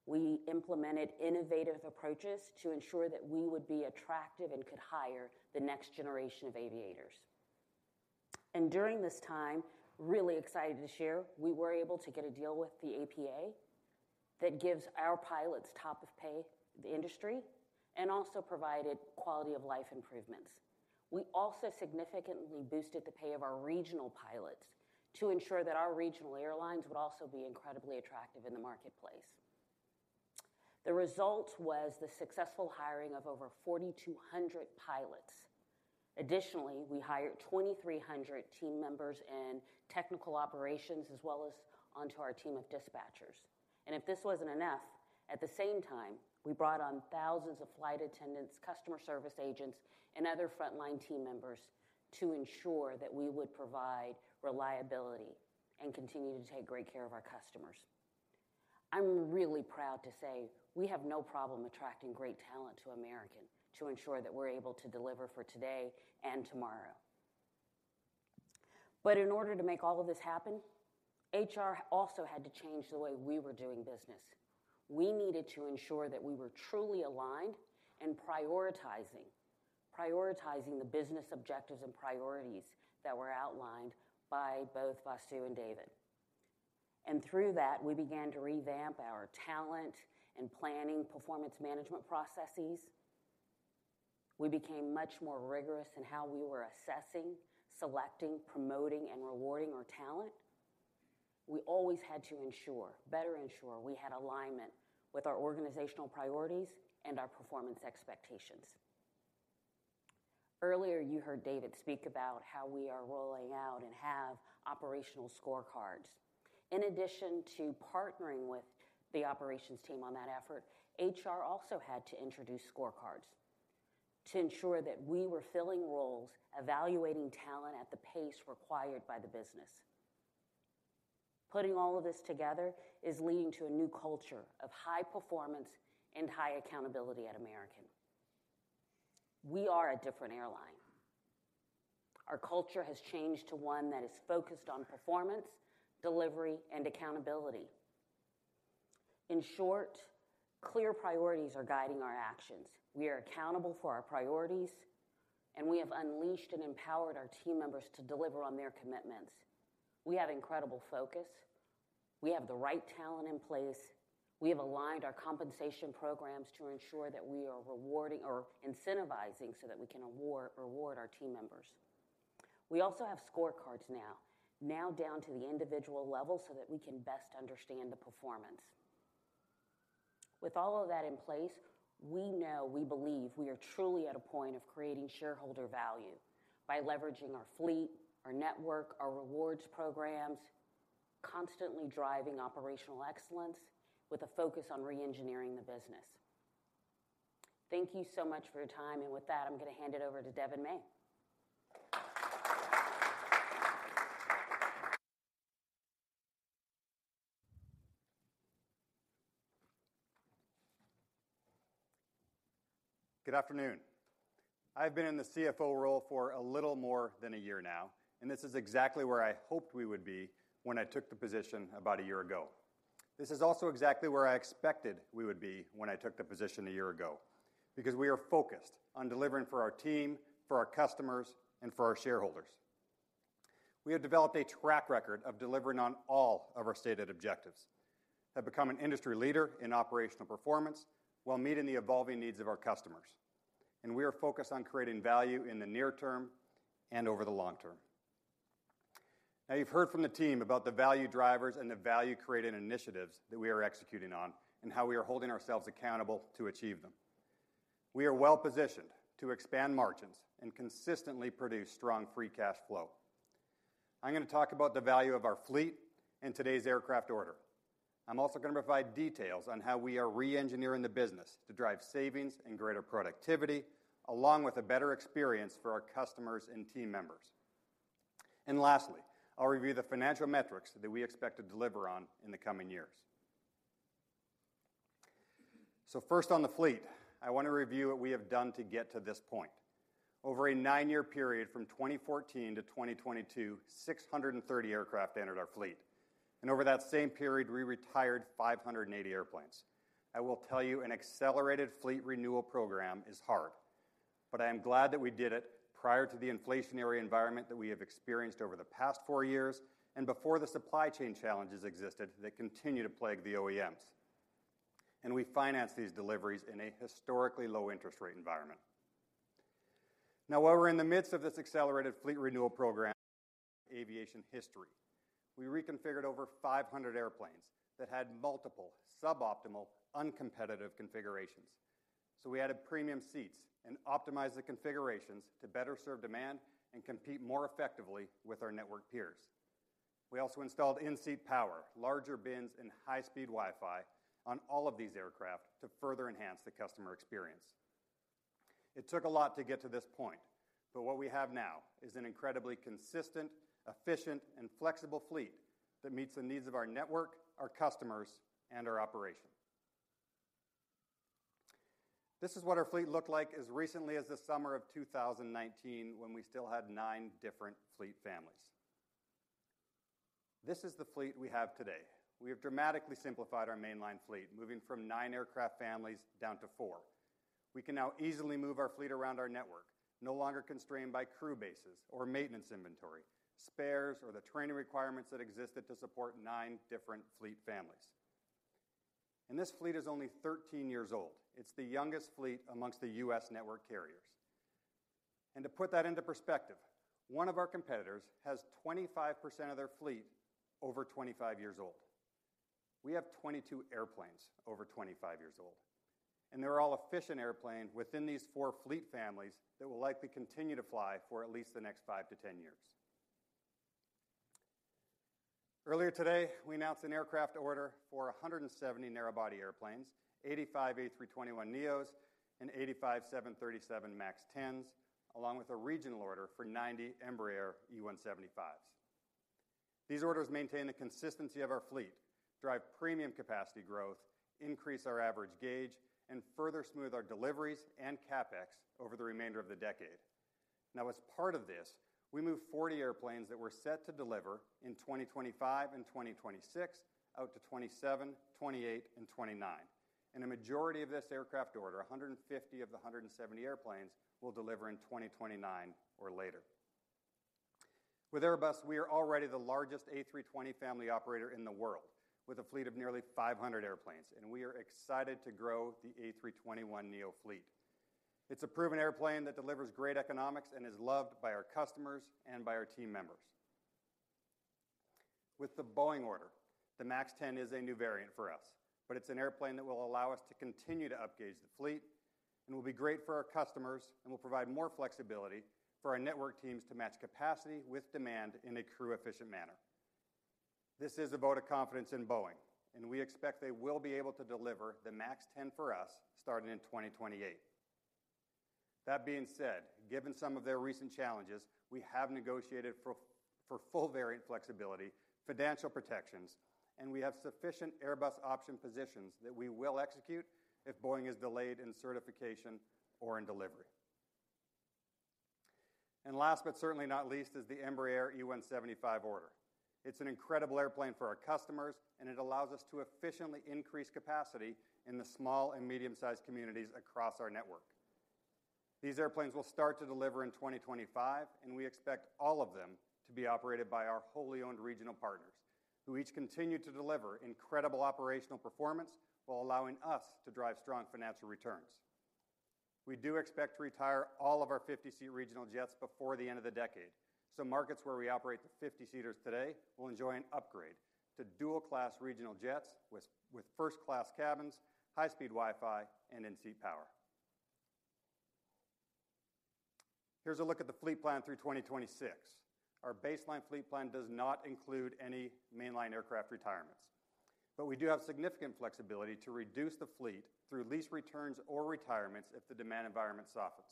We implemented innovative approaches to ensure that we would be attractive and could hire the next generation of aviators. And during this time, really excited to share, we were able to get a deal with the APA that gives our pilots top-of-pay in the industry and also provided quality of life improvements. We also significantly boosted the pay of our regional pilots to ensure that our regional airlines would also be incredibly attractive in the marketplace. The result was the successful hiring of over 4,200 pilots. Additionally, we hired 2,300 team members in technical operations as well as onto our team of dispatchers. If this wasn't enough, at the same time, we brought on thousands of flight attendants, customer service agents, and other frontline team members to ensure that we would provide reliability and continue to take great care of our customers. I'm really proud to say we have no problem attracting great talent to American to ensure that we're able to deliver for today and tomorrow. In order to make all of this happen, HR also had to change the way we were doing business. We needed to ensure that we were truly aligned and prioritizing the business objectives and priorities that were outlined by both Vasu and David. Through that, we began to revamp our talent and planning, performance management processes. We became much more rigorous in how we were assessing, selecting, promoting, and rewarding our talent. We always had to ensure, better ensure, we had alignment with our organizational priorities and our performance expectations. Earlier, you heard David speak about how we are rolling out and have operational scorecards. In addition to partnering with the operations team on that effort, HR also had to introduce scorecards to ensure that we were filling roles, evaluating talent at the pace required by the business. Putting all of this together is leading to a new culture of high performance and high accountability at American. We are a different airline. Our culture has changed to one that is focused on performance, delivery, and accountability. In short, clear priorities are guiding our actions. We are accountable for our priorities. We have unleashed and empowered our team members to deliver on their commitments. We have incredible focus. We have the right talent in place. We have aligned our compensation programs to ensure that we are rewarding or incentivizing so that we can reward our team members. We also have scorecards now down to the individual level so that we can best understand the performance. With all of that in place, we know, we believe we are truly at a point of creating shareholder value by leveraging our fleet, our network, our rewards programs, constantly driving operational excellence with a focus on reengineering the business. Thank you so much for your time. And with that, I'm going to hand it over to Devon May. Good afternoon. I've been in the CFO role for a little more than a year now. This is exactly where I hoped we would be when I took the position about a year ago. This is also exactly where I expected we would be when I took the position a year ago because we are focused on delivering for our team, for our customers, and for our shareholders. We have developed a track record of delivering on all of our stated objectives, have become an industry leader in operational performance while meeting the evolving needs of our customers. We are focused on creating value in the near term and over the long term. Now, you've heard from the team about the value drivers and the value-creating initiatives that we are executing on and how we are holding ourselves accountable to achieve them. We are well-positioned to expand margins and consistently produce strong free cash flow. I'm going to talk about the value of our fleet and today's aircraft order. I'm also going to provide details on how we are reengineering the business to drive savings and greater productivity along with a better experience for our customers and team members. And lastly, I'll review the financial metrics that we expect to deliver on in the coming years. First, on the fleet, I want to review what we have done to get to this point. Over a nine year period from 2014-2022, 630 aircraft entered our fleet. Over that same period, we retired 580 airplanes. I will tell you, an accelerated fleet renewal program is hard. But I am glad that we did it prior to the inflationary environment that we have experienced over the past four years and before the supply chain challenges existed that continue to plague the OEMs. And we financed these deliveries in a historically low-interest rate environment. Now, while we're in the midst of this accelerated fleet renewal program in aviation history, we reconfigured over 500 airplanes that had multiple, suboptimal, uncompetitive configurations. So we added premium seats and optimized the configurations to better serve demand and compete more effectively with our network peers. We also installed in-seat power, larger bins, and high-speed Wi-Fi on all of these aircraft to further enhance the customer experience. It took a lot to get to this point. But what we have now is an incredibly consistent, efficient, and flexible fleet that meets the needs of our network, our customers, and our operation. This is what our fleet looked like as recently as the summer of 2019 when we still had 9 different fleet families. This is the fleet we have today. We have dramatically simplified our mainline fleet, moving from 9 aircraft families down to 4. We can now easily move our fleet around our network, no longer constrained by crew bases or maintenance inventory, spares, or the training requirements that existed to support 9 different fleet families. This fleet is only 13 years old. It's the youngest fleet amongst the U.S. network carriers. To put that into perspective, one of our competitors has 25% of their fleet over 25 years old. We have 22 airplanes over 25 years old. They're all efficient airplanes within these 4 fleet families that will likely continue to fly for at least the next 5-10 years. Earlier today, we announced an aircraft order for 170 narrowbody airplanes, 85 A321neos and 85 737 MAX 10s, along with a regional order for 90 Embraer E175s. These orders maintain the consistency of our fleet, drive premium capacity growth, increase our average gauge, and further smooth our deliveries and CapEx over the remainder of the decade. Now, as part of this, we move 40 airplanes that were set to deliver in 2025 and 2026 out to 2027, 2028, and 2029. In a majority of this aircraft order, 150 of the 170 airplanes will deliver in 2029 or later. With Airbus, we are already the largest A320 family operator in the world with a fleet of nearly 500 airplanes. We are excited to grow the A321neo fleet. It's a proven airplane that delivers great economics and is loved by our customers and by our team members. With the Boeing order, the MAX 10 is a new variant for us. It's an airplane that will allow us to continue to upgauge the fleet and will be great for our customers and will provide more flexibility for our network teams to match capacity with demand in a crew-efficient manner. This is a vote of confidence in Boeing. We expect they will be able to deliver the MAX 10 for us starting in 2028. That being said, given some of their recent challenges, we have negotiated for full variant flexibility, financial protections, and we have sufficient Airbus option positions that we will execute if Boeing is delayed in certification or in delivery. Last but certainly not least is the Embraer E175 order. It's an incredible airplane for our customers. It allows us to efficiently increase capacity in the small and medium-sized communities across our network. These airplanes will start to deliver in 2025. We expect all of them to be operated by our wholly owned regional partners who each continue to deliver incredible operational performance while allowing us to drive strong financial returns. We do expect to retire all of our 50-seat regional jets before the end of the decade. Markets where we operate the 50-seaters today will enjoy an upgrade to dual-class regional jets with first-class cabins, high-speed Wi-Fi, and in-seat power. Here's a look at the fleet plan through 2026. Our baseline fleet plan does not include any mainline aircraft retirements. We do have significant flexibility to reduce the fleet through lease returns or retirements if the demand environment softens.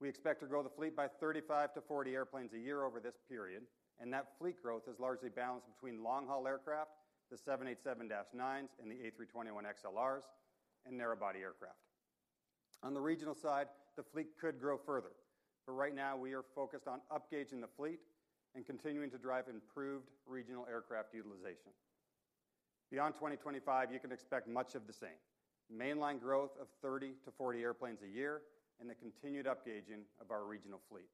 We expect to grow the fleet by 35-40 airplanes a year over this period. That fleet growth is largely balanced between long-haul aircraft, the 787-9s and the A321XLRs, and narrowbody aircraft. On the regional side, the fleet could grow further. Right now, we are focused on upgauging the fleet and continuing to drive improved regional aircraft utilization. Beyond 2025, you can expect much of the same: mainline growth of 30-40 airplanes a year and the continued upgauging of our regional fleet.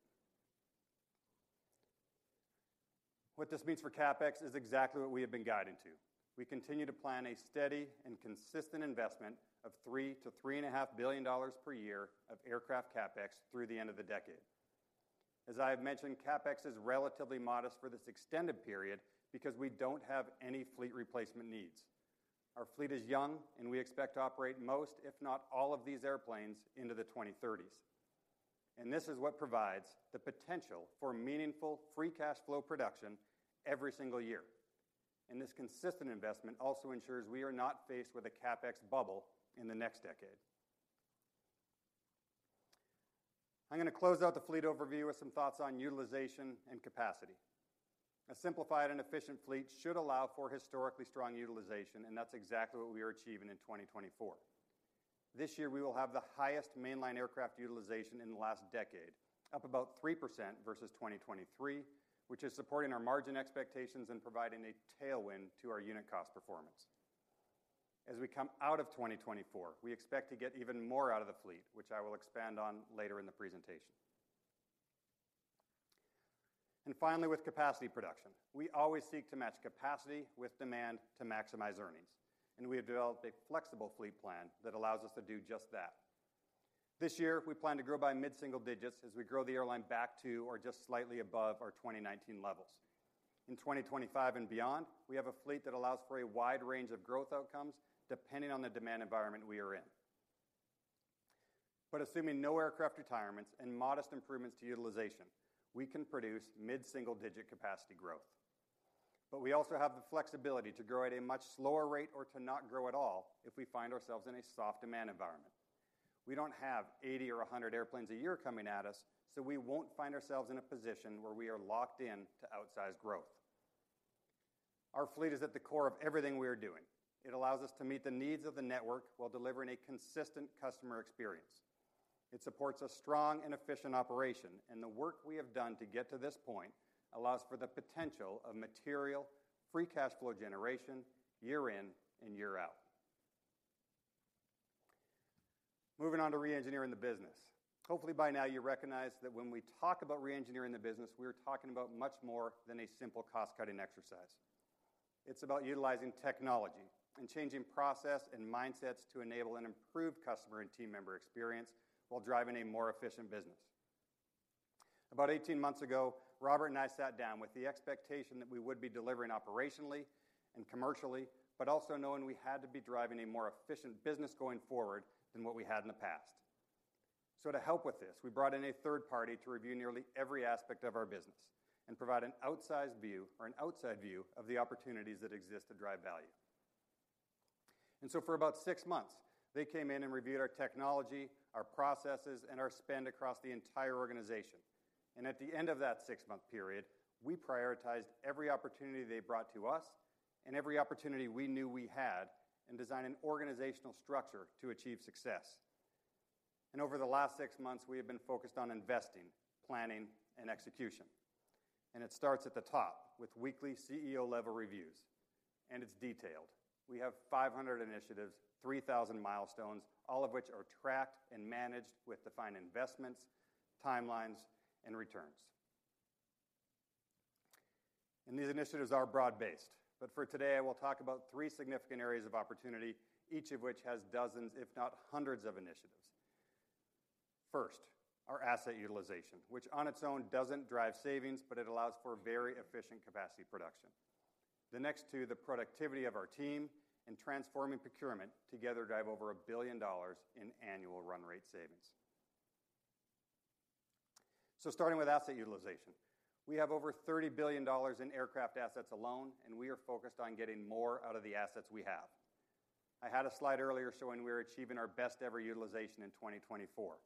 What this means for CapEx is exactly what we have been guided to. We continue to plan a steady and consistent investment of $3 billion-$3.5 billion per year of aircraft CapEx through the end of the decade. As I have mentioned, CapEx is relatively modest for this extended period because we don't have any fleet replacement needs. Our fleet is young. We expect to operate most, if not all, of these airplanes into the 2030s. This is what provides the potential for meaningful free cash flow production every single year. This consistent investment also ensures we are not faced with a CapEx bubble in the next decade. I'm going to close out the fleet overview with some thoughts on utilization and capacity. A simplified and efficient fleet should allow for historically strong utilization. That's exactly what we are achieving in 2024. This year, we will have the highest mainline aircraft utilization in the last decade, up about 3% versus 2023, which is supporting our margin expectations and providing a tailwind to our unit cost performance. As we come out of 2024, we expect to get even more out of the fleet, which I will expand on later in the presentation. Finally, with capacity production, we always seek to match capacity with demand to maximize earnings. We have developed a flexible fleet plan that allows us to do just that. This year, we plan to grow by mid-single digits as we grow the airline back to or just slightly above our 2019 levels. In 2025 and beyond, we have a fleet that allows for a wide range of growth outcomes depending on the demand environment we are in. But assuming no aircraft retirements and modest improvements to utilization, we can produce mid-single digit capacity growth. But we also have the flexibility to grow at a much slower rate or to not grow at all if we find ourselves in a soft demand environment. We don't have 80 or 100 airplanes a year coming at us. So we won't find ourselves in a position where we are locked in to outsize growth. Our fleet is at the core of everything we are doing. It allows us to meet the needs of the network while delivering a consistent customer experience. It supports a strong and efficient operation. The work we have done to get to this point allows for the potential of material free cash flow generation year-in and year-out. Moving on to reengineering the business, hopefully, by now, you recognize that when we talk about reengineering the business, we are talking about much more than a simple cost-cutting exercise. It's about utilizing technology and changing process and mindsets to enable an improved customer and team member experience while driving a more efficient business. About 18 months ago, Robert and I sat down with the expectation that we would be delivering operationally and commercially but also knowing we had to be driving a more efficient business going forward than what we had in the past. So to help with this, we brought in a third party to review nearly every aspect of our business and provide an outsized view or an outside view of the opportunities that exist to drive value. For about six months, they came in and reviewed our technology, our processes, and our spend across the entire organization. At the end of that six-month period, we prioritized every opportunity they brought to us and every opportunity we knew we had and designed an organizational structure to achieve success. Over the last six months, we have been focused on investing, planning, and execution. It starts at the top with weekly CEO-level reviews. It's detailed. We have 500 initiatives, 3,000 milestones, all of which are tracked and managed with defined investments, timelines, and returns. These initiatives are broad-based. But for today, I will talk about 3 significant areas of opportunity, each of which has dozens, if not hundreds, of initiatives. First, our asset utilization, which on its own doesn't drive savings, but it allows for very efficient capacity production. The next two, the productivity of our team and transforming procurement, together drive over $1 billion in annual run-rate savings. So starting with asset utilization, we have over $30 billion in aircraft assets alone. And we are focused on getting more out of the assets we have. I had a slide earlier showing we are achieving our best-ever utilization in 2024.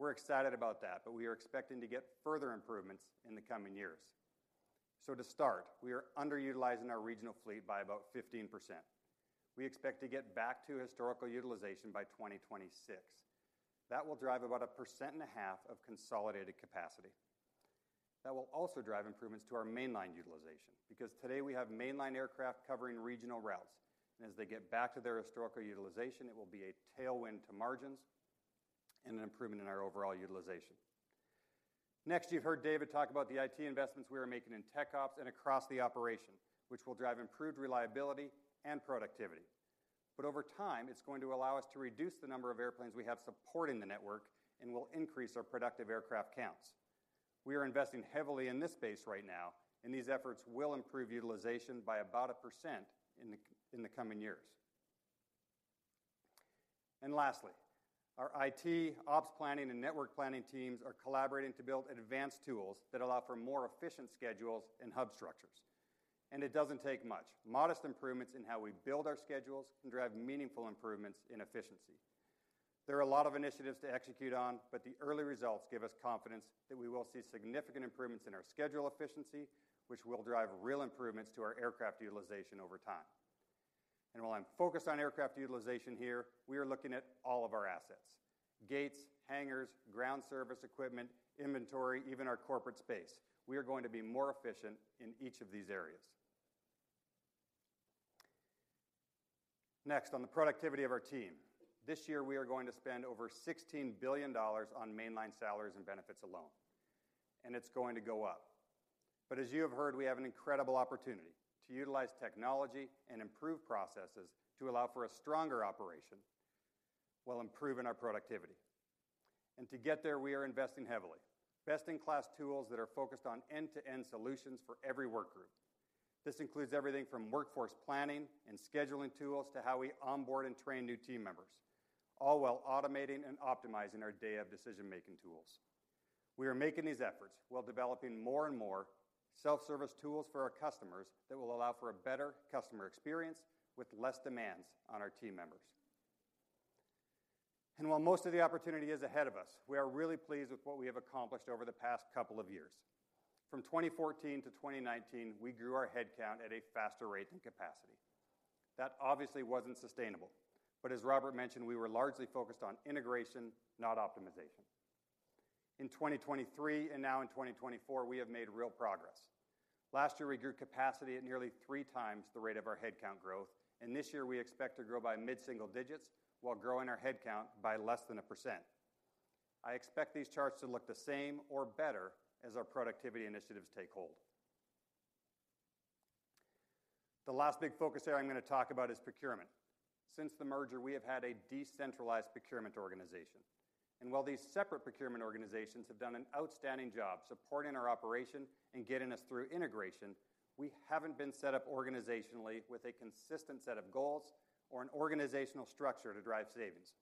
We're excited about that. But we are expecting to get further improvements in the coming years. So to start, we are underutilizing our regional fleet by about 15%. We expect to get back to historical utilization by 2026. That will drive about 1.5% of consolidated capacity. That will also drive improvements to our mainline utilization because today, we have mainline aircraft covering regional routes. And as they get back to their historical utilization, it will be a tailwind to margins and an improvement in our overall utilization. Next, you've heard David talk about the IT investments we are making in Tech Ops and across the operation, which will drive improved reliability and productivity. But over time, it's going to allow us to reduce the number of airplanes we have supporting the network and will increase our productive aircraft counts. We are investing heavily in this space right now. And these efforts will improve utilization by about 1% in the coming years. And lastly, our IT Ops planning and network planning teams are collaborating to build advanced tools that allow for more efficient schedules and hub structures. It doesn't take much. Modest improvements in how we build our schedules can drive meaningful improvements in efficiency. There are a lot of initiatives to execute on. The early results give us confidence that we will see significant improvements in our schedule efficiency, which will drive real improvements to our aircraft utilization over time. And while I'm focused on aircraft utilization here, we are looking at all of our assets: gates, hangars, ground service equipment, inventory, even our corporate space. We are going to be more efficient in each of these areas. Next, on the productivity of our team, this year, we are going to spend over $16 billion on mainline salaries and benefits alone. It's going to go up. But as you have heard, we have an incredible opportunity to utilize technology and improve processes to allow for a stronger operation while improving our productivity. And to get there, we are investing heavily: best-in-class tools that are focused on end-to-end solutions for every workgroup. This includes everything from workforce planning and scheduling tools to how we onboard and train new team members, all while automating and optimizing our day-of decision-making tools. We are making these efforts while developing more and more self-service tools for our customers that will allow for a better customer experience with less demands on our team members. And while most of the opportunity is ahead of us, we are really pleased with what we have accomplished over the past couple of years. From 2014 to 2019, we grew our headcount at a faster rate than capacity. That obviously wasn't sustainable. As Robert mentioned, we were largely focused on integration, not optimization. In 2023 and now in 2024, we have made real progress. Last year, we grew capacity at nearly three times the rate of our headcount growth. This year, we expect to grow by mid-single digits while growing our headcount by less than 1%. I expect these charts to look the same or better as our productivity initiatives take hold. The last big focus area I'm going to talk about is procurement. Since the merger, we have had a decentralized procurement organization. While these separate procurement organizations have done an outstanding job supporting our operation and getting us through integration, we haven't been set up organizationally with a consistent set of goals or an organizational structure to drive savings.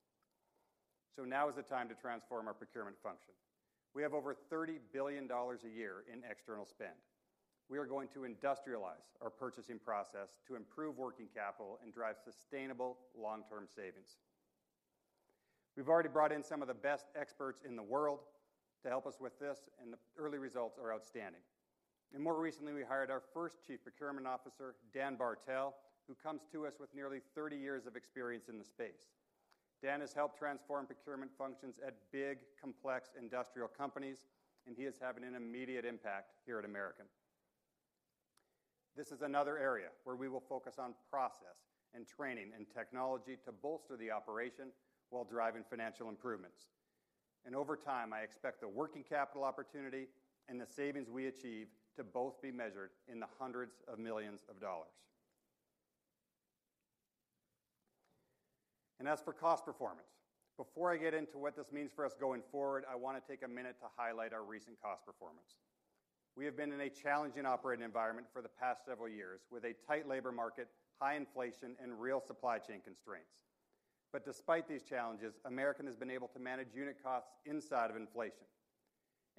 Now is the time to transform our procurement function. We have over $30 billion a year in external spend. We are going to industrialize our purchasing process to improve working capital and drive sustainable long-term savings. We've already brought in some of the best experts in the world to help us with this. The early results are outstanding. More recently, we hired our first Chief Procurement Officer, Dan Bartel, who comes to us with nearly 30 years of experience in the space. Dan has helped transform procurement functions at big, complex industrial companies. He is having an immediate impact here at American. This is another area where we will focus on process and training and technology to bolster the operation while driving financial improvements. Over time, I expect the working capital opportunity and the savings we achieve to both be measured in the hundreds of millions of dollars. As for cost performance, before I get into what this means for us going forward, I want to take a minute to highlight our recent cost performance. We have been in a challenging operating environment for the past several years with a tight labor market, high inflation, and real supply chain constraints. But despite these challenges, American has been able to manage unit costs inside of inflation.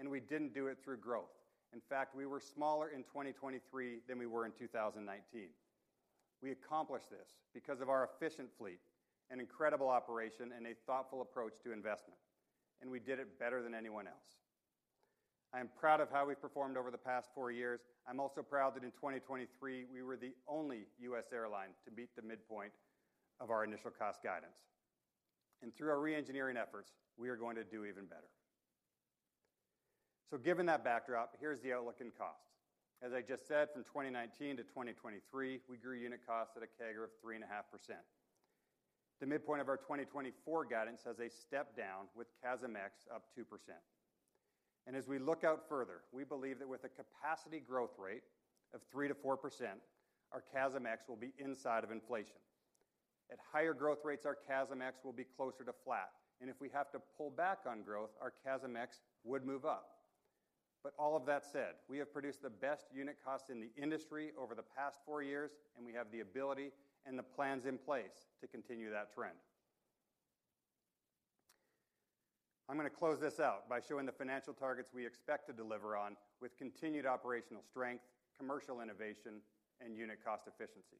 We didn't do it through growth. In fact, we were smaller in 2023 than we were in 2019. We accomplished this because of our efficient fleet, an incredible operation, and a thoughtful approach to investment. We did it better than anyone else. I am proud of how we've performed over the past four years. I'm also proud that in 2023, we were the only U.S. airline to beat the midpoint of our initial cost guidance. And through our reengineering efforts, we are going to do even better. Given that backdrop, here's the outlook in cost. As I just said, from 2019 to 2023, we grew unit costs at a CAGR of 3.5%. The midpoint of our 2024 guidance has a step down with CASM-ex up 2%. And as we look out further, we believe that with a capacity growth rate of 3%-4%, our CASM-ex will be inside of inflation. At higher growth rates, our CASM-ex will be closer to flat. And if we have to pull back on growth, our CASM-ex would move up. But all of that said, we have produced the best unit costs in the industry over the past four years. We have the ability and the plans in place to continue that trend. I'm going to close this out by showing the financial targets we expect to deliver on with continued operational strength, commercial innovation, and unit cost efficiency.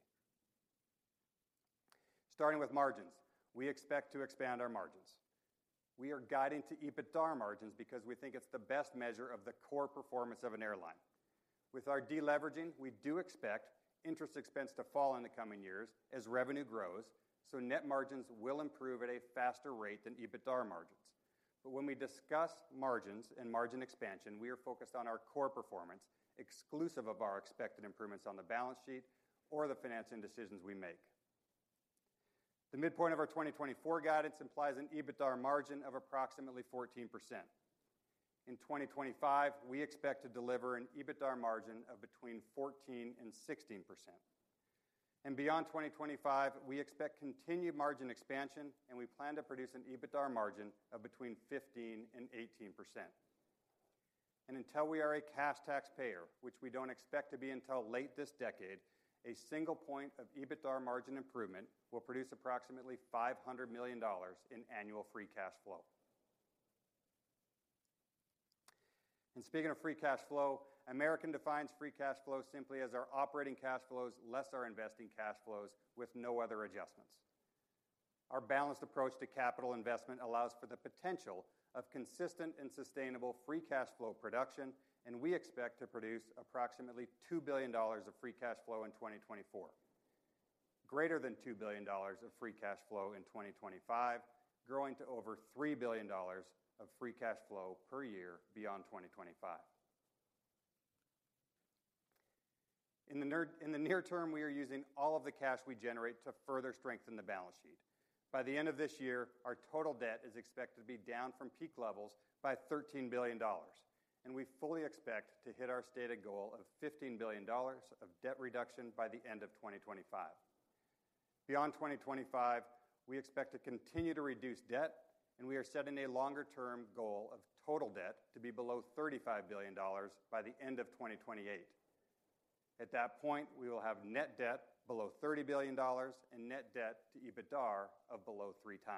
Starting with margins, we expect to expand our margins. We are guiding to EBITDAR margins because we think it's the best measure of the core performance of an airline. With our deleveraging, we do expect interest expense to fall in the coming years as revenue grows. So net margins will improve at a faster rate than EBITDAR margins. But when we discuss margins and margin expansion, we are focused on our core performance exclusive of our expected improvements on the balance sheet or the financing decisions we make. The midpoint of our 2024 guidance implies an EBITDAR margin of approximately 14%. In 2025, we expect to deliver an EBITDAR margin of between 14% and 16%. And beyond 2025, we expect continued margin expansion. We plan to produce an EBITDAR margin of between 15%-18%. Until we are a cash taxpayer, which we don't expect to be until late this decade, a single point of EBITDAR margin improvement will produce approximately $500 million in annual free cash flow. Speaking of free cash flow, American defines free cash flow simply as our operating cash flows less our investing cash flows with no other adjustments. Our balanced approach to capital investment allows for the potential of consistent and sustainable free cash flow production. We expect to produce approximately $2 billion of free cash flow in 2024, greater than $2 billion of free cash flow in 2025, growing to over $3 billion of free cash flow per year beyond 2025. In the near term, we are using all of the cash we generate to further strengthen the balance sheet. By the end of this year, our total debt is expected to be down from peak levels by $13 billion. We fully expect to hit our stated goal of $15 billion of debt reduction by the end of 2025. Beyond 2025, we expect to continue to reduce debt. We are setting a longer-term goal of total debt to be below $35 billion by the end of 2028. At that point, we will have net debt below $30 billion and net debt to EBITDAR of below 3x.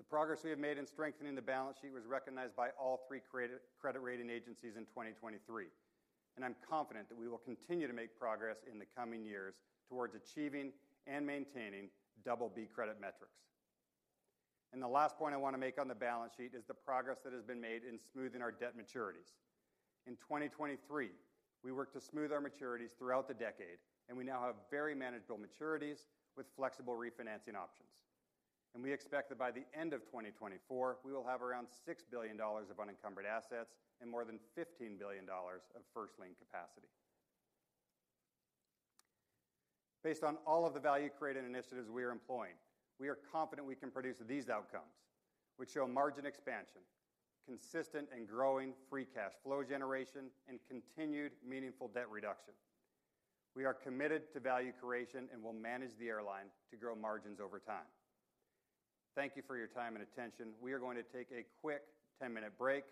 The progress we have made in strengthening the balance sheet was recognized by all three credit rating agencies in 2023. I'm confident that we will continue to make progress in the coming years towards achieving and maintaining double B credit metrics. The last point I want to make on the balance sheet is the progress that has been made in smoothing our debt maturities. In 2023, we worked to smooth our maturities throughout the decade. We now have very manageable maturities with flexible refinancing options. We expect that by the end of 2024, we will have around $6 billion of unencumbered assets and more than $15 billion of first lien capacity. Based on all of the value-creating initiatives we are employing, we are confident we can produce these outcomes, which show margin expansion, consistent and growing free cash flow generation, and continued meaningful debt reduction. We are committed to value creation and will manage the airline to grow margins over time. Thank you for your time and attention. We are going to take a quick 10-minute break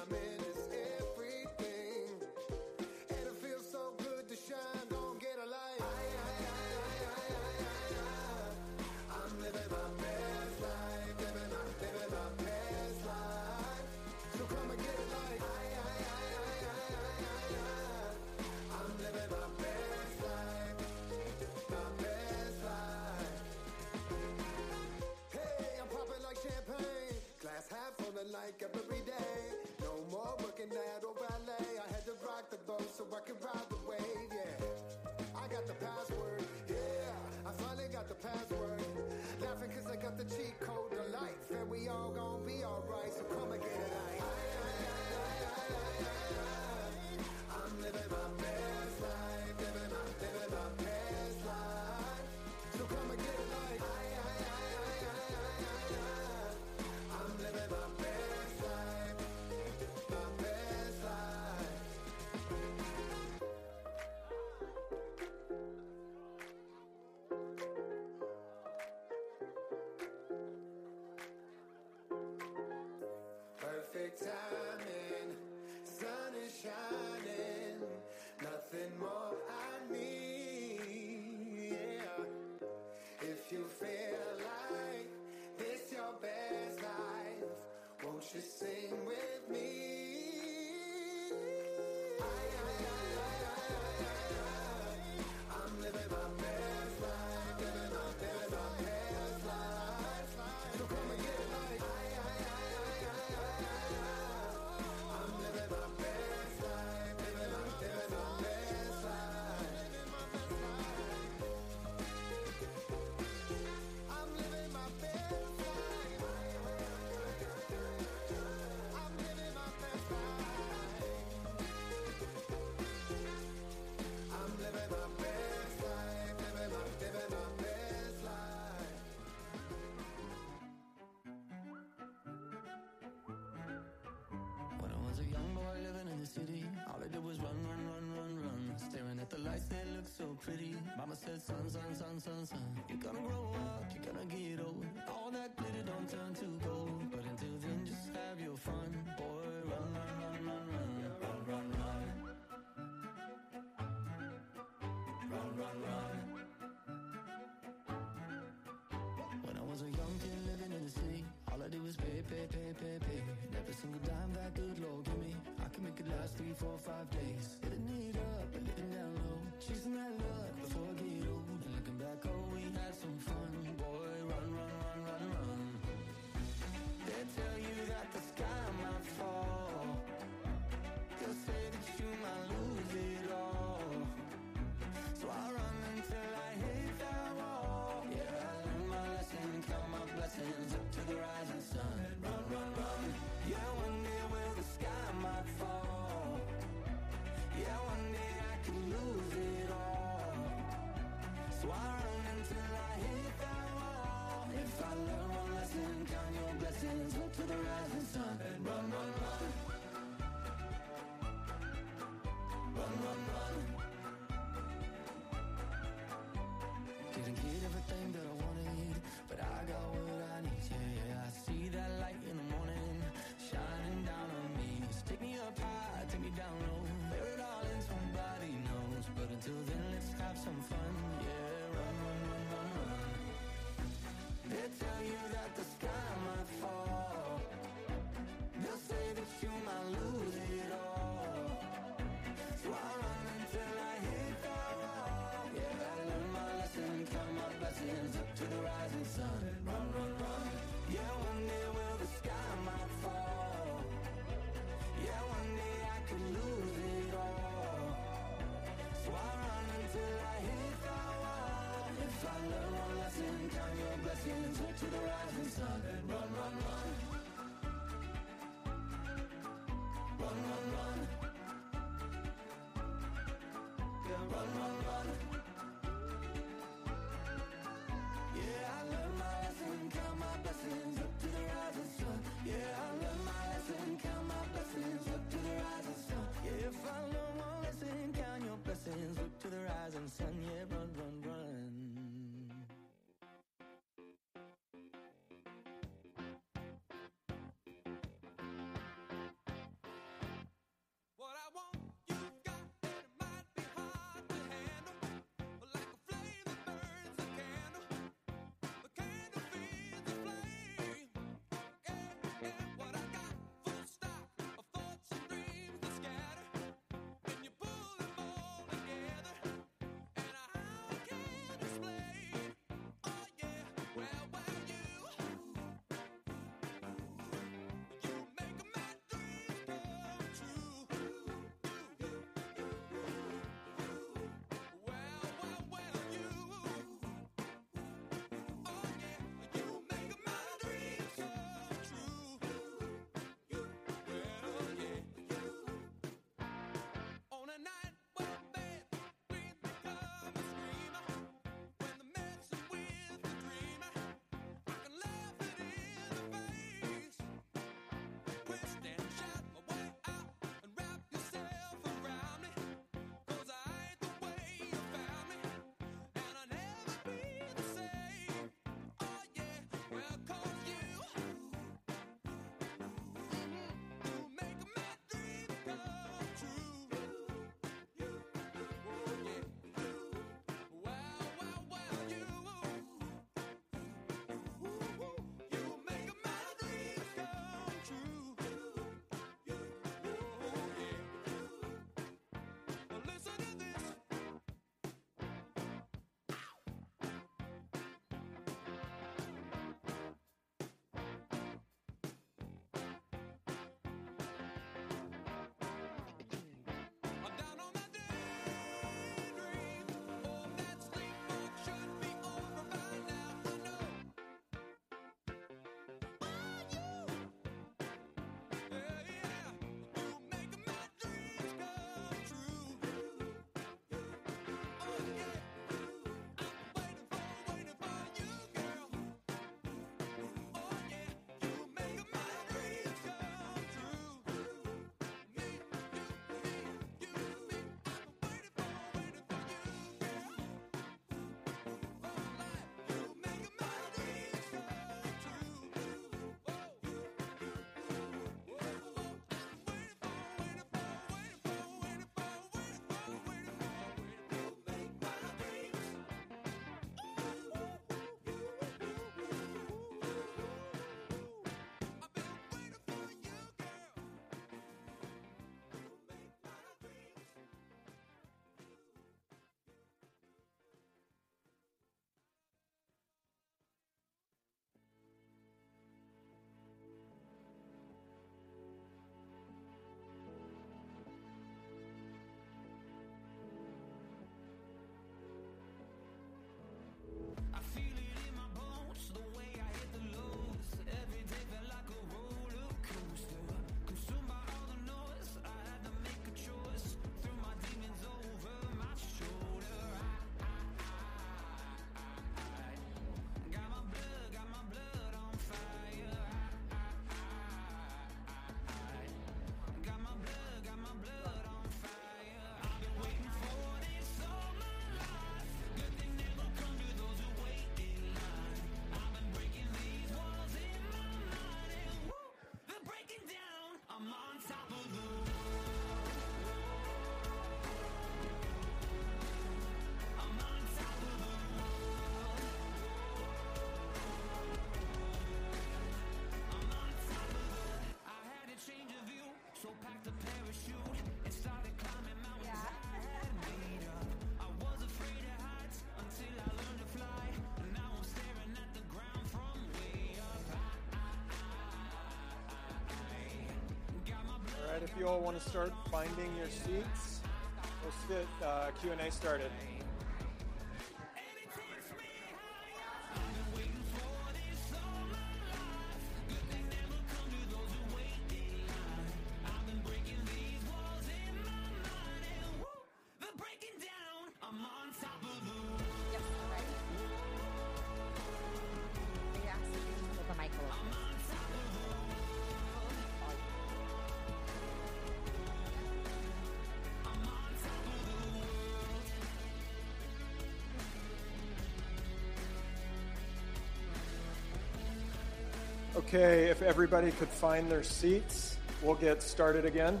Okay, if everybody could find their seats, we'll get started again.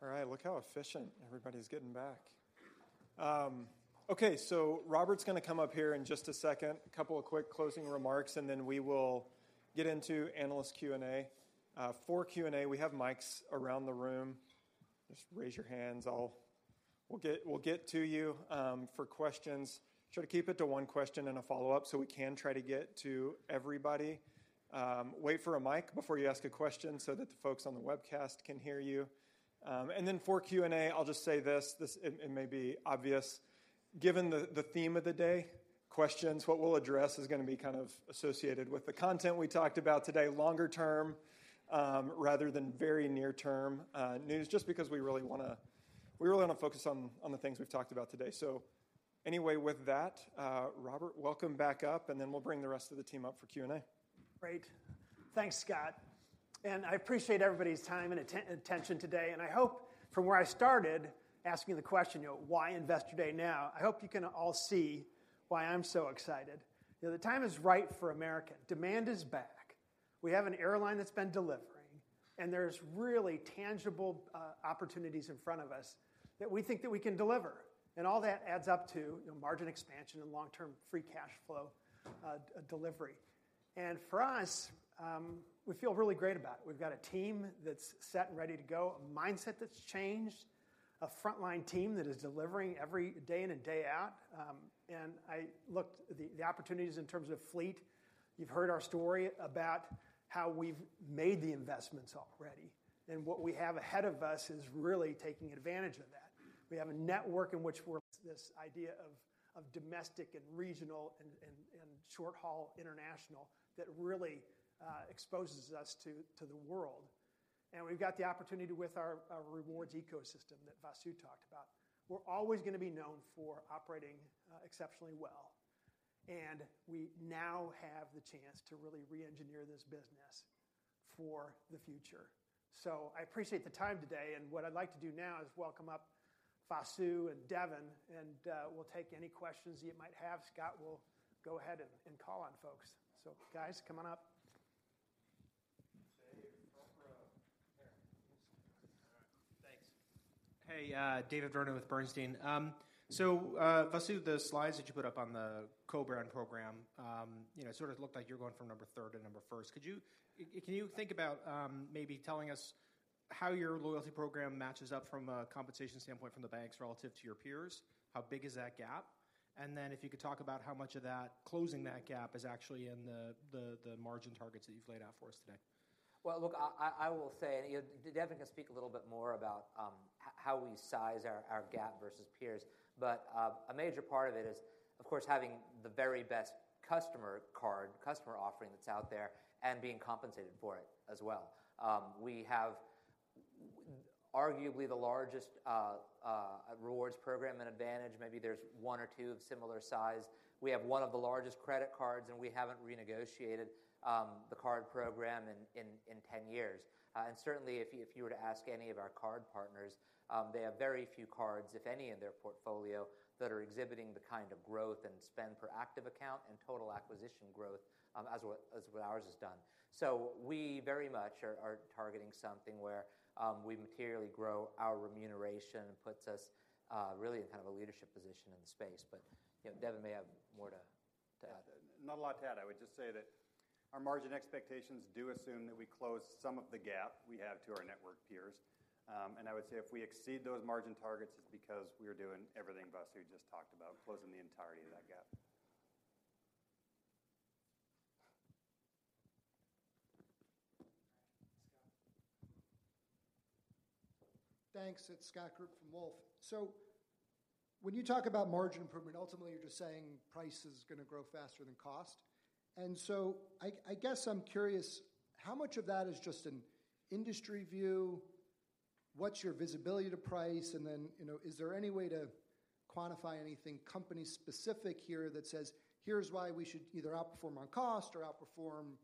All right, look how efficient everybody's getting back. Okay, so Robert's going to come up here in just a second, a couple of quick closing remarks, and then we will get into analyst Q&A. For Q&A, we have mics around the room. Just raise your hands. We'll get to you for questions. Try to keep it to one question and a follow-up so we can try to get to everybody. Wait for a mic before you ask a question so that the folks on the webcast can hear you. And then for Q&A, I'll just say this. It may be obvious. Given the theme of the day [regarding] questions, what we'll address is going to be kind of associated with the content we talked about today, longer-term rather than very near-term news, just because we really want to focus on the things we've talked about today. So anyway, with that, Robert, welcome back up, and then we'll bring the rest of the team up for Q&A. Great. Thanks, Scott. I appreciate everybody's time and attention today. I hope from where I started asking the question, why invest today now, I hope you can all see why I'm so excited. The time is right for American. Demand is back. We have an airline that's been delivering, and there's really tangible opportunities in front of us that we think that we can deliver. All that adds up to margin expansion and long-term free cash flow delivery. For us, we feel really great about it. We've got a team that's set and ready to go, a mindset that's changed, a frontline team that is delivering every day in and day out. I looked at the opportunities in terms of fleet. You've heard our story about how we've made the investments already, and what we have ahead of us is really taking advantage of that. We have a network in which we're. This idea of domestic and regional and short-haul international that really exposes us to the world. We've got the opportunity with our rewards ecosystem that Vasu talked about. We're always going to be known for operating exceptionally well. We now have the chance to really re-engineer this business for the future. So I appreciate the time today. What I'd like to do now is welcome up Vasu and Devon, and we'll take any questions that you might have. Scott will go ahead and call on folks. So guys, come on up. All right. Thanks. Hey, David Vernon with Bernstein. So Vasu, the slides that you put up on the co-brand program, it sort of looked like you're going from number three to number first. Can you think about maybe telling us how your loyalty program matches up from a compensation standpoint from the banks relative to your peers? How big is that gap? And then if you could talk about how much of that closing that gap is actually in the margin targets that you've laid out for us today. Well, look, I will say, and Devon can speak a little bit more about how we size our gap versus peers, but a major part of it is, of course, having the very best customer card, customer offering that's out there, and being compensated for it as well. We have arguably the largest rewards program and AAdvantage. Maybe there's one or two of similar size. We have one of the largest credit cards, and we haven't renegotiated the card program in 10 years. Certainly, if you were to ask any of our card partners, they have very few cards, if any, in their portfolio that are exhibiting the kind of growth and spend per active account and total acquisition growth as what ours has done. So we very much are targeting something where we materially grow our remuneration and puts us really in kind of a leadership position in the space. But Devon may have more to add. Not a lot to add. I would just say that our margin expectations do assume that we close some of the gap we have to our network peers. And I would say if we exceed those margin targets, it's because we're doing everything Vasu just talked about, closing the entirety of that gap. All right. Scott. Thanks. It's Scott Group from Wolfe. So when you talk about margin improvement, ultimately, you're just saying price is going to grow faster than cost. And so I guess I'm curious, how much of that is just an industry view? What's your visibility to price? And then is there any way to quantify anything company-specific here that says, "Here's why we should either outperform on cost or outperform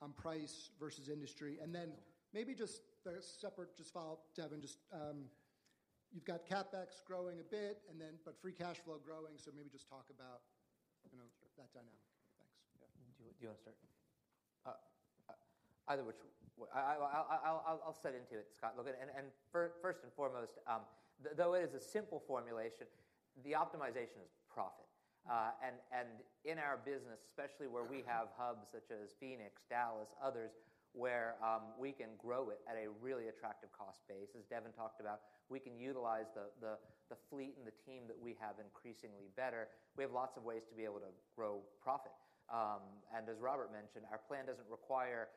on price versus industry"? And then maybe just a separate just follow-up, Devon. You've got CapEx growing a bit, but free cash flow growing. So maybe just talk about that dynamic. Thanks. Yeah. Do you want to start? Either which way. I'll get into it, Scott. And first and foremost, though it is a simple formulation, the optimization is profit. And in our business, especially where we have hubs such as Phoenix, Dallas, others, where we can grow it at a really attractive cost base, as Devon talked about, we can utilize the fleet and the team that we have increasingly better. We have lots of ways to be able to grow profit. As Robert mentioned, our plan doesn't require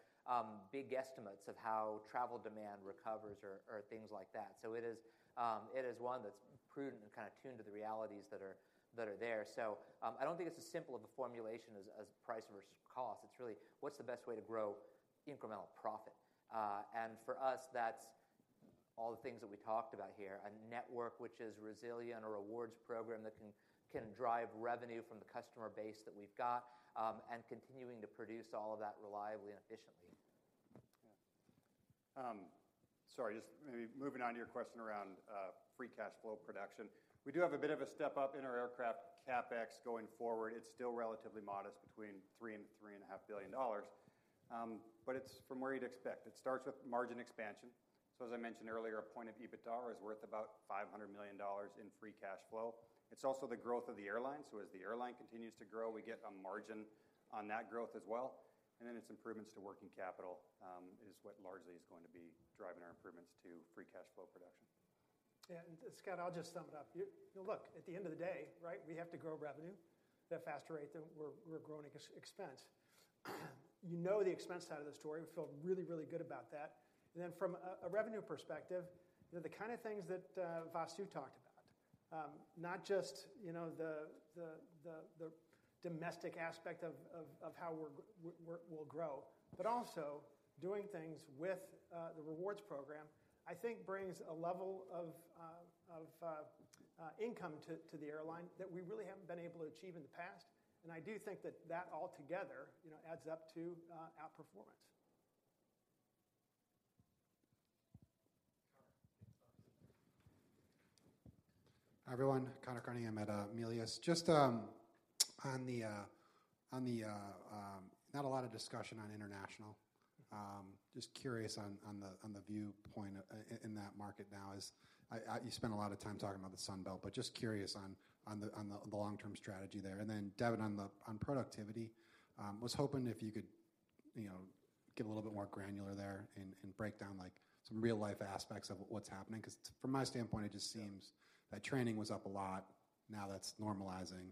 big estimates of how travel demand recovers or things like that. It is one that's prudent and kind of tuned to the realities that are there. I don't think it's as simple of a formulation as price versus cost. It's really, what's the best way to grow incremental profit? And for us, that's all the things that we talked about here, a network which is resilient, a rewards program that can drive revenue from the customer base that we've got, and continuing to produce all of that reliably and efficiently. Yeah. Sorry, just maybe moving on to your question around free cash flow production. We do have a bit of a step up in our aircraft CapEx going forward. It's still relatively modest between $3 billion-$3.5 billion. It's from where you'd expect. It starts with margin expansion. So as I mentioned earlier, a point of EBITDAR is worth about $500 million in free cash flow. It's also the growth of the airline. So as the airline continues to grow, we get a margin on that growth as well. And then its improvements to working capital is what largely is going to be driving our improvements to free cash flow production. Yeah. And Scott, I'll just sum it up. Look, at the end of the day, we have to grow revenue at a faster rate than we're growing expense. You know the expense side of the story. We feel really, really good about that. Then from a revenue perspective, the kind of things that Vasu talked about, not just the domestic aspect of how we'll grow, but also doing things with the rewards program, I think brings a level of income to the airline that we really haven't been able to achieve in the past. And I do think that that altogether adds up to outperformance. Conor? Everyone, Conor Cunningham. I'm at Melius. Just on the not a lot of discussion on international. Just curious on the viewpoint in that market now. You spent a lot of time talking about the Sunbelt, but just curious on the long-term strategy there. And then Devon, on productivity, was hoping if you could get a little bit more granular there and break down some real-life aspects of what's happening. Because from my standpoint, it just seems that training was up a lot. Now that's normalizing.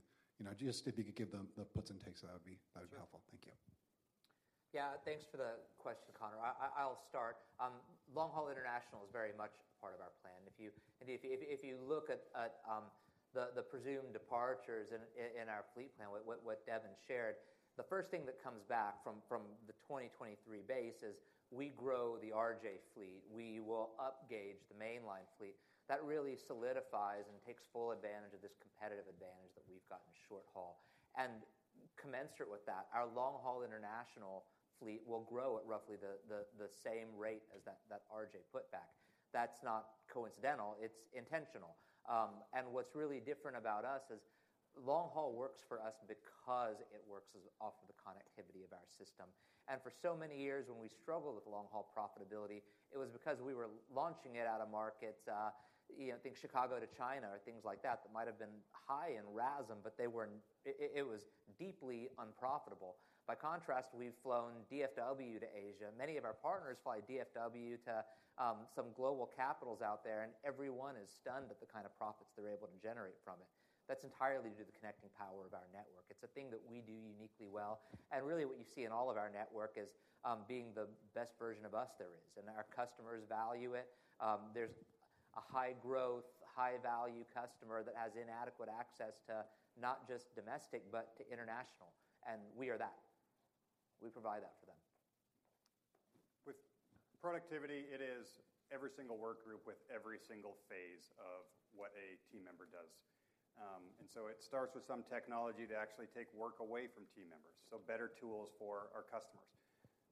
Just if you could give the puts and takes, that would be helpful. Thank you. Yeah. Thanks for the question, Conor. I'll start. Long-haul international is very much part of our plan. If you look at the presumed departures in our fleet plan, what Devon shared, the first thing that comes back from the 2023 base is, "We grow the RJ fleet. We will upgauge the mainline fleet." That really solidifies and takes full advantage of this competitive advantage that we've got in short-haul. Commensurate with that, our long-haul international fleet will grow at roughly the same rate as that RJ putback. That's not coincidental. It's intentional. What's really different about us is long-haul works for us because it works off of the connectivity of our system. For so many years, when we struggled with long-haul profitability, it was because we were launching it out of markets, think Chicago to China or things like that, that might have been high in RASM, but it was deeply unprofitable. By contrast, we've flown DFW to Asia. Many of our partners fly DFW to some global capitals out there, and everyone is stunned at the kind of profits they're able to generate from it. That's entirely due to the connecting power of our network. It's a thing that we do uniquely well. And really, what you see in all of our network is being the best version of us there is. And our customers value it. There's a high-growth, high-value customer that has inadequate access to not just domestic, but to international. And we are that. We provide that for them. With productivity, it is every single workgroup with every single phase of what a team member does. And so it starts with some technology to actually take work away from team members, so better tools for our customers.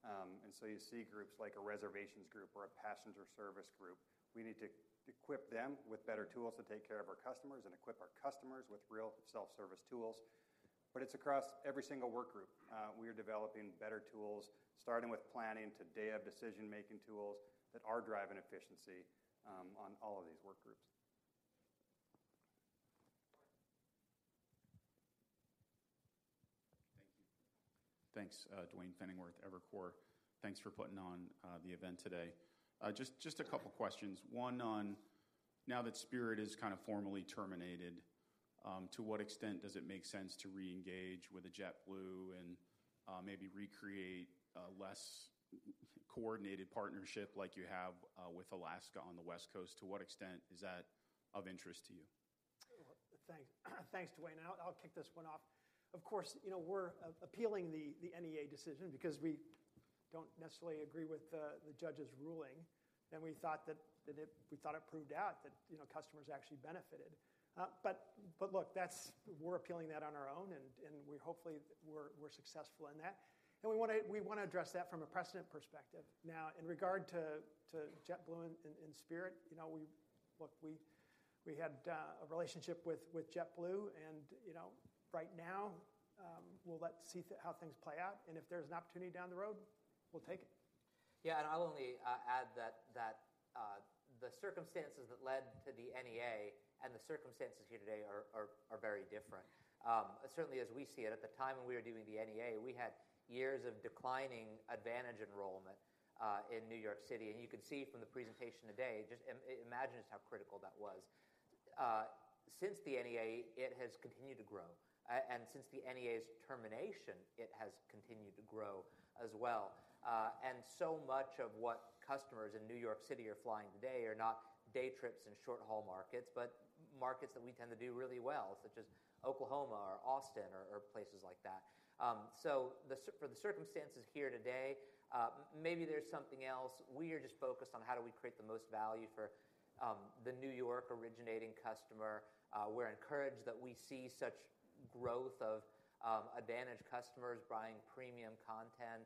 And so you see groups like a reservations group or a passenger service group. We need to equip them with better tools to take care of our customers and equip our customers with real self-service tools. But it's across every single workgroup. We are developing better tools, starting with planning to day-of-decision-making tools that are driving efficiency on all of these workgroups. Thank you. Thanks, Duane Pfennigwerth, Evercore. Thanks for putting on the event today. Just a couple of questions. Going on, now that Spirit is kind of formally terminated, to what extent does it make sense to re-engage with a JetBlue and maybe recreate a less coordinated partnership like you have with Alaska on the West Coast? To what extent is that of interest to you? Thanks, Duane. I'll kick this one off. Of course, we're appealing the NEA decision because we don't necessarily agree with the judge's ruling. We thought that it proved out that customers actually benefited. But look, we're appealing that on our own, and hopefully, we're successful in that. We want to address that from a precedent perspective. Now, in regard to JetBlue and Spirit, look, we had a relationship with JetBlue. Right now, we'll see how things play out. If there's an o pportunity down the road, we'll take it. Yeah. I'll only add that the circumstances that led to the NEA and the circumstances here today are very different. Certainly, as we see it, at the time when we were doing the NEA, we had years of declining AAdvantage enrollment in New York City. You could see from the presentation today, just imagine just how critical that was. Since the NEA, it has continued to grow. Since the NEA's termination, it has continued to grow as well. So much of what customers in New York City are flying today are not day trips and short-haul markets, but markets that we tend to do really well, such as Oklahoma or Austin or places like that. For the circumstances here today, maybe there's something else. We are just focused on how do we create the most value for the New York-originating customer. We're encouraged that we see such growth of AAdvantage customers buying premium content,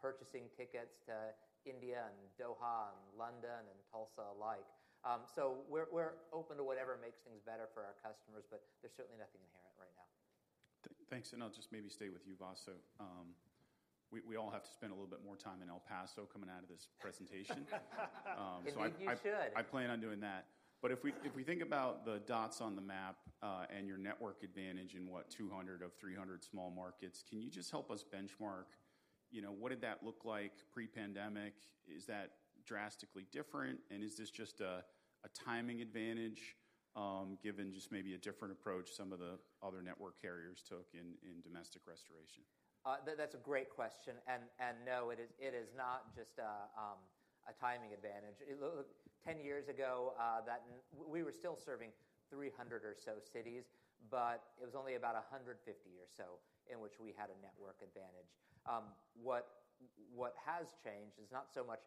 purchasing tickets to India and Doha and London and Tulsa alike. So we're open to whatever makes things better for our customers, but there's certainly nothing inherent right now. Thanks. And I'll just maybe stay with you, Vasu. We all have to spend a little bit more time in El Paso coming out of this presentation. You should. So I plan on doing that. But if we think about the dots on the map and your network advantage in what, 200 of 300 small markets, can you just help us benchmark? What did that look like pre-pandemic? Is that drastically different? And is this just a timing advantage given just maybe a different approach some of the other network carriers took in domestic restoration? That's a great question. And no, it is not just a timing advantage.10 years ago, we were still serving 300 or so cities, but it was only about 150 or so in which we had a network advantage. What has changed is not so much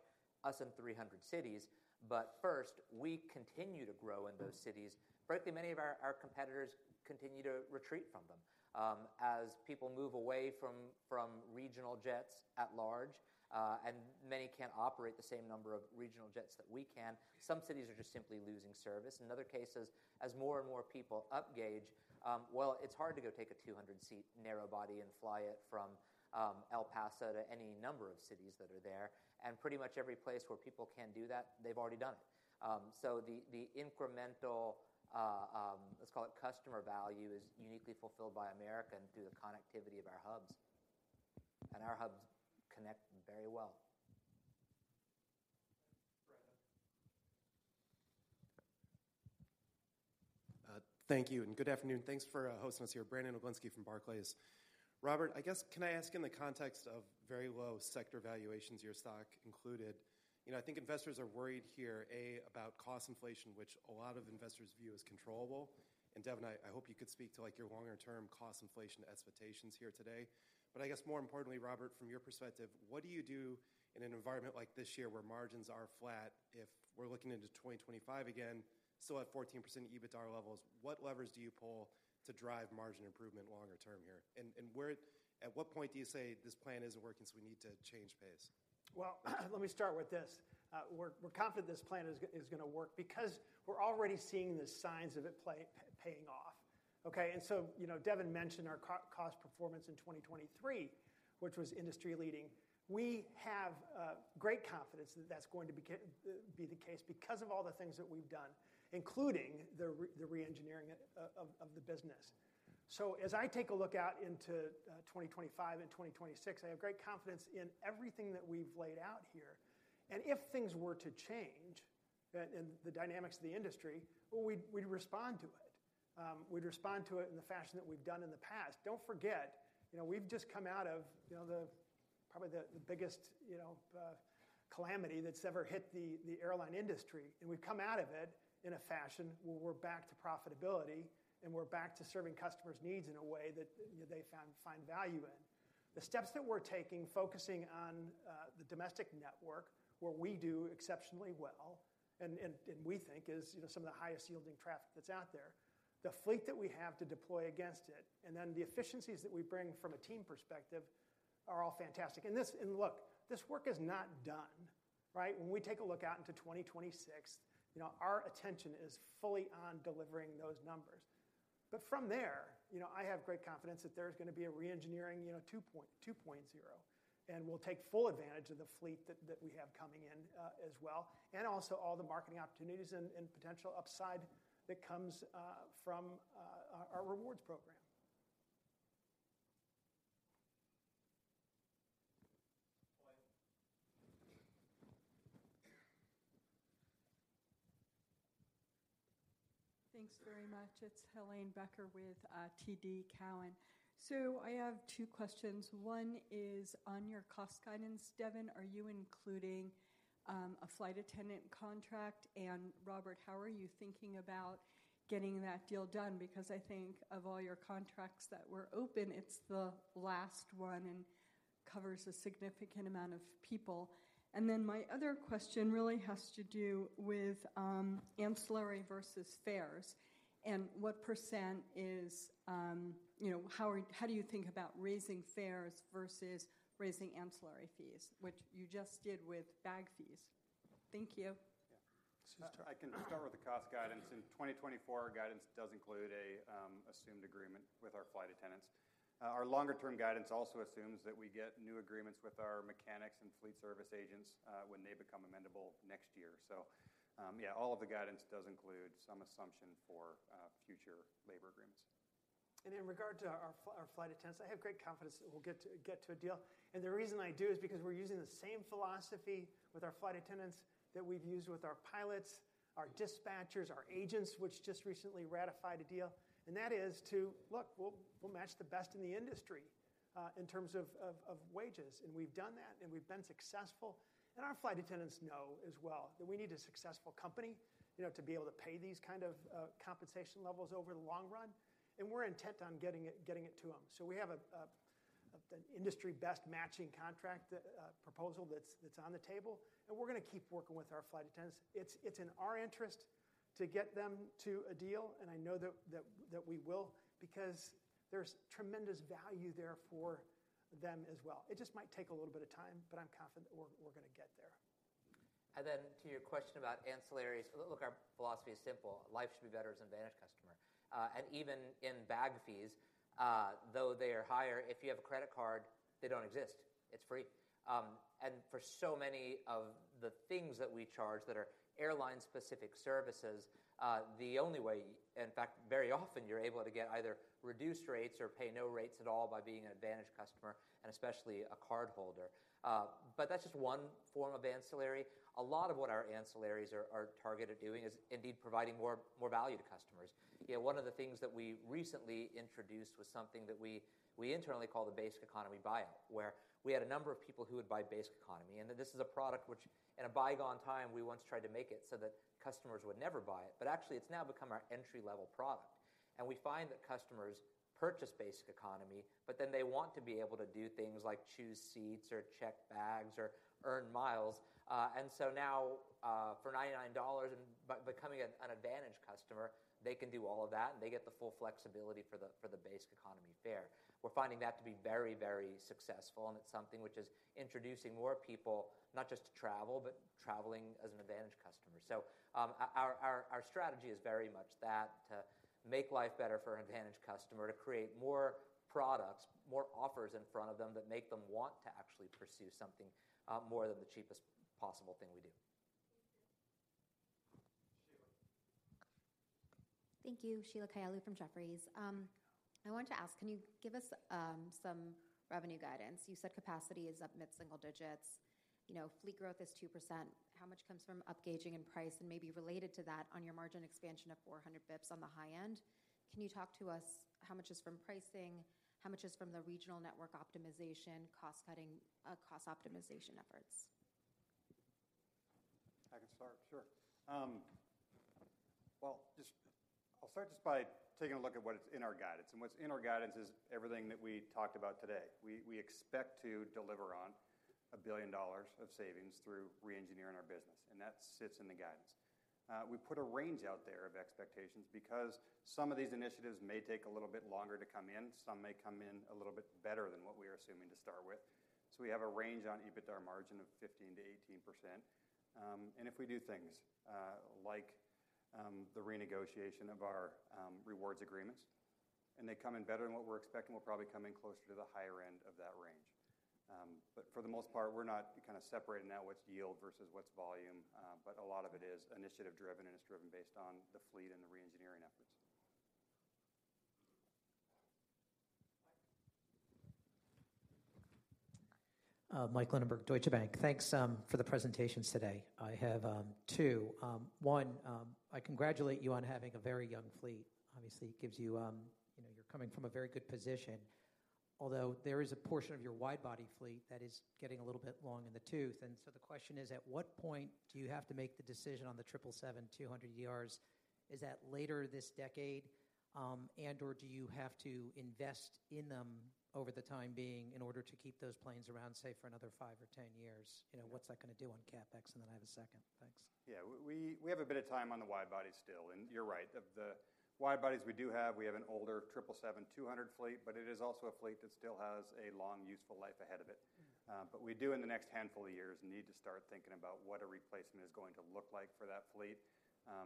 us in 300 cities, but first, we continue to grow in those cities. Frankly, many of our competitors continue to retreat from them. As people move away from regional jets at large, and many can't operate the same number of regional jets that we can, some cities are just simply losing service. In other cases, as more and more people upgauge, well, it's hard to go take a 200-seat narrowbody and fly it from El Paso to any number of cities that are there. And pretty much every place where people can do that, they've already done it. So the incremental, let's call it, customer value is uniquely fulfilled by American and through the connectivity of our hubs. Our hubs connect very well. Brandon. Thank you. Good afternoon. Thanks for hosting us here. Brandon Oglenski from Barclays. Robert, I guess, can I ask, in the context of very low sector valuations, your stock included? I think investors are worried here, A, about cost inflation, which a lot of investors view as controllable. Devon, I hope you could speak to your longer-term cost inflation expectations here today. But I guess, more importantly, Robert, from your perspective, what do you do in an environment like this year where margins are flat? If we're looking into 2025 again, still at 14% EBITDAR levels, what levers do you pull to drive margin improvement longer-term here? At what point do you say this plan isn't working, so we need to change pace? Well, let me start with this. We're confident this plan is going to work because we're already seeing the signs of it paying off. Okay? And so Devon mentioned our cost performance in 2023, which was industry-leading. We have great confidence that that's going to be the case because of all the things that we've done, including the re-engineering of the business. So as I take a look out into 2025 and 2026, I have great confidence in everything that we've laid out here. And if things were to change in the dynamics of the industry, well, we'd respond to it. We'd respond to it in the fashion that we've done in the past. Don't forget, we've just come out of probably the biggest calamity that's ever hit the airline industry. We've come out of it in a fashion where we're back to profitability, and we're back to serving customers' needs in a way that they find value in. The steps that we're taking, focusing on the domestic network, where we do exceptionally well, and we think is some of the highest-yielding traffic that's out there, the fleet that we have to deploy against it, and then the efficiencies that we bring from a team perspective are all fantastic. And look, this work is not done. Right? When we take a look out into 2026, our attention is fully on delivering those numbers. But from there, I have great confidence that there's going to be a re-engineering 2.0. And we'll take full advantage of the fleet that we have coming in as well, and also all the marketing opportunities and potential upside that comes from our rewards program. Thanks very much. It's Helane Becker with TD Cowen. So I have two questions. One is on your cost guidance. Devon, are you including a flight attendant contract? And Robert, how are you thinking about getting that deal done? Because I think, of all your contracts that were open, it's the last one and covers a significant amount of people. And then my other question really has to do with ancillary versus fares. And what percent is how do you think about raising fares versus raising ancillary fees, which you just did with bag fees? Thank you. Yeah. I can start with the cost guidance. In 2024, our guidance does include an assumed agreement with our flight attendants. Our longer-term guidance also assumes that we get new agreements with our mechanics and fleet service agents when they become amendable next year. So yeah, all of the guidance does include some assumption for future labor agreements. And in regard to our flight attendants, I have great confidence that we'll get to a deal. And the reason I do is because we're using the same philosophy with our flight attendants that we've used with our pilots, our dispatchers, our agents, which just recently ratified a deal. And that is to, look, we'll match the best in the industry in terms of wages. And we've done that, and we've been successful. And our flight attendants know as well that we need a successful company to be able to pay these kind of compensation levels over the long run. And we're intent on getting it to them. So we have an industry-best matching contract proposal that's on the table. And we're going to keep working with our flight attendants. It's in our interest to get them to a deal. I know that we will because there's tremendous value there for them as well. It just might take a little bit of time, but I'm confident that we're going to get there. And then to your question about ancillaries, look, our philosophy is simple. Life should be better as an AAdvantage customer. And even in bag fees, though they are higher, if you have a credit card, they don't exist. It's free. And for so many of the things that we charge that are airline-specific services, the only way in fact, very often, you're able to get either reduced rates or pay no rates at all by being an AAdvantage customer and especially a cardholder. But that's just one form of ancillary. A lot of what our ancillaries are targeted doing is indeed providing more value to customers. One of the things that we recently introduced was something that we internally call the Basic Economy buyout, where we had a number of people who would buy Basic Economy. This is a product which, in a bygone time, we once tried to make it so that customers would never buy it. But actually, it's now become our entry-level product. We find that customers purchase Basic Economy, but then they want to be able to do things like choose seats or check bags or earn miles. And so now, for $99 and by becoming an AAdvantage customer, they can do all of that, and they get the full flexibility for the Basic Economy fare. We're finding that to be very, very successful. It's something which is introducing more people, not just to travel, but traveling as an AAdvantage customer. So our strategy is very much that, to make life better for an AAdvantage customer, to create more products, more offers in front of them that make them want to actually pursue something more than the cheapest possible thing we do. Thank you. Thank you, Sheila Kahyaoglu from Jefferies. I wanted to ask, can you give us some revenue guidance? You said capacity is up mid-single digits. Fleet growth is 2%. How much comes from upgauging in price? And maybe related to that, on your margin expansion of 400 basis points on the high end, can you talk to us how much is from pricing? How much is from the regional network optimization, cost optimization efforts? I can start. Sure. Well, I'll start just by taking a look at what's in our guidance. And what's in our guidance is everything that we talked about today. We expect to deliver on $1 billion of savings through re-engineering our business. And that sits in the guidance. We put a range out there of expectations because some of these initiatives may take a little bit longer to come in. Some may come in a little bit better than what we are assuming to start with. So we have a range on EBITDAR margin of 15%-18%. And if we do things like the renegotiation of our rewards agreements and they come in better than what we're expecting, we'll probably come in closer to the higher end of that range. But for the most part, we're not kind of separating out what's yield versus what's volume. A lot of it is initiative-driven and it's driven based on the fleet and the re-engineering efforts. Michael Linenberg, Deutsche Bank. Thanks for the presentations today. I have two. One, I congratulate you on having a very young fleet. Obviously, it gives you you're coming from a very good position. Although there is a portion of your wide-body fleet that is getting a little bit long in the tooth. And so the question is, at what point do you have to make the decision on the 777-200ERs? Is that later this decade? And/or do you have to invest in them over the time being in order to keep those planes around, say, for another five or 10 years? What's that going to do on CapEx? And then I have a second. Thanks. Yeah. We have a bit of time on the wide-bodies still. And you're right. Of the wide-bodies we do have, we have an older 777-200 fleet. But it is also a fleet that still has a long, useful life ahead of it. But we do, in the next handful of years, need to start thinking about what a replacement is going to look like for that fleet.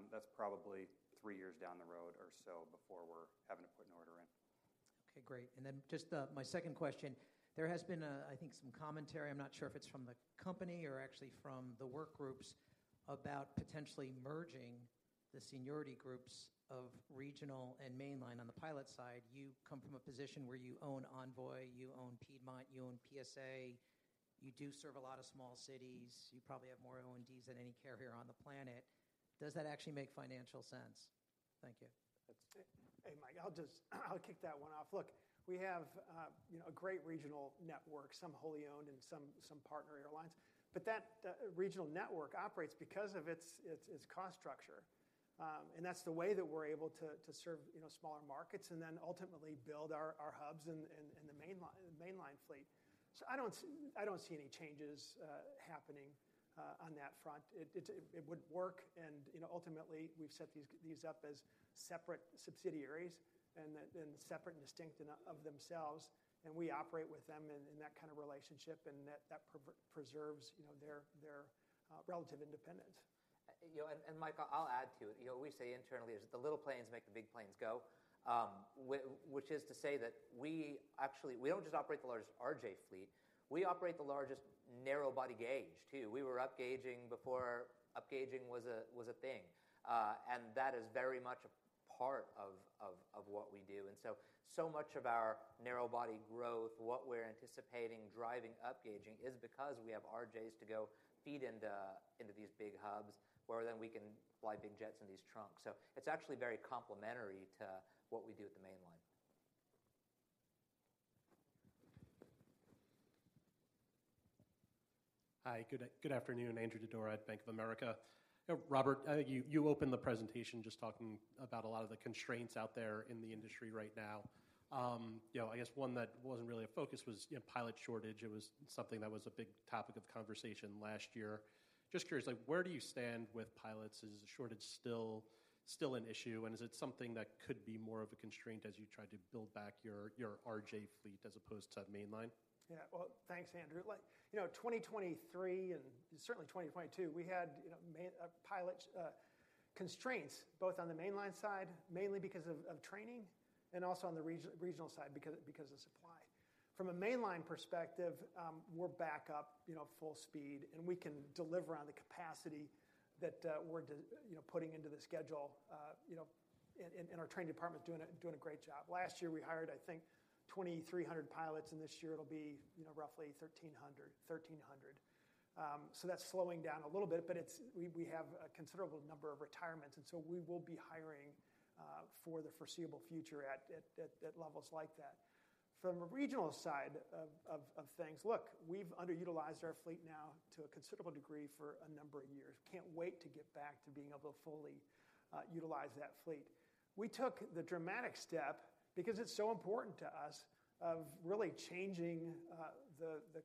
That's probably three years down the road or so before we're having to put an order in. Okay. Great. And then just my second question. There has been, I think, some commentary. I'm not sure if it's from the company or actually from the work groups about potentially merging the seniority groups of regional and mainline on the pilot side. You come from a position where you own Envoy. You own Piedmont. You own PSA. You do serve a lot of small cities. You probably have more O&Ds than any carrier on the planet. Does that actually make financial sense? Thank you. Hey, Mike. I'll kick that one off. Look, we have a great regional network, some wholly owned and some partner airlines. But that regional network operates because of its cost structure. And that's the way that we're able to serve smaller markets and then ultimately build our hubs and the mainline fleet. So I don't see any changes happening on that front. It wouldn't work. And ultimately, we've set these up as separate subsidiaries and separate and distinct of themselves. And we operate with them in that kind of relationship. And that preserves their relative independence. Mike, I'll add to it. We say internally, "The little planes make the big planes go," which is to say that we actually don't just operate the largest RJ fleet. We operate the largest narrow-body gauge too. We were upgauging before upgauging was a thing. And that is very much a part of what we do. And so much of our narrow-body growth, what we're anticipating driving upgauging is because we have RJs to go feed into these big hubs where then we can fly big jets in these trunks. So it's actually very complementary to what we do at the mainline. Hi. Good afternoon. Andrew Didora at Bank of America. Robert, I think you opened the presentation just talking about a lot of the constraints out there in the industry right now. I guess one that wasn't really a focus was pilot shortage. It was something that was a big topic of conversation last year. Just curious, where do you stand with pilots? Is the shortage still an issue? And is it something that could be more of a constraint as you try to build back your RJ fleet as opposed to mainline? Yeah. Well, thanks, Andrew. 2023 and certainly 2022, we had pilot constraints both on the mainline side, mainly because of training, and also on the regional side because of supply. From a mainline perspective, we're back up full speed. We can deliver on the capacity that we're putting into the schedule. Our training department's doing a great job. Last year, we hired, I think, 2,300 pilots. This year, it'll be roughly 1,300, 1,300. That's slowing down a little bit. We have a considerable number of retirements. We will be hiring for the foreseeable future at levels like that. From a regional side of things, look, we've underutilized our fleet now to a considerable degree for a number of years. Can't wait to get back to being able to fully utilize that fleet. We took the dramatic step, because it's so important to us, of really changing the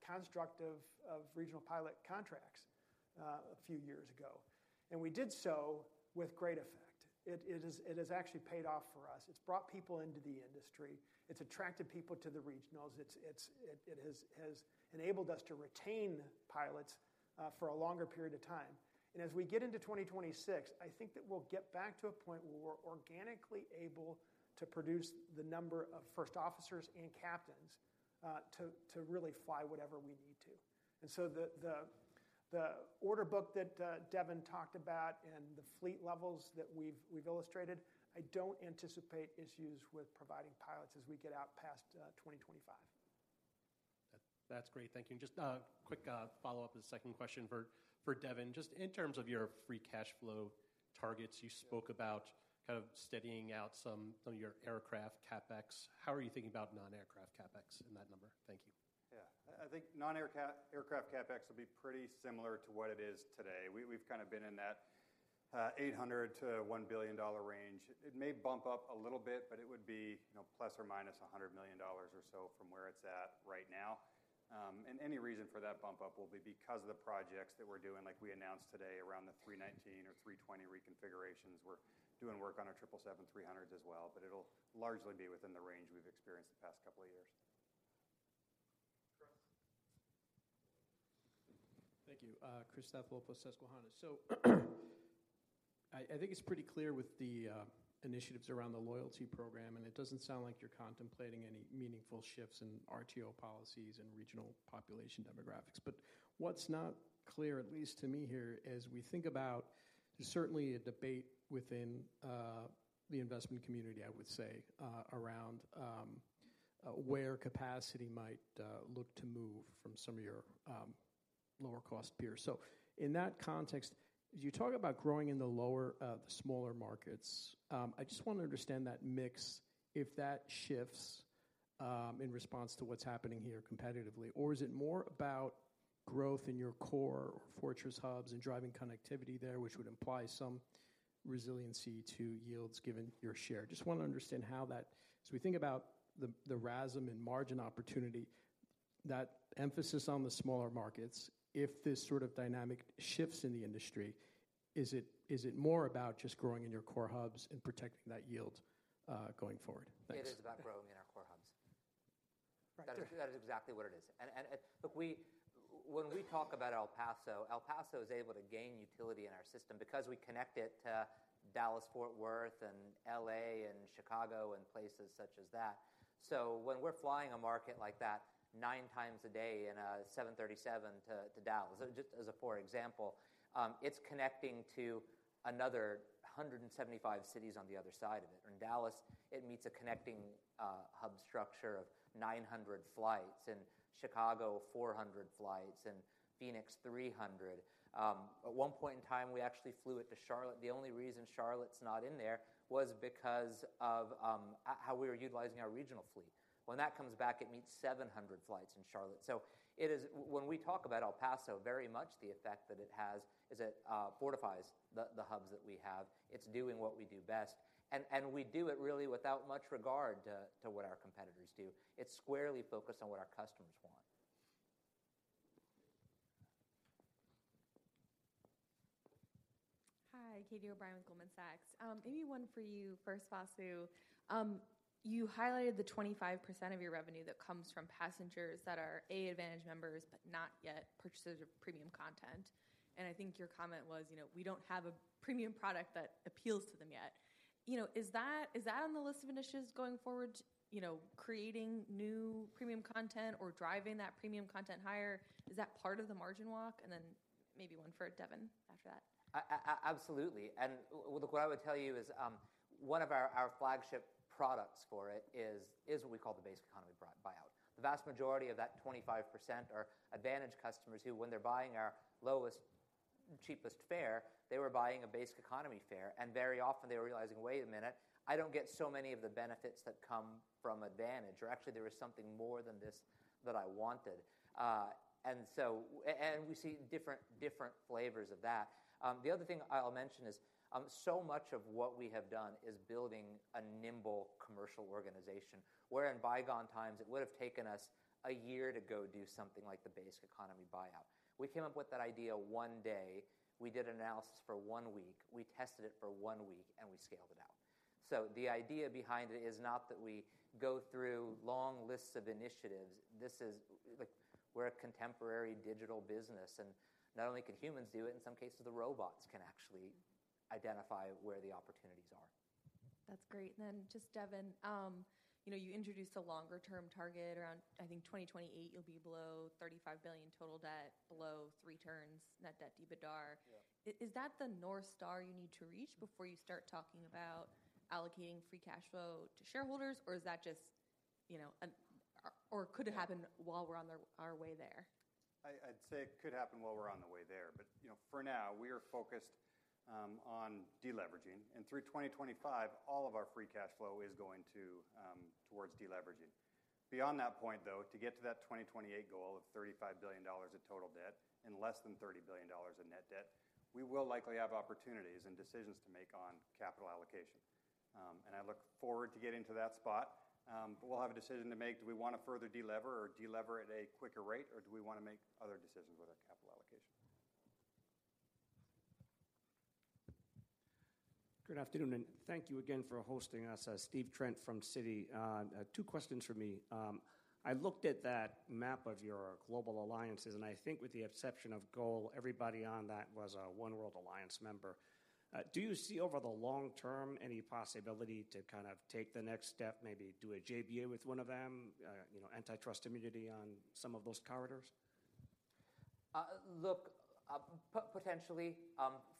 construct of regional pilot contracts a few years ago. We did so with great effect. It has actually paid off for us. It's brought people into the industry. It's attracted people to the regionals. It has enabled us to retain pilots for a longer period of time. As we get into 2026, I think that we'll get back to a point where we're organically able to produce the number of first officers and captains to really fly whatever we need to. The order book that Devon talked about and the fleet levels that we've illustrated, I don't anticipate issues with providing pilots as we get out past 2025. That's great. Thank you. Just a quick follow-up of the second question for Devon. Just in terms of your free cash flow targets, you spoke about kind of steadying out some of your aircraft CapEx. How are you thinking about non-aircraft CapEx and that number? Thank you. Yeah. I think non-aircraft CapEx will be pretty similar to what it is today. We've kind of been in that $800 million-$1 billion range. It may bump up a little bit, but it would be plus or minus $100 million or so from where it's at right now. And any reason for that bump-up will be because of the projects that we're doing. Like we announced today around the A319 or A320 reconfigurations, we're doing work on our 777-300s as well. But it'll largely be within the range we've experienced the past couple of years. Thank you. Christopher Stathoulopoulos, Susquehanna. So I think it's pretty clear with the initiatives around the loyalty program. And it doesn't sound like you're contemplating any meaningful shifts in RTO policies and regional population demographics. But what's not clear, at least to me here, as we think about, there's certainly a debate within the investment community, I would say, around where capacity might look to move from some of your lower-cost peers. So in that context, as you talk about growing in the smaller markets, I just want to understand that mix, if that shifts in response to what's happening here competitively. Or is it more about growth in your core or Fortress hubs and driving connectivity there, which would imply some resiliency to yields given your share? Just want to understand how that as we think about the RASM and margin opportunity, that emphasis on the smaller markets, if this sort of dynamic shifts in the industry, is it more about just growing in your core hubs and protecting that yield going forward? Thanks. It is about growing in our core hubs. That is exactly what it is. And look, when we talk about El Paso, El Paso is able to gain utility in our system because we connect it to Dallas, Fort Worth, and L.A. and Chicago and places such as that. So when we're flying a market like that nine times a day in a 737 to Dallas, just as a for example, it's connecting to another 175 cities on the other side of it. And in Dallas, it meets a connecting hub structure of 900 flights and Chicago, 400 flights and Phoenix, 300. At one point in time, we actually flew it to Charlotte. The only reason Charlotte's not in there was because of how we were utilizing our regional fleet. When that comes back, it meets 700 flights in Charlotte. When we talk about El Paso, very much the effect that it has is it fortifies the hubs that we have. It's doing what we do best. We do it really without much regard to what our competitors do. It's squarely focused on what our customers want. Hi. Catie O'Brien with Goldman Sachs. Maybe one for you, first, Vasu. You highlighted the 25% of your revenue that comes from passengers that are AAdvantage members, but not yet purchasers of premium content. And I think your comment was, "We don't have a premium product that appeals to them yet." Is that on the list of initiatives going forward, creating new premium content or driving that premium content higher? Is that part of the margin walk? And then maybe one for Devon after that. Absolutely. And look, what I would tell you is one of our flagship products for it is what we call the Basic Economy buyout. The vast majority of that 25% are AAdvantage customers who, when they're buying our lowest, cheapest fare, they were buying a Basic Economy fare. And very often, they were realizing, "Wait a minute. I don't get so many of the benefits that come from AAdvantage." Or actually, there was something more than this that I wanted. And we see different flavors of that. The other thing I'll mention is so much of what we have done is building a nimble commercial organization where, in bygone times, it would have taken us a year to go do something like the Basic Economy buyout. We came up with that idea one day. We did an analysis for one week. We tested it for one week. We scaled it out. The idea behind it is not that we go through long lists of initiatives. We're a contemporary digital business. Not only can humans do it, in some cases, the robots can actually identify where the opportunities are. That's great. And then just Devon, you introduced a longer-term target around, I think, 2028, you'll be below $35 billion total debt, below 3x net debt to EBITDAR. Is that the North Star you need to reach before you start talking about allocating free cash flow to shareholders? Or is that just or could it happen while we're on our way there? I'd say it could happen while we're on the way there. But for now, we are focused on deleveraging. And through 2025, all of our free cash flow is going towards deleveraging. Beyond that point, though, to get to that 2028 goal of $35 billion of total debt and less than $30 billion of net debt, we will likely have opportunities and decisions to make on capital allocation. And I look forward to getting to that spot. But we'll have a decision to make. Do we want to further delever or delever at a quicker rate? Or do we want to make other decisions with our capital allocation? Good afternoon. Thank you again for hosting us. Stephen Trent from Citi. Two questions for me. I looked at that map of your global alliances. I think, with the exception of GOL, everybody on that was a oneworld Alliance member. Do you see, over the long term, any possibility to kind of take the next step, maybe do a JBA with one of them, antitrust immunity on some of those corridors? Look, potentially,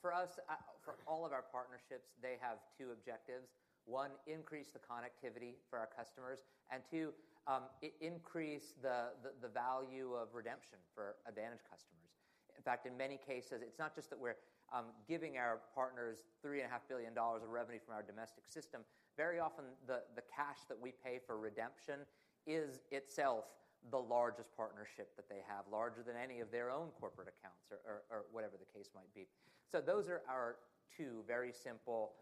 for us, for all of our partnerships, they have two objectives. One, increase the connectivity for our customers. And two, increase the value of redemption for AAdvantage customers. In fact, in many cases, it's not just that we're giving our partners $3.5 billion of revenue from our domestic system. Very often, the cash that we pay for redemption is itself the largest partnership that they have, larger than any of their own corporate accounts or whatever the case might be. So those are our two very simple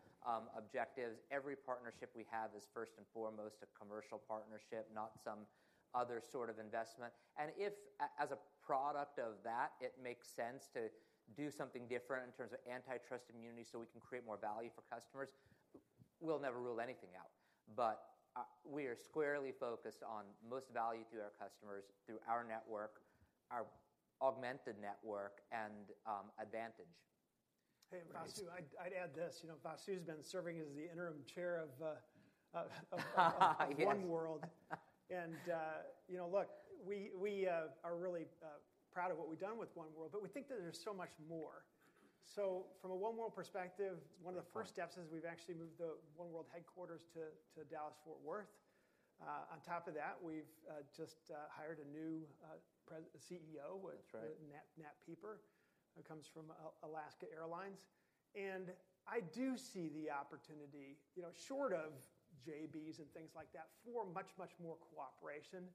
objectives. Every partnership we have is, first and foremost, a commercial partnership, not some other sort of investment. And if, as a product of that, it makes sense to do something different in terms of antitrust immunity so we can create more value for customers, we'll never rule anything out. But we are squarely focused on most value through our customers, through our network, our augmented network, and AAdvantage. Hey, Vasu, I'd add this. Vasu's been serving as the interim chair of oneworld. And look, we are really proud of what we've done with oneworld. But we think that there's so much more. So from a oneworld perspective, one of the first steps is we've actually moved the oneworld headquarters to Dallas, Fort Worth. On top of that, we've just hired a new CEO, Nat Pieper. He comes from Alaska Airlines. And I do see the opportunity, short of JBs and things like that, for much, much more cooperation.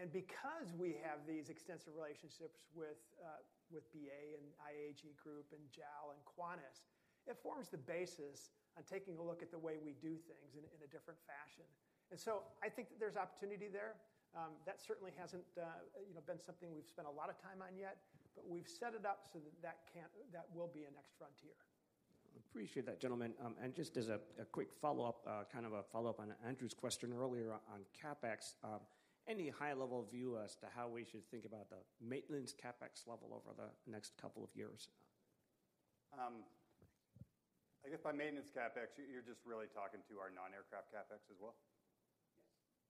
And because we have these extensive relationships with BA and IAG Group and JAL and Qantas, it forms the basis on taking a look at the way we do things in a different fashion. And so I think that there's opportunity there. That certainly hasn't been something we've spent a lot of time on yet. But we've set it up so that that will be a next frontier. Appreciate that, gentlemen. And just as a quick follow-up, kind of a follow-up on Andrew's question earlier on CapEx, any high-level view as to how we should think about the maintenance CapEx level over the next couple of years? I guess by maintenance CapEx, you're just really talking to our non-aircraft CapEx as well?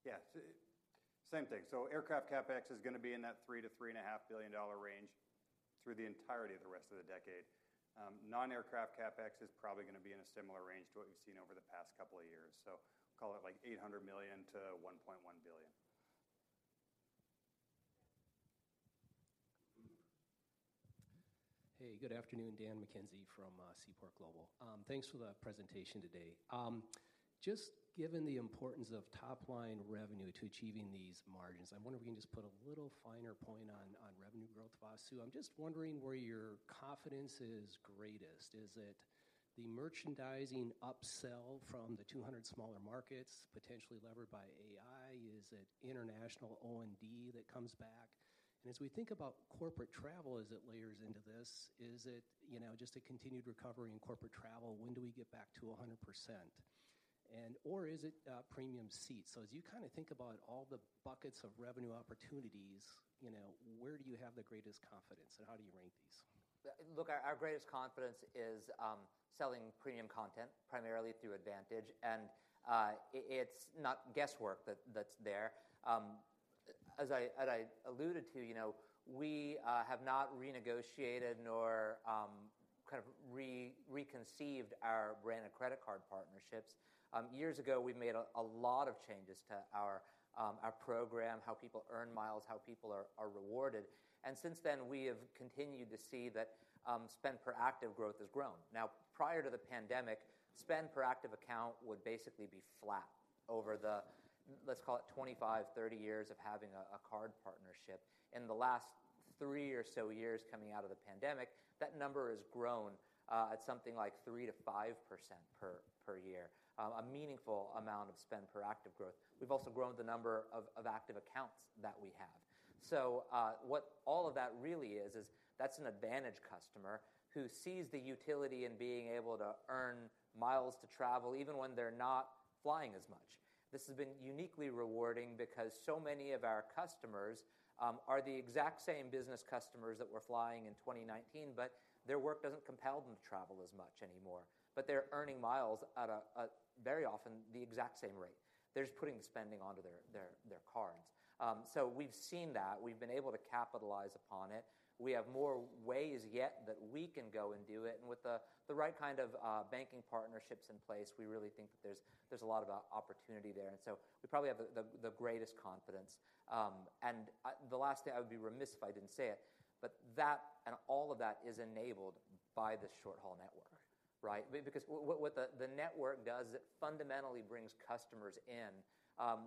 Yes. Yeah. Same thing. Aircraft CapEx is going to be in that $3 billion-$3.5 billion range through the entirety of the rest of the decade. Non-aircraft CapEx is probably going to be in a similar range to what we've seen over the past couple of years. Call it like $800 million-$1.1 billion. Hey, good afternoon, Dan McKenzie from Seaport Global. Thanks for the presentation today. Just given the importance of top-line revenue to achieving these margins, I wonder if we can just put a little finer point on revenue growth, Vasu. I'm just wondering where your confidence is greatest. Is it the merchandising upsell from the 200 smaller markets, potentially levered by AI? Is it international O&D that comes back? And as we think about corporate travel, as it layers into this, is it just a continued recovery in corporate travel? When do we get back to 100%? Or is it premium seats? So as you kind of think about all the buckets of revenue opportunities, where do you have the greatest confidence? And how do you rank these? Look, our greatest confidence is selling premium content, primarily through AAdvantage. It's not guesswork that's there. As I alluded to, we have not renegotiated nor kind of reconceived our branded credit card partnerships. Years ago, we made a lot of changes to our program, how people earn miles, how people are rewarded. And since then, we have continued to see that spend-per-active growth has grown. Now, prior to the pandemic, spend-per-active account would basically be flat over the, let's call it, 25-30 years of having a card partnership. In the last three or so years coming out of the pandemic, that number has grown at something like 3%-5% per year, a meaningful amount of spend-per-active growth. We've also grown the number of active accounts that we have. So what all of that really is, is that's an AAdvantage customer who sees the utility in being able to earn miles to travel, even when they're not flying as much. This has been uniquely rewarding because so many of our customers are the exact same business customers that were flying in 2019. But their work doesn't compel them to travel as much anymore. But they're earning miles at, very often, the exact same rate. They're just putting the spending onto their cards. So we've seen that. We've been able to capitalize upon it. We have more ways yet that we can go and do it. And with the right kind of banking partnerships in place, we really think that there's a lot of opportunity there. And so we probably have the greatest confidence. And the last thing, I would be remiss if I didn't say it. But that and all of that is enabled by the short-haul network, right? Because what the network does, it fundamentally brings customers in,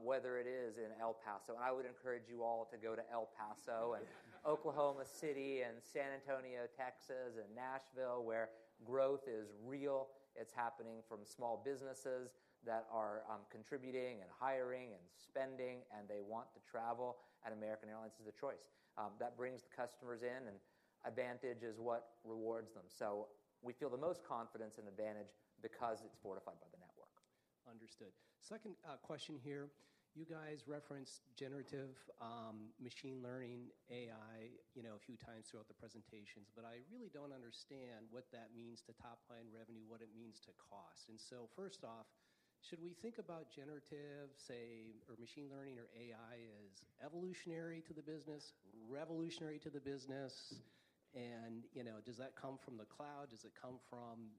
whether it is in El Paso. And I would encourage you all to go to El Paso and Oklahoma City and San Antonio, Texas, and Nashville, where growth is real. It's happening from small businesses that are contributing and hiring and spending. And they want to travel. And American Airlines is the choice. That brings the customers in. And AAdvantage is what rewards them. So we feel the most confidence in AAdvantage because it's fortified by the network. Understood. Second question here. You guys referenced generative machine learning, AI, a few times throughout the presentations. But I really don't understand what that means to top-line revenue, what it means to cost. And so first off, should we think about generative, say, or machine learning or AI as evolutionary to the business, revolutionary to the business? And does that come from the cloud? Does it come from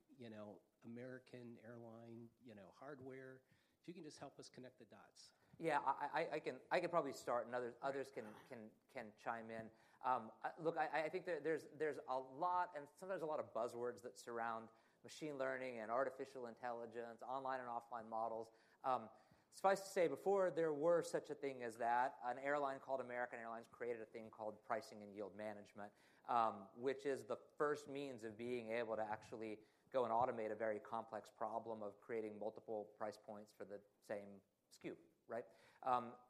American Airlines hardware? If you can just help us connect the dots. Yeah. I can probably start. And others can chime in. Look, I think there's a lot and sometimes a lot of buzzwords that surround machine learning and artificial intelligence, online and offline models. Suffice to say, before there were such a thing as that, an airline called American Airlines created a thing called pricing and yield management, which is the first means of being able to actually go and automate a very complex problem of creating multiple price points for the same SKU, right?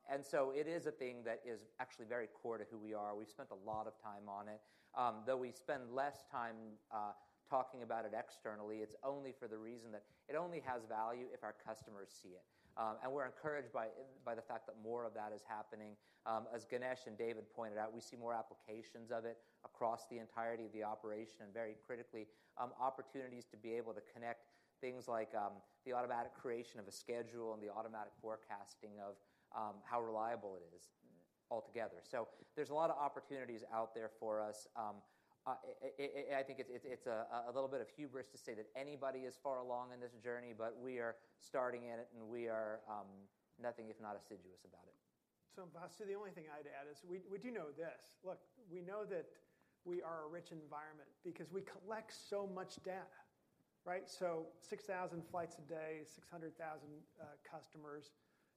And so it is a thing that is actually very core to who we are. We've spent a lot of time on it. Though we spend less time talking about it externally, it's only for the reason that it only has value if our customers see it. And we're encouraged by the fact that more of that is happening. As Ganesh and David pointed out, we see more applications of it across the entirety of the operation. And very critically, opportunities to be able to connect things like the automatic creation of a schedule and the automatic forecasting of how reliable it is altogether. So there's a lot of opportunities out there for us. I think it's a little bit of hubris to say that anybody is far along in this journey. But we are starting in it. And we are nothing if not assiduous about it. So Vasu, the only thing I'd add is we do know this. Look, we know that we are a rich environment because we collect so much data, right? So 6,000 flights a day, 600,000 customers.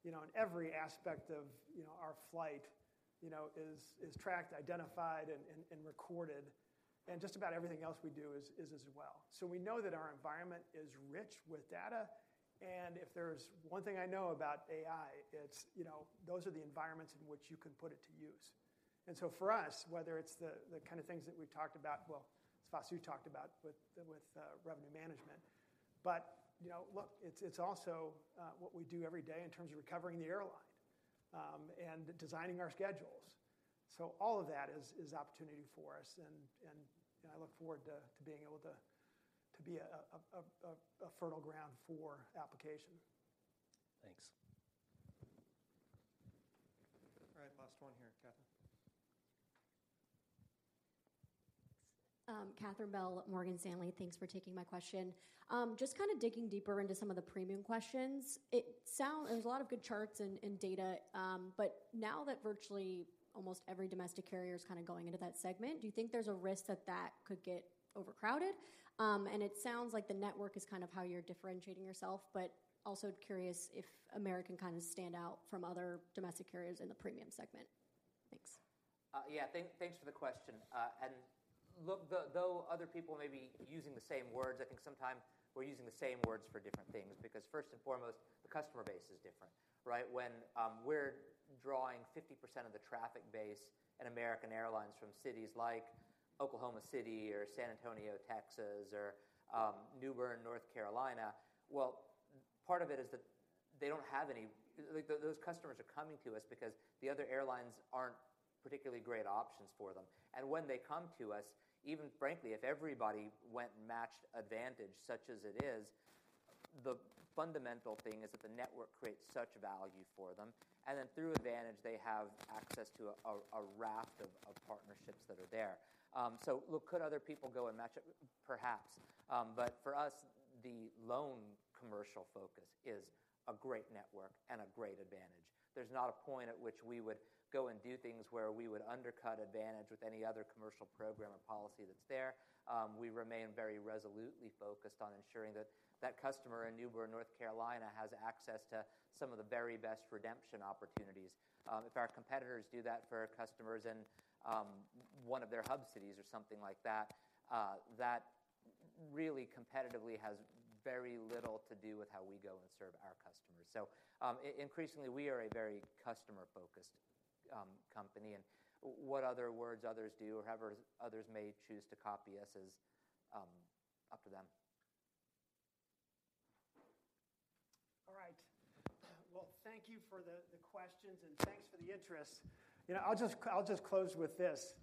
And every aspect of our flight is tracked, identified, and recorded. And just about everything else we do is as well. So we know that our environment is rich with data. And if there's one thing I know about AI, it's those are the environments in which you can put it to use. And so for us, whether it's the kind of things that we've talked about well, it's Vasu talked about with revenue management. But look, it's also what we do every day in terms of recovering the airline and designing our schedules. So all of that is opportunity for us. I look forward to being able to be a fertile ground for application. Thanks. All right. Last one here, Kathryn. Kathryn Bell, Morgan Stanley. Thanks for taking my question. Just kind of digging deeper into some of the premium questions, there's a lot of good charts and data. But now that virtually almost every domestic carrier is kind of going into that segment, do you think there's a risk that that could get overcrowded? And it sounds like the network is kind of how you're differentiating yourself. But also curious if American kind of stand out from other domestic carriers in the premium segment. Thanks. Yeah. Thanks for the question. And look, though other people may be using the same words, I think sometimes we're using the same words for different things. Because first and foremost, the customer base is different, right? When we're drawing 50% of the traffic base in American Airlines from cities like Oklahoma City or San Antonio, Texas, or New Bern, North Carolina, well, part of it is that they don't have any, those customers are coming to us because the other airlines aren't particularly great options for them. And when they come to us, even frankly, if everybody went and matched advantage such as it is, the fundamental thing is that the network creates such value for them. And then through advantage, they have access to a raft of partnerships that are there. So look, could other people go and match it? Perhaps. But for us, the lone commercial focus is a great network and a great advantage. There's not a point at which we would go and do things where we would undercut advantage with any other commercial program or policy that's there. We remain very resolutely focused on ensuring that that customer in New Bern, North Carolina, has access to some of the very best redemption opportunities. If our competitors do that for our customers in one of their hub cities or something like that, that really competitively has very little to do with how we go and serve our customers. So increasingly, we are a very customer-focused company. And what other words others do or however others may choose to copy us is up to them. All right. Well, thank you for the questions. Thanks for the interest. I'll just close with this,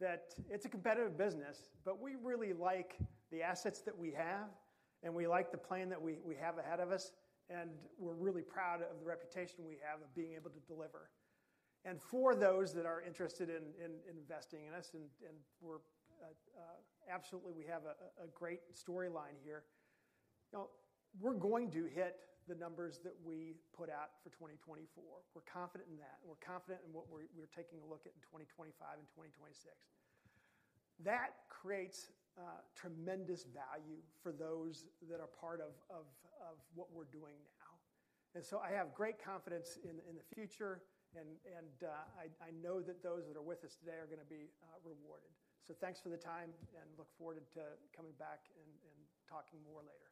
that it's a competitive business. But we really like the assets that we have. We like the plan that we have ahead of us. We're really proud of the reputation we have of being able to deliver. For those that are interested in investing in us, and absolutely, we have a great storyline here, we're going to hit the numbers that we put out for 2024. We're confident in that. We're confident in what we're taking a look at in 2025 and 2026. That creates tremendous value for those that are part of what we're doing now. So I have great confidence in the future. I know that those that are with us today are going to be rewarded. So thanks for the time. Look forward to coming back and talking more later.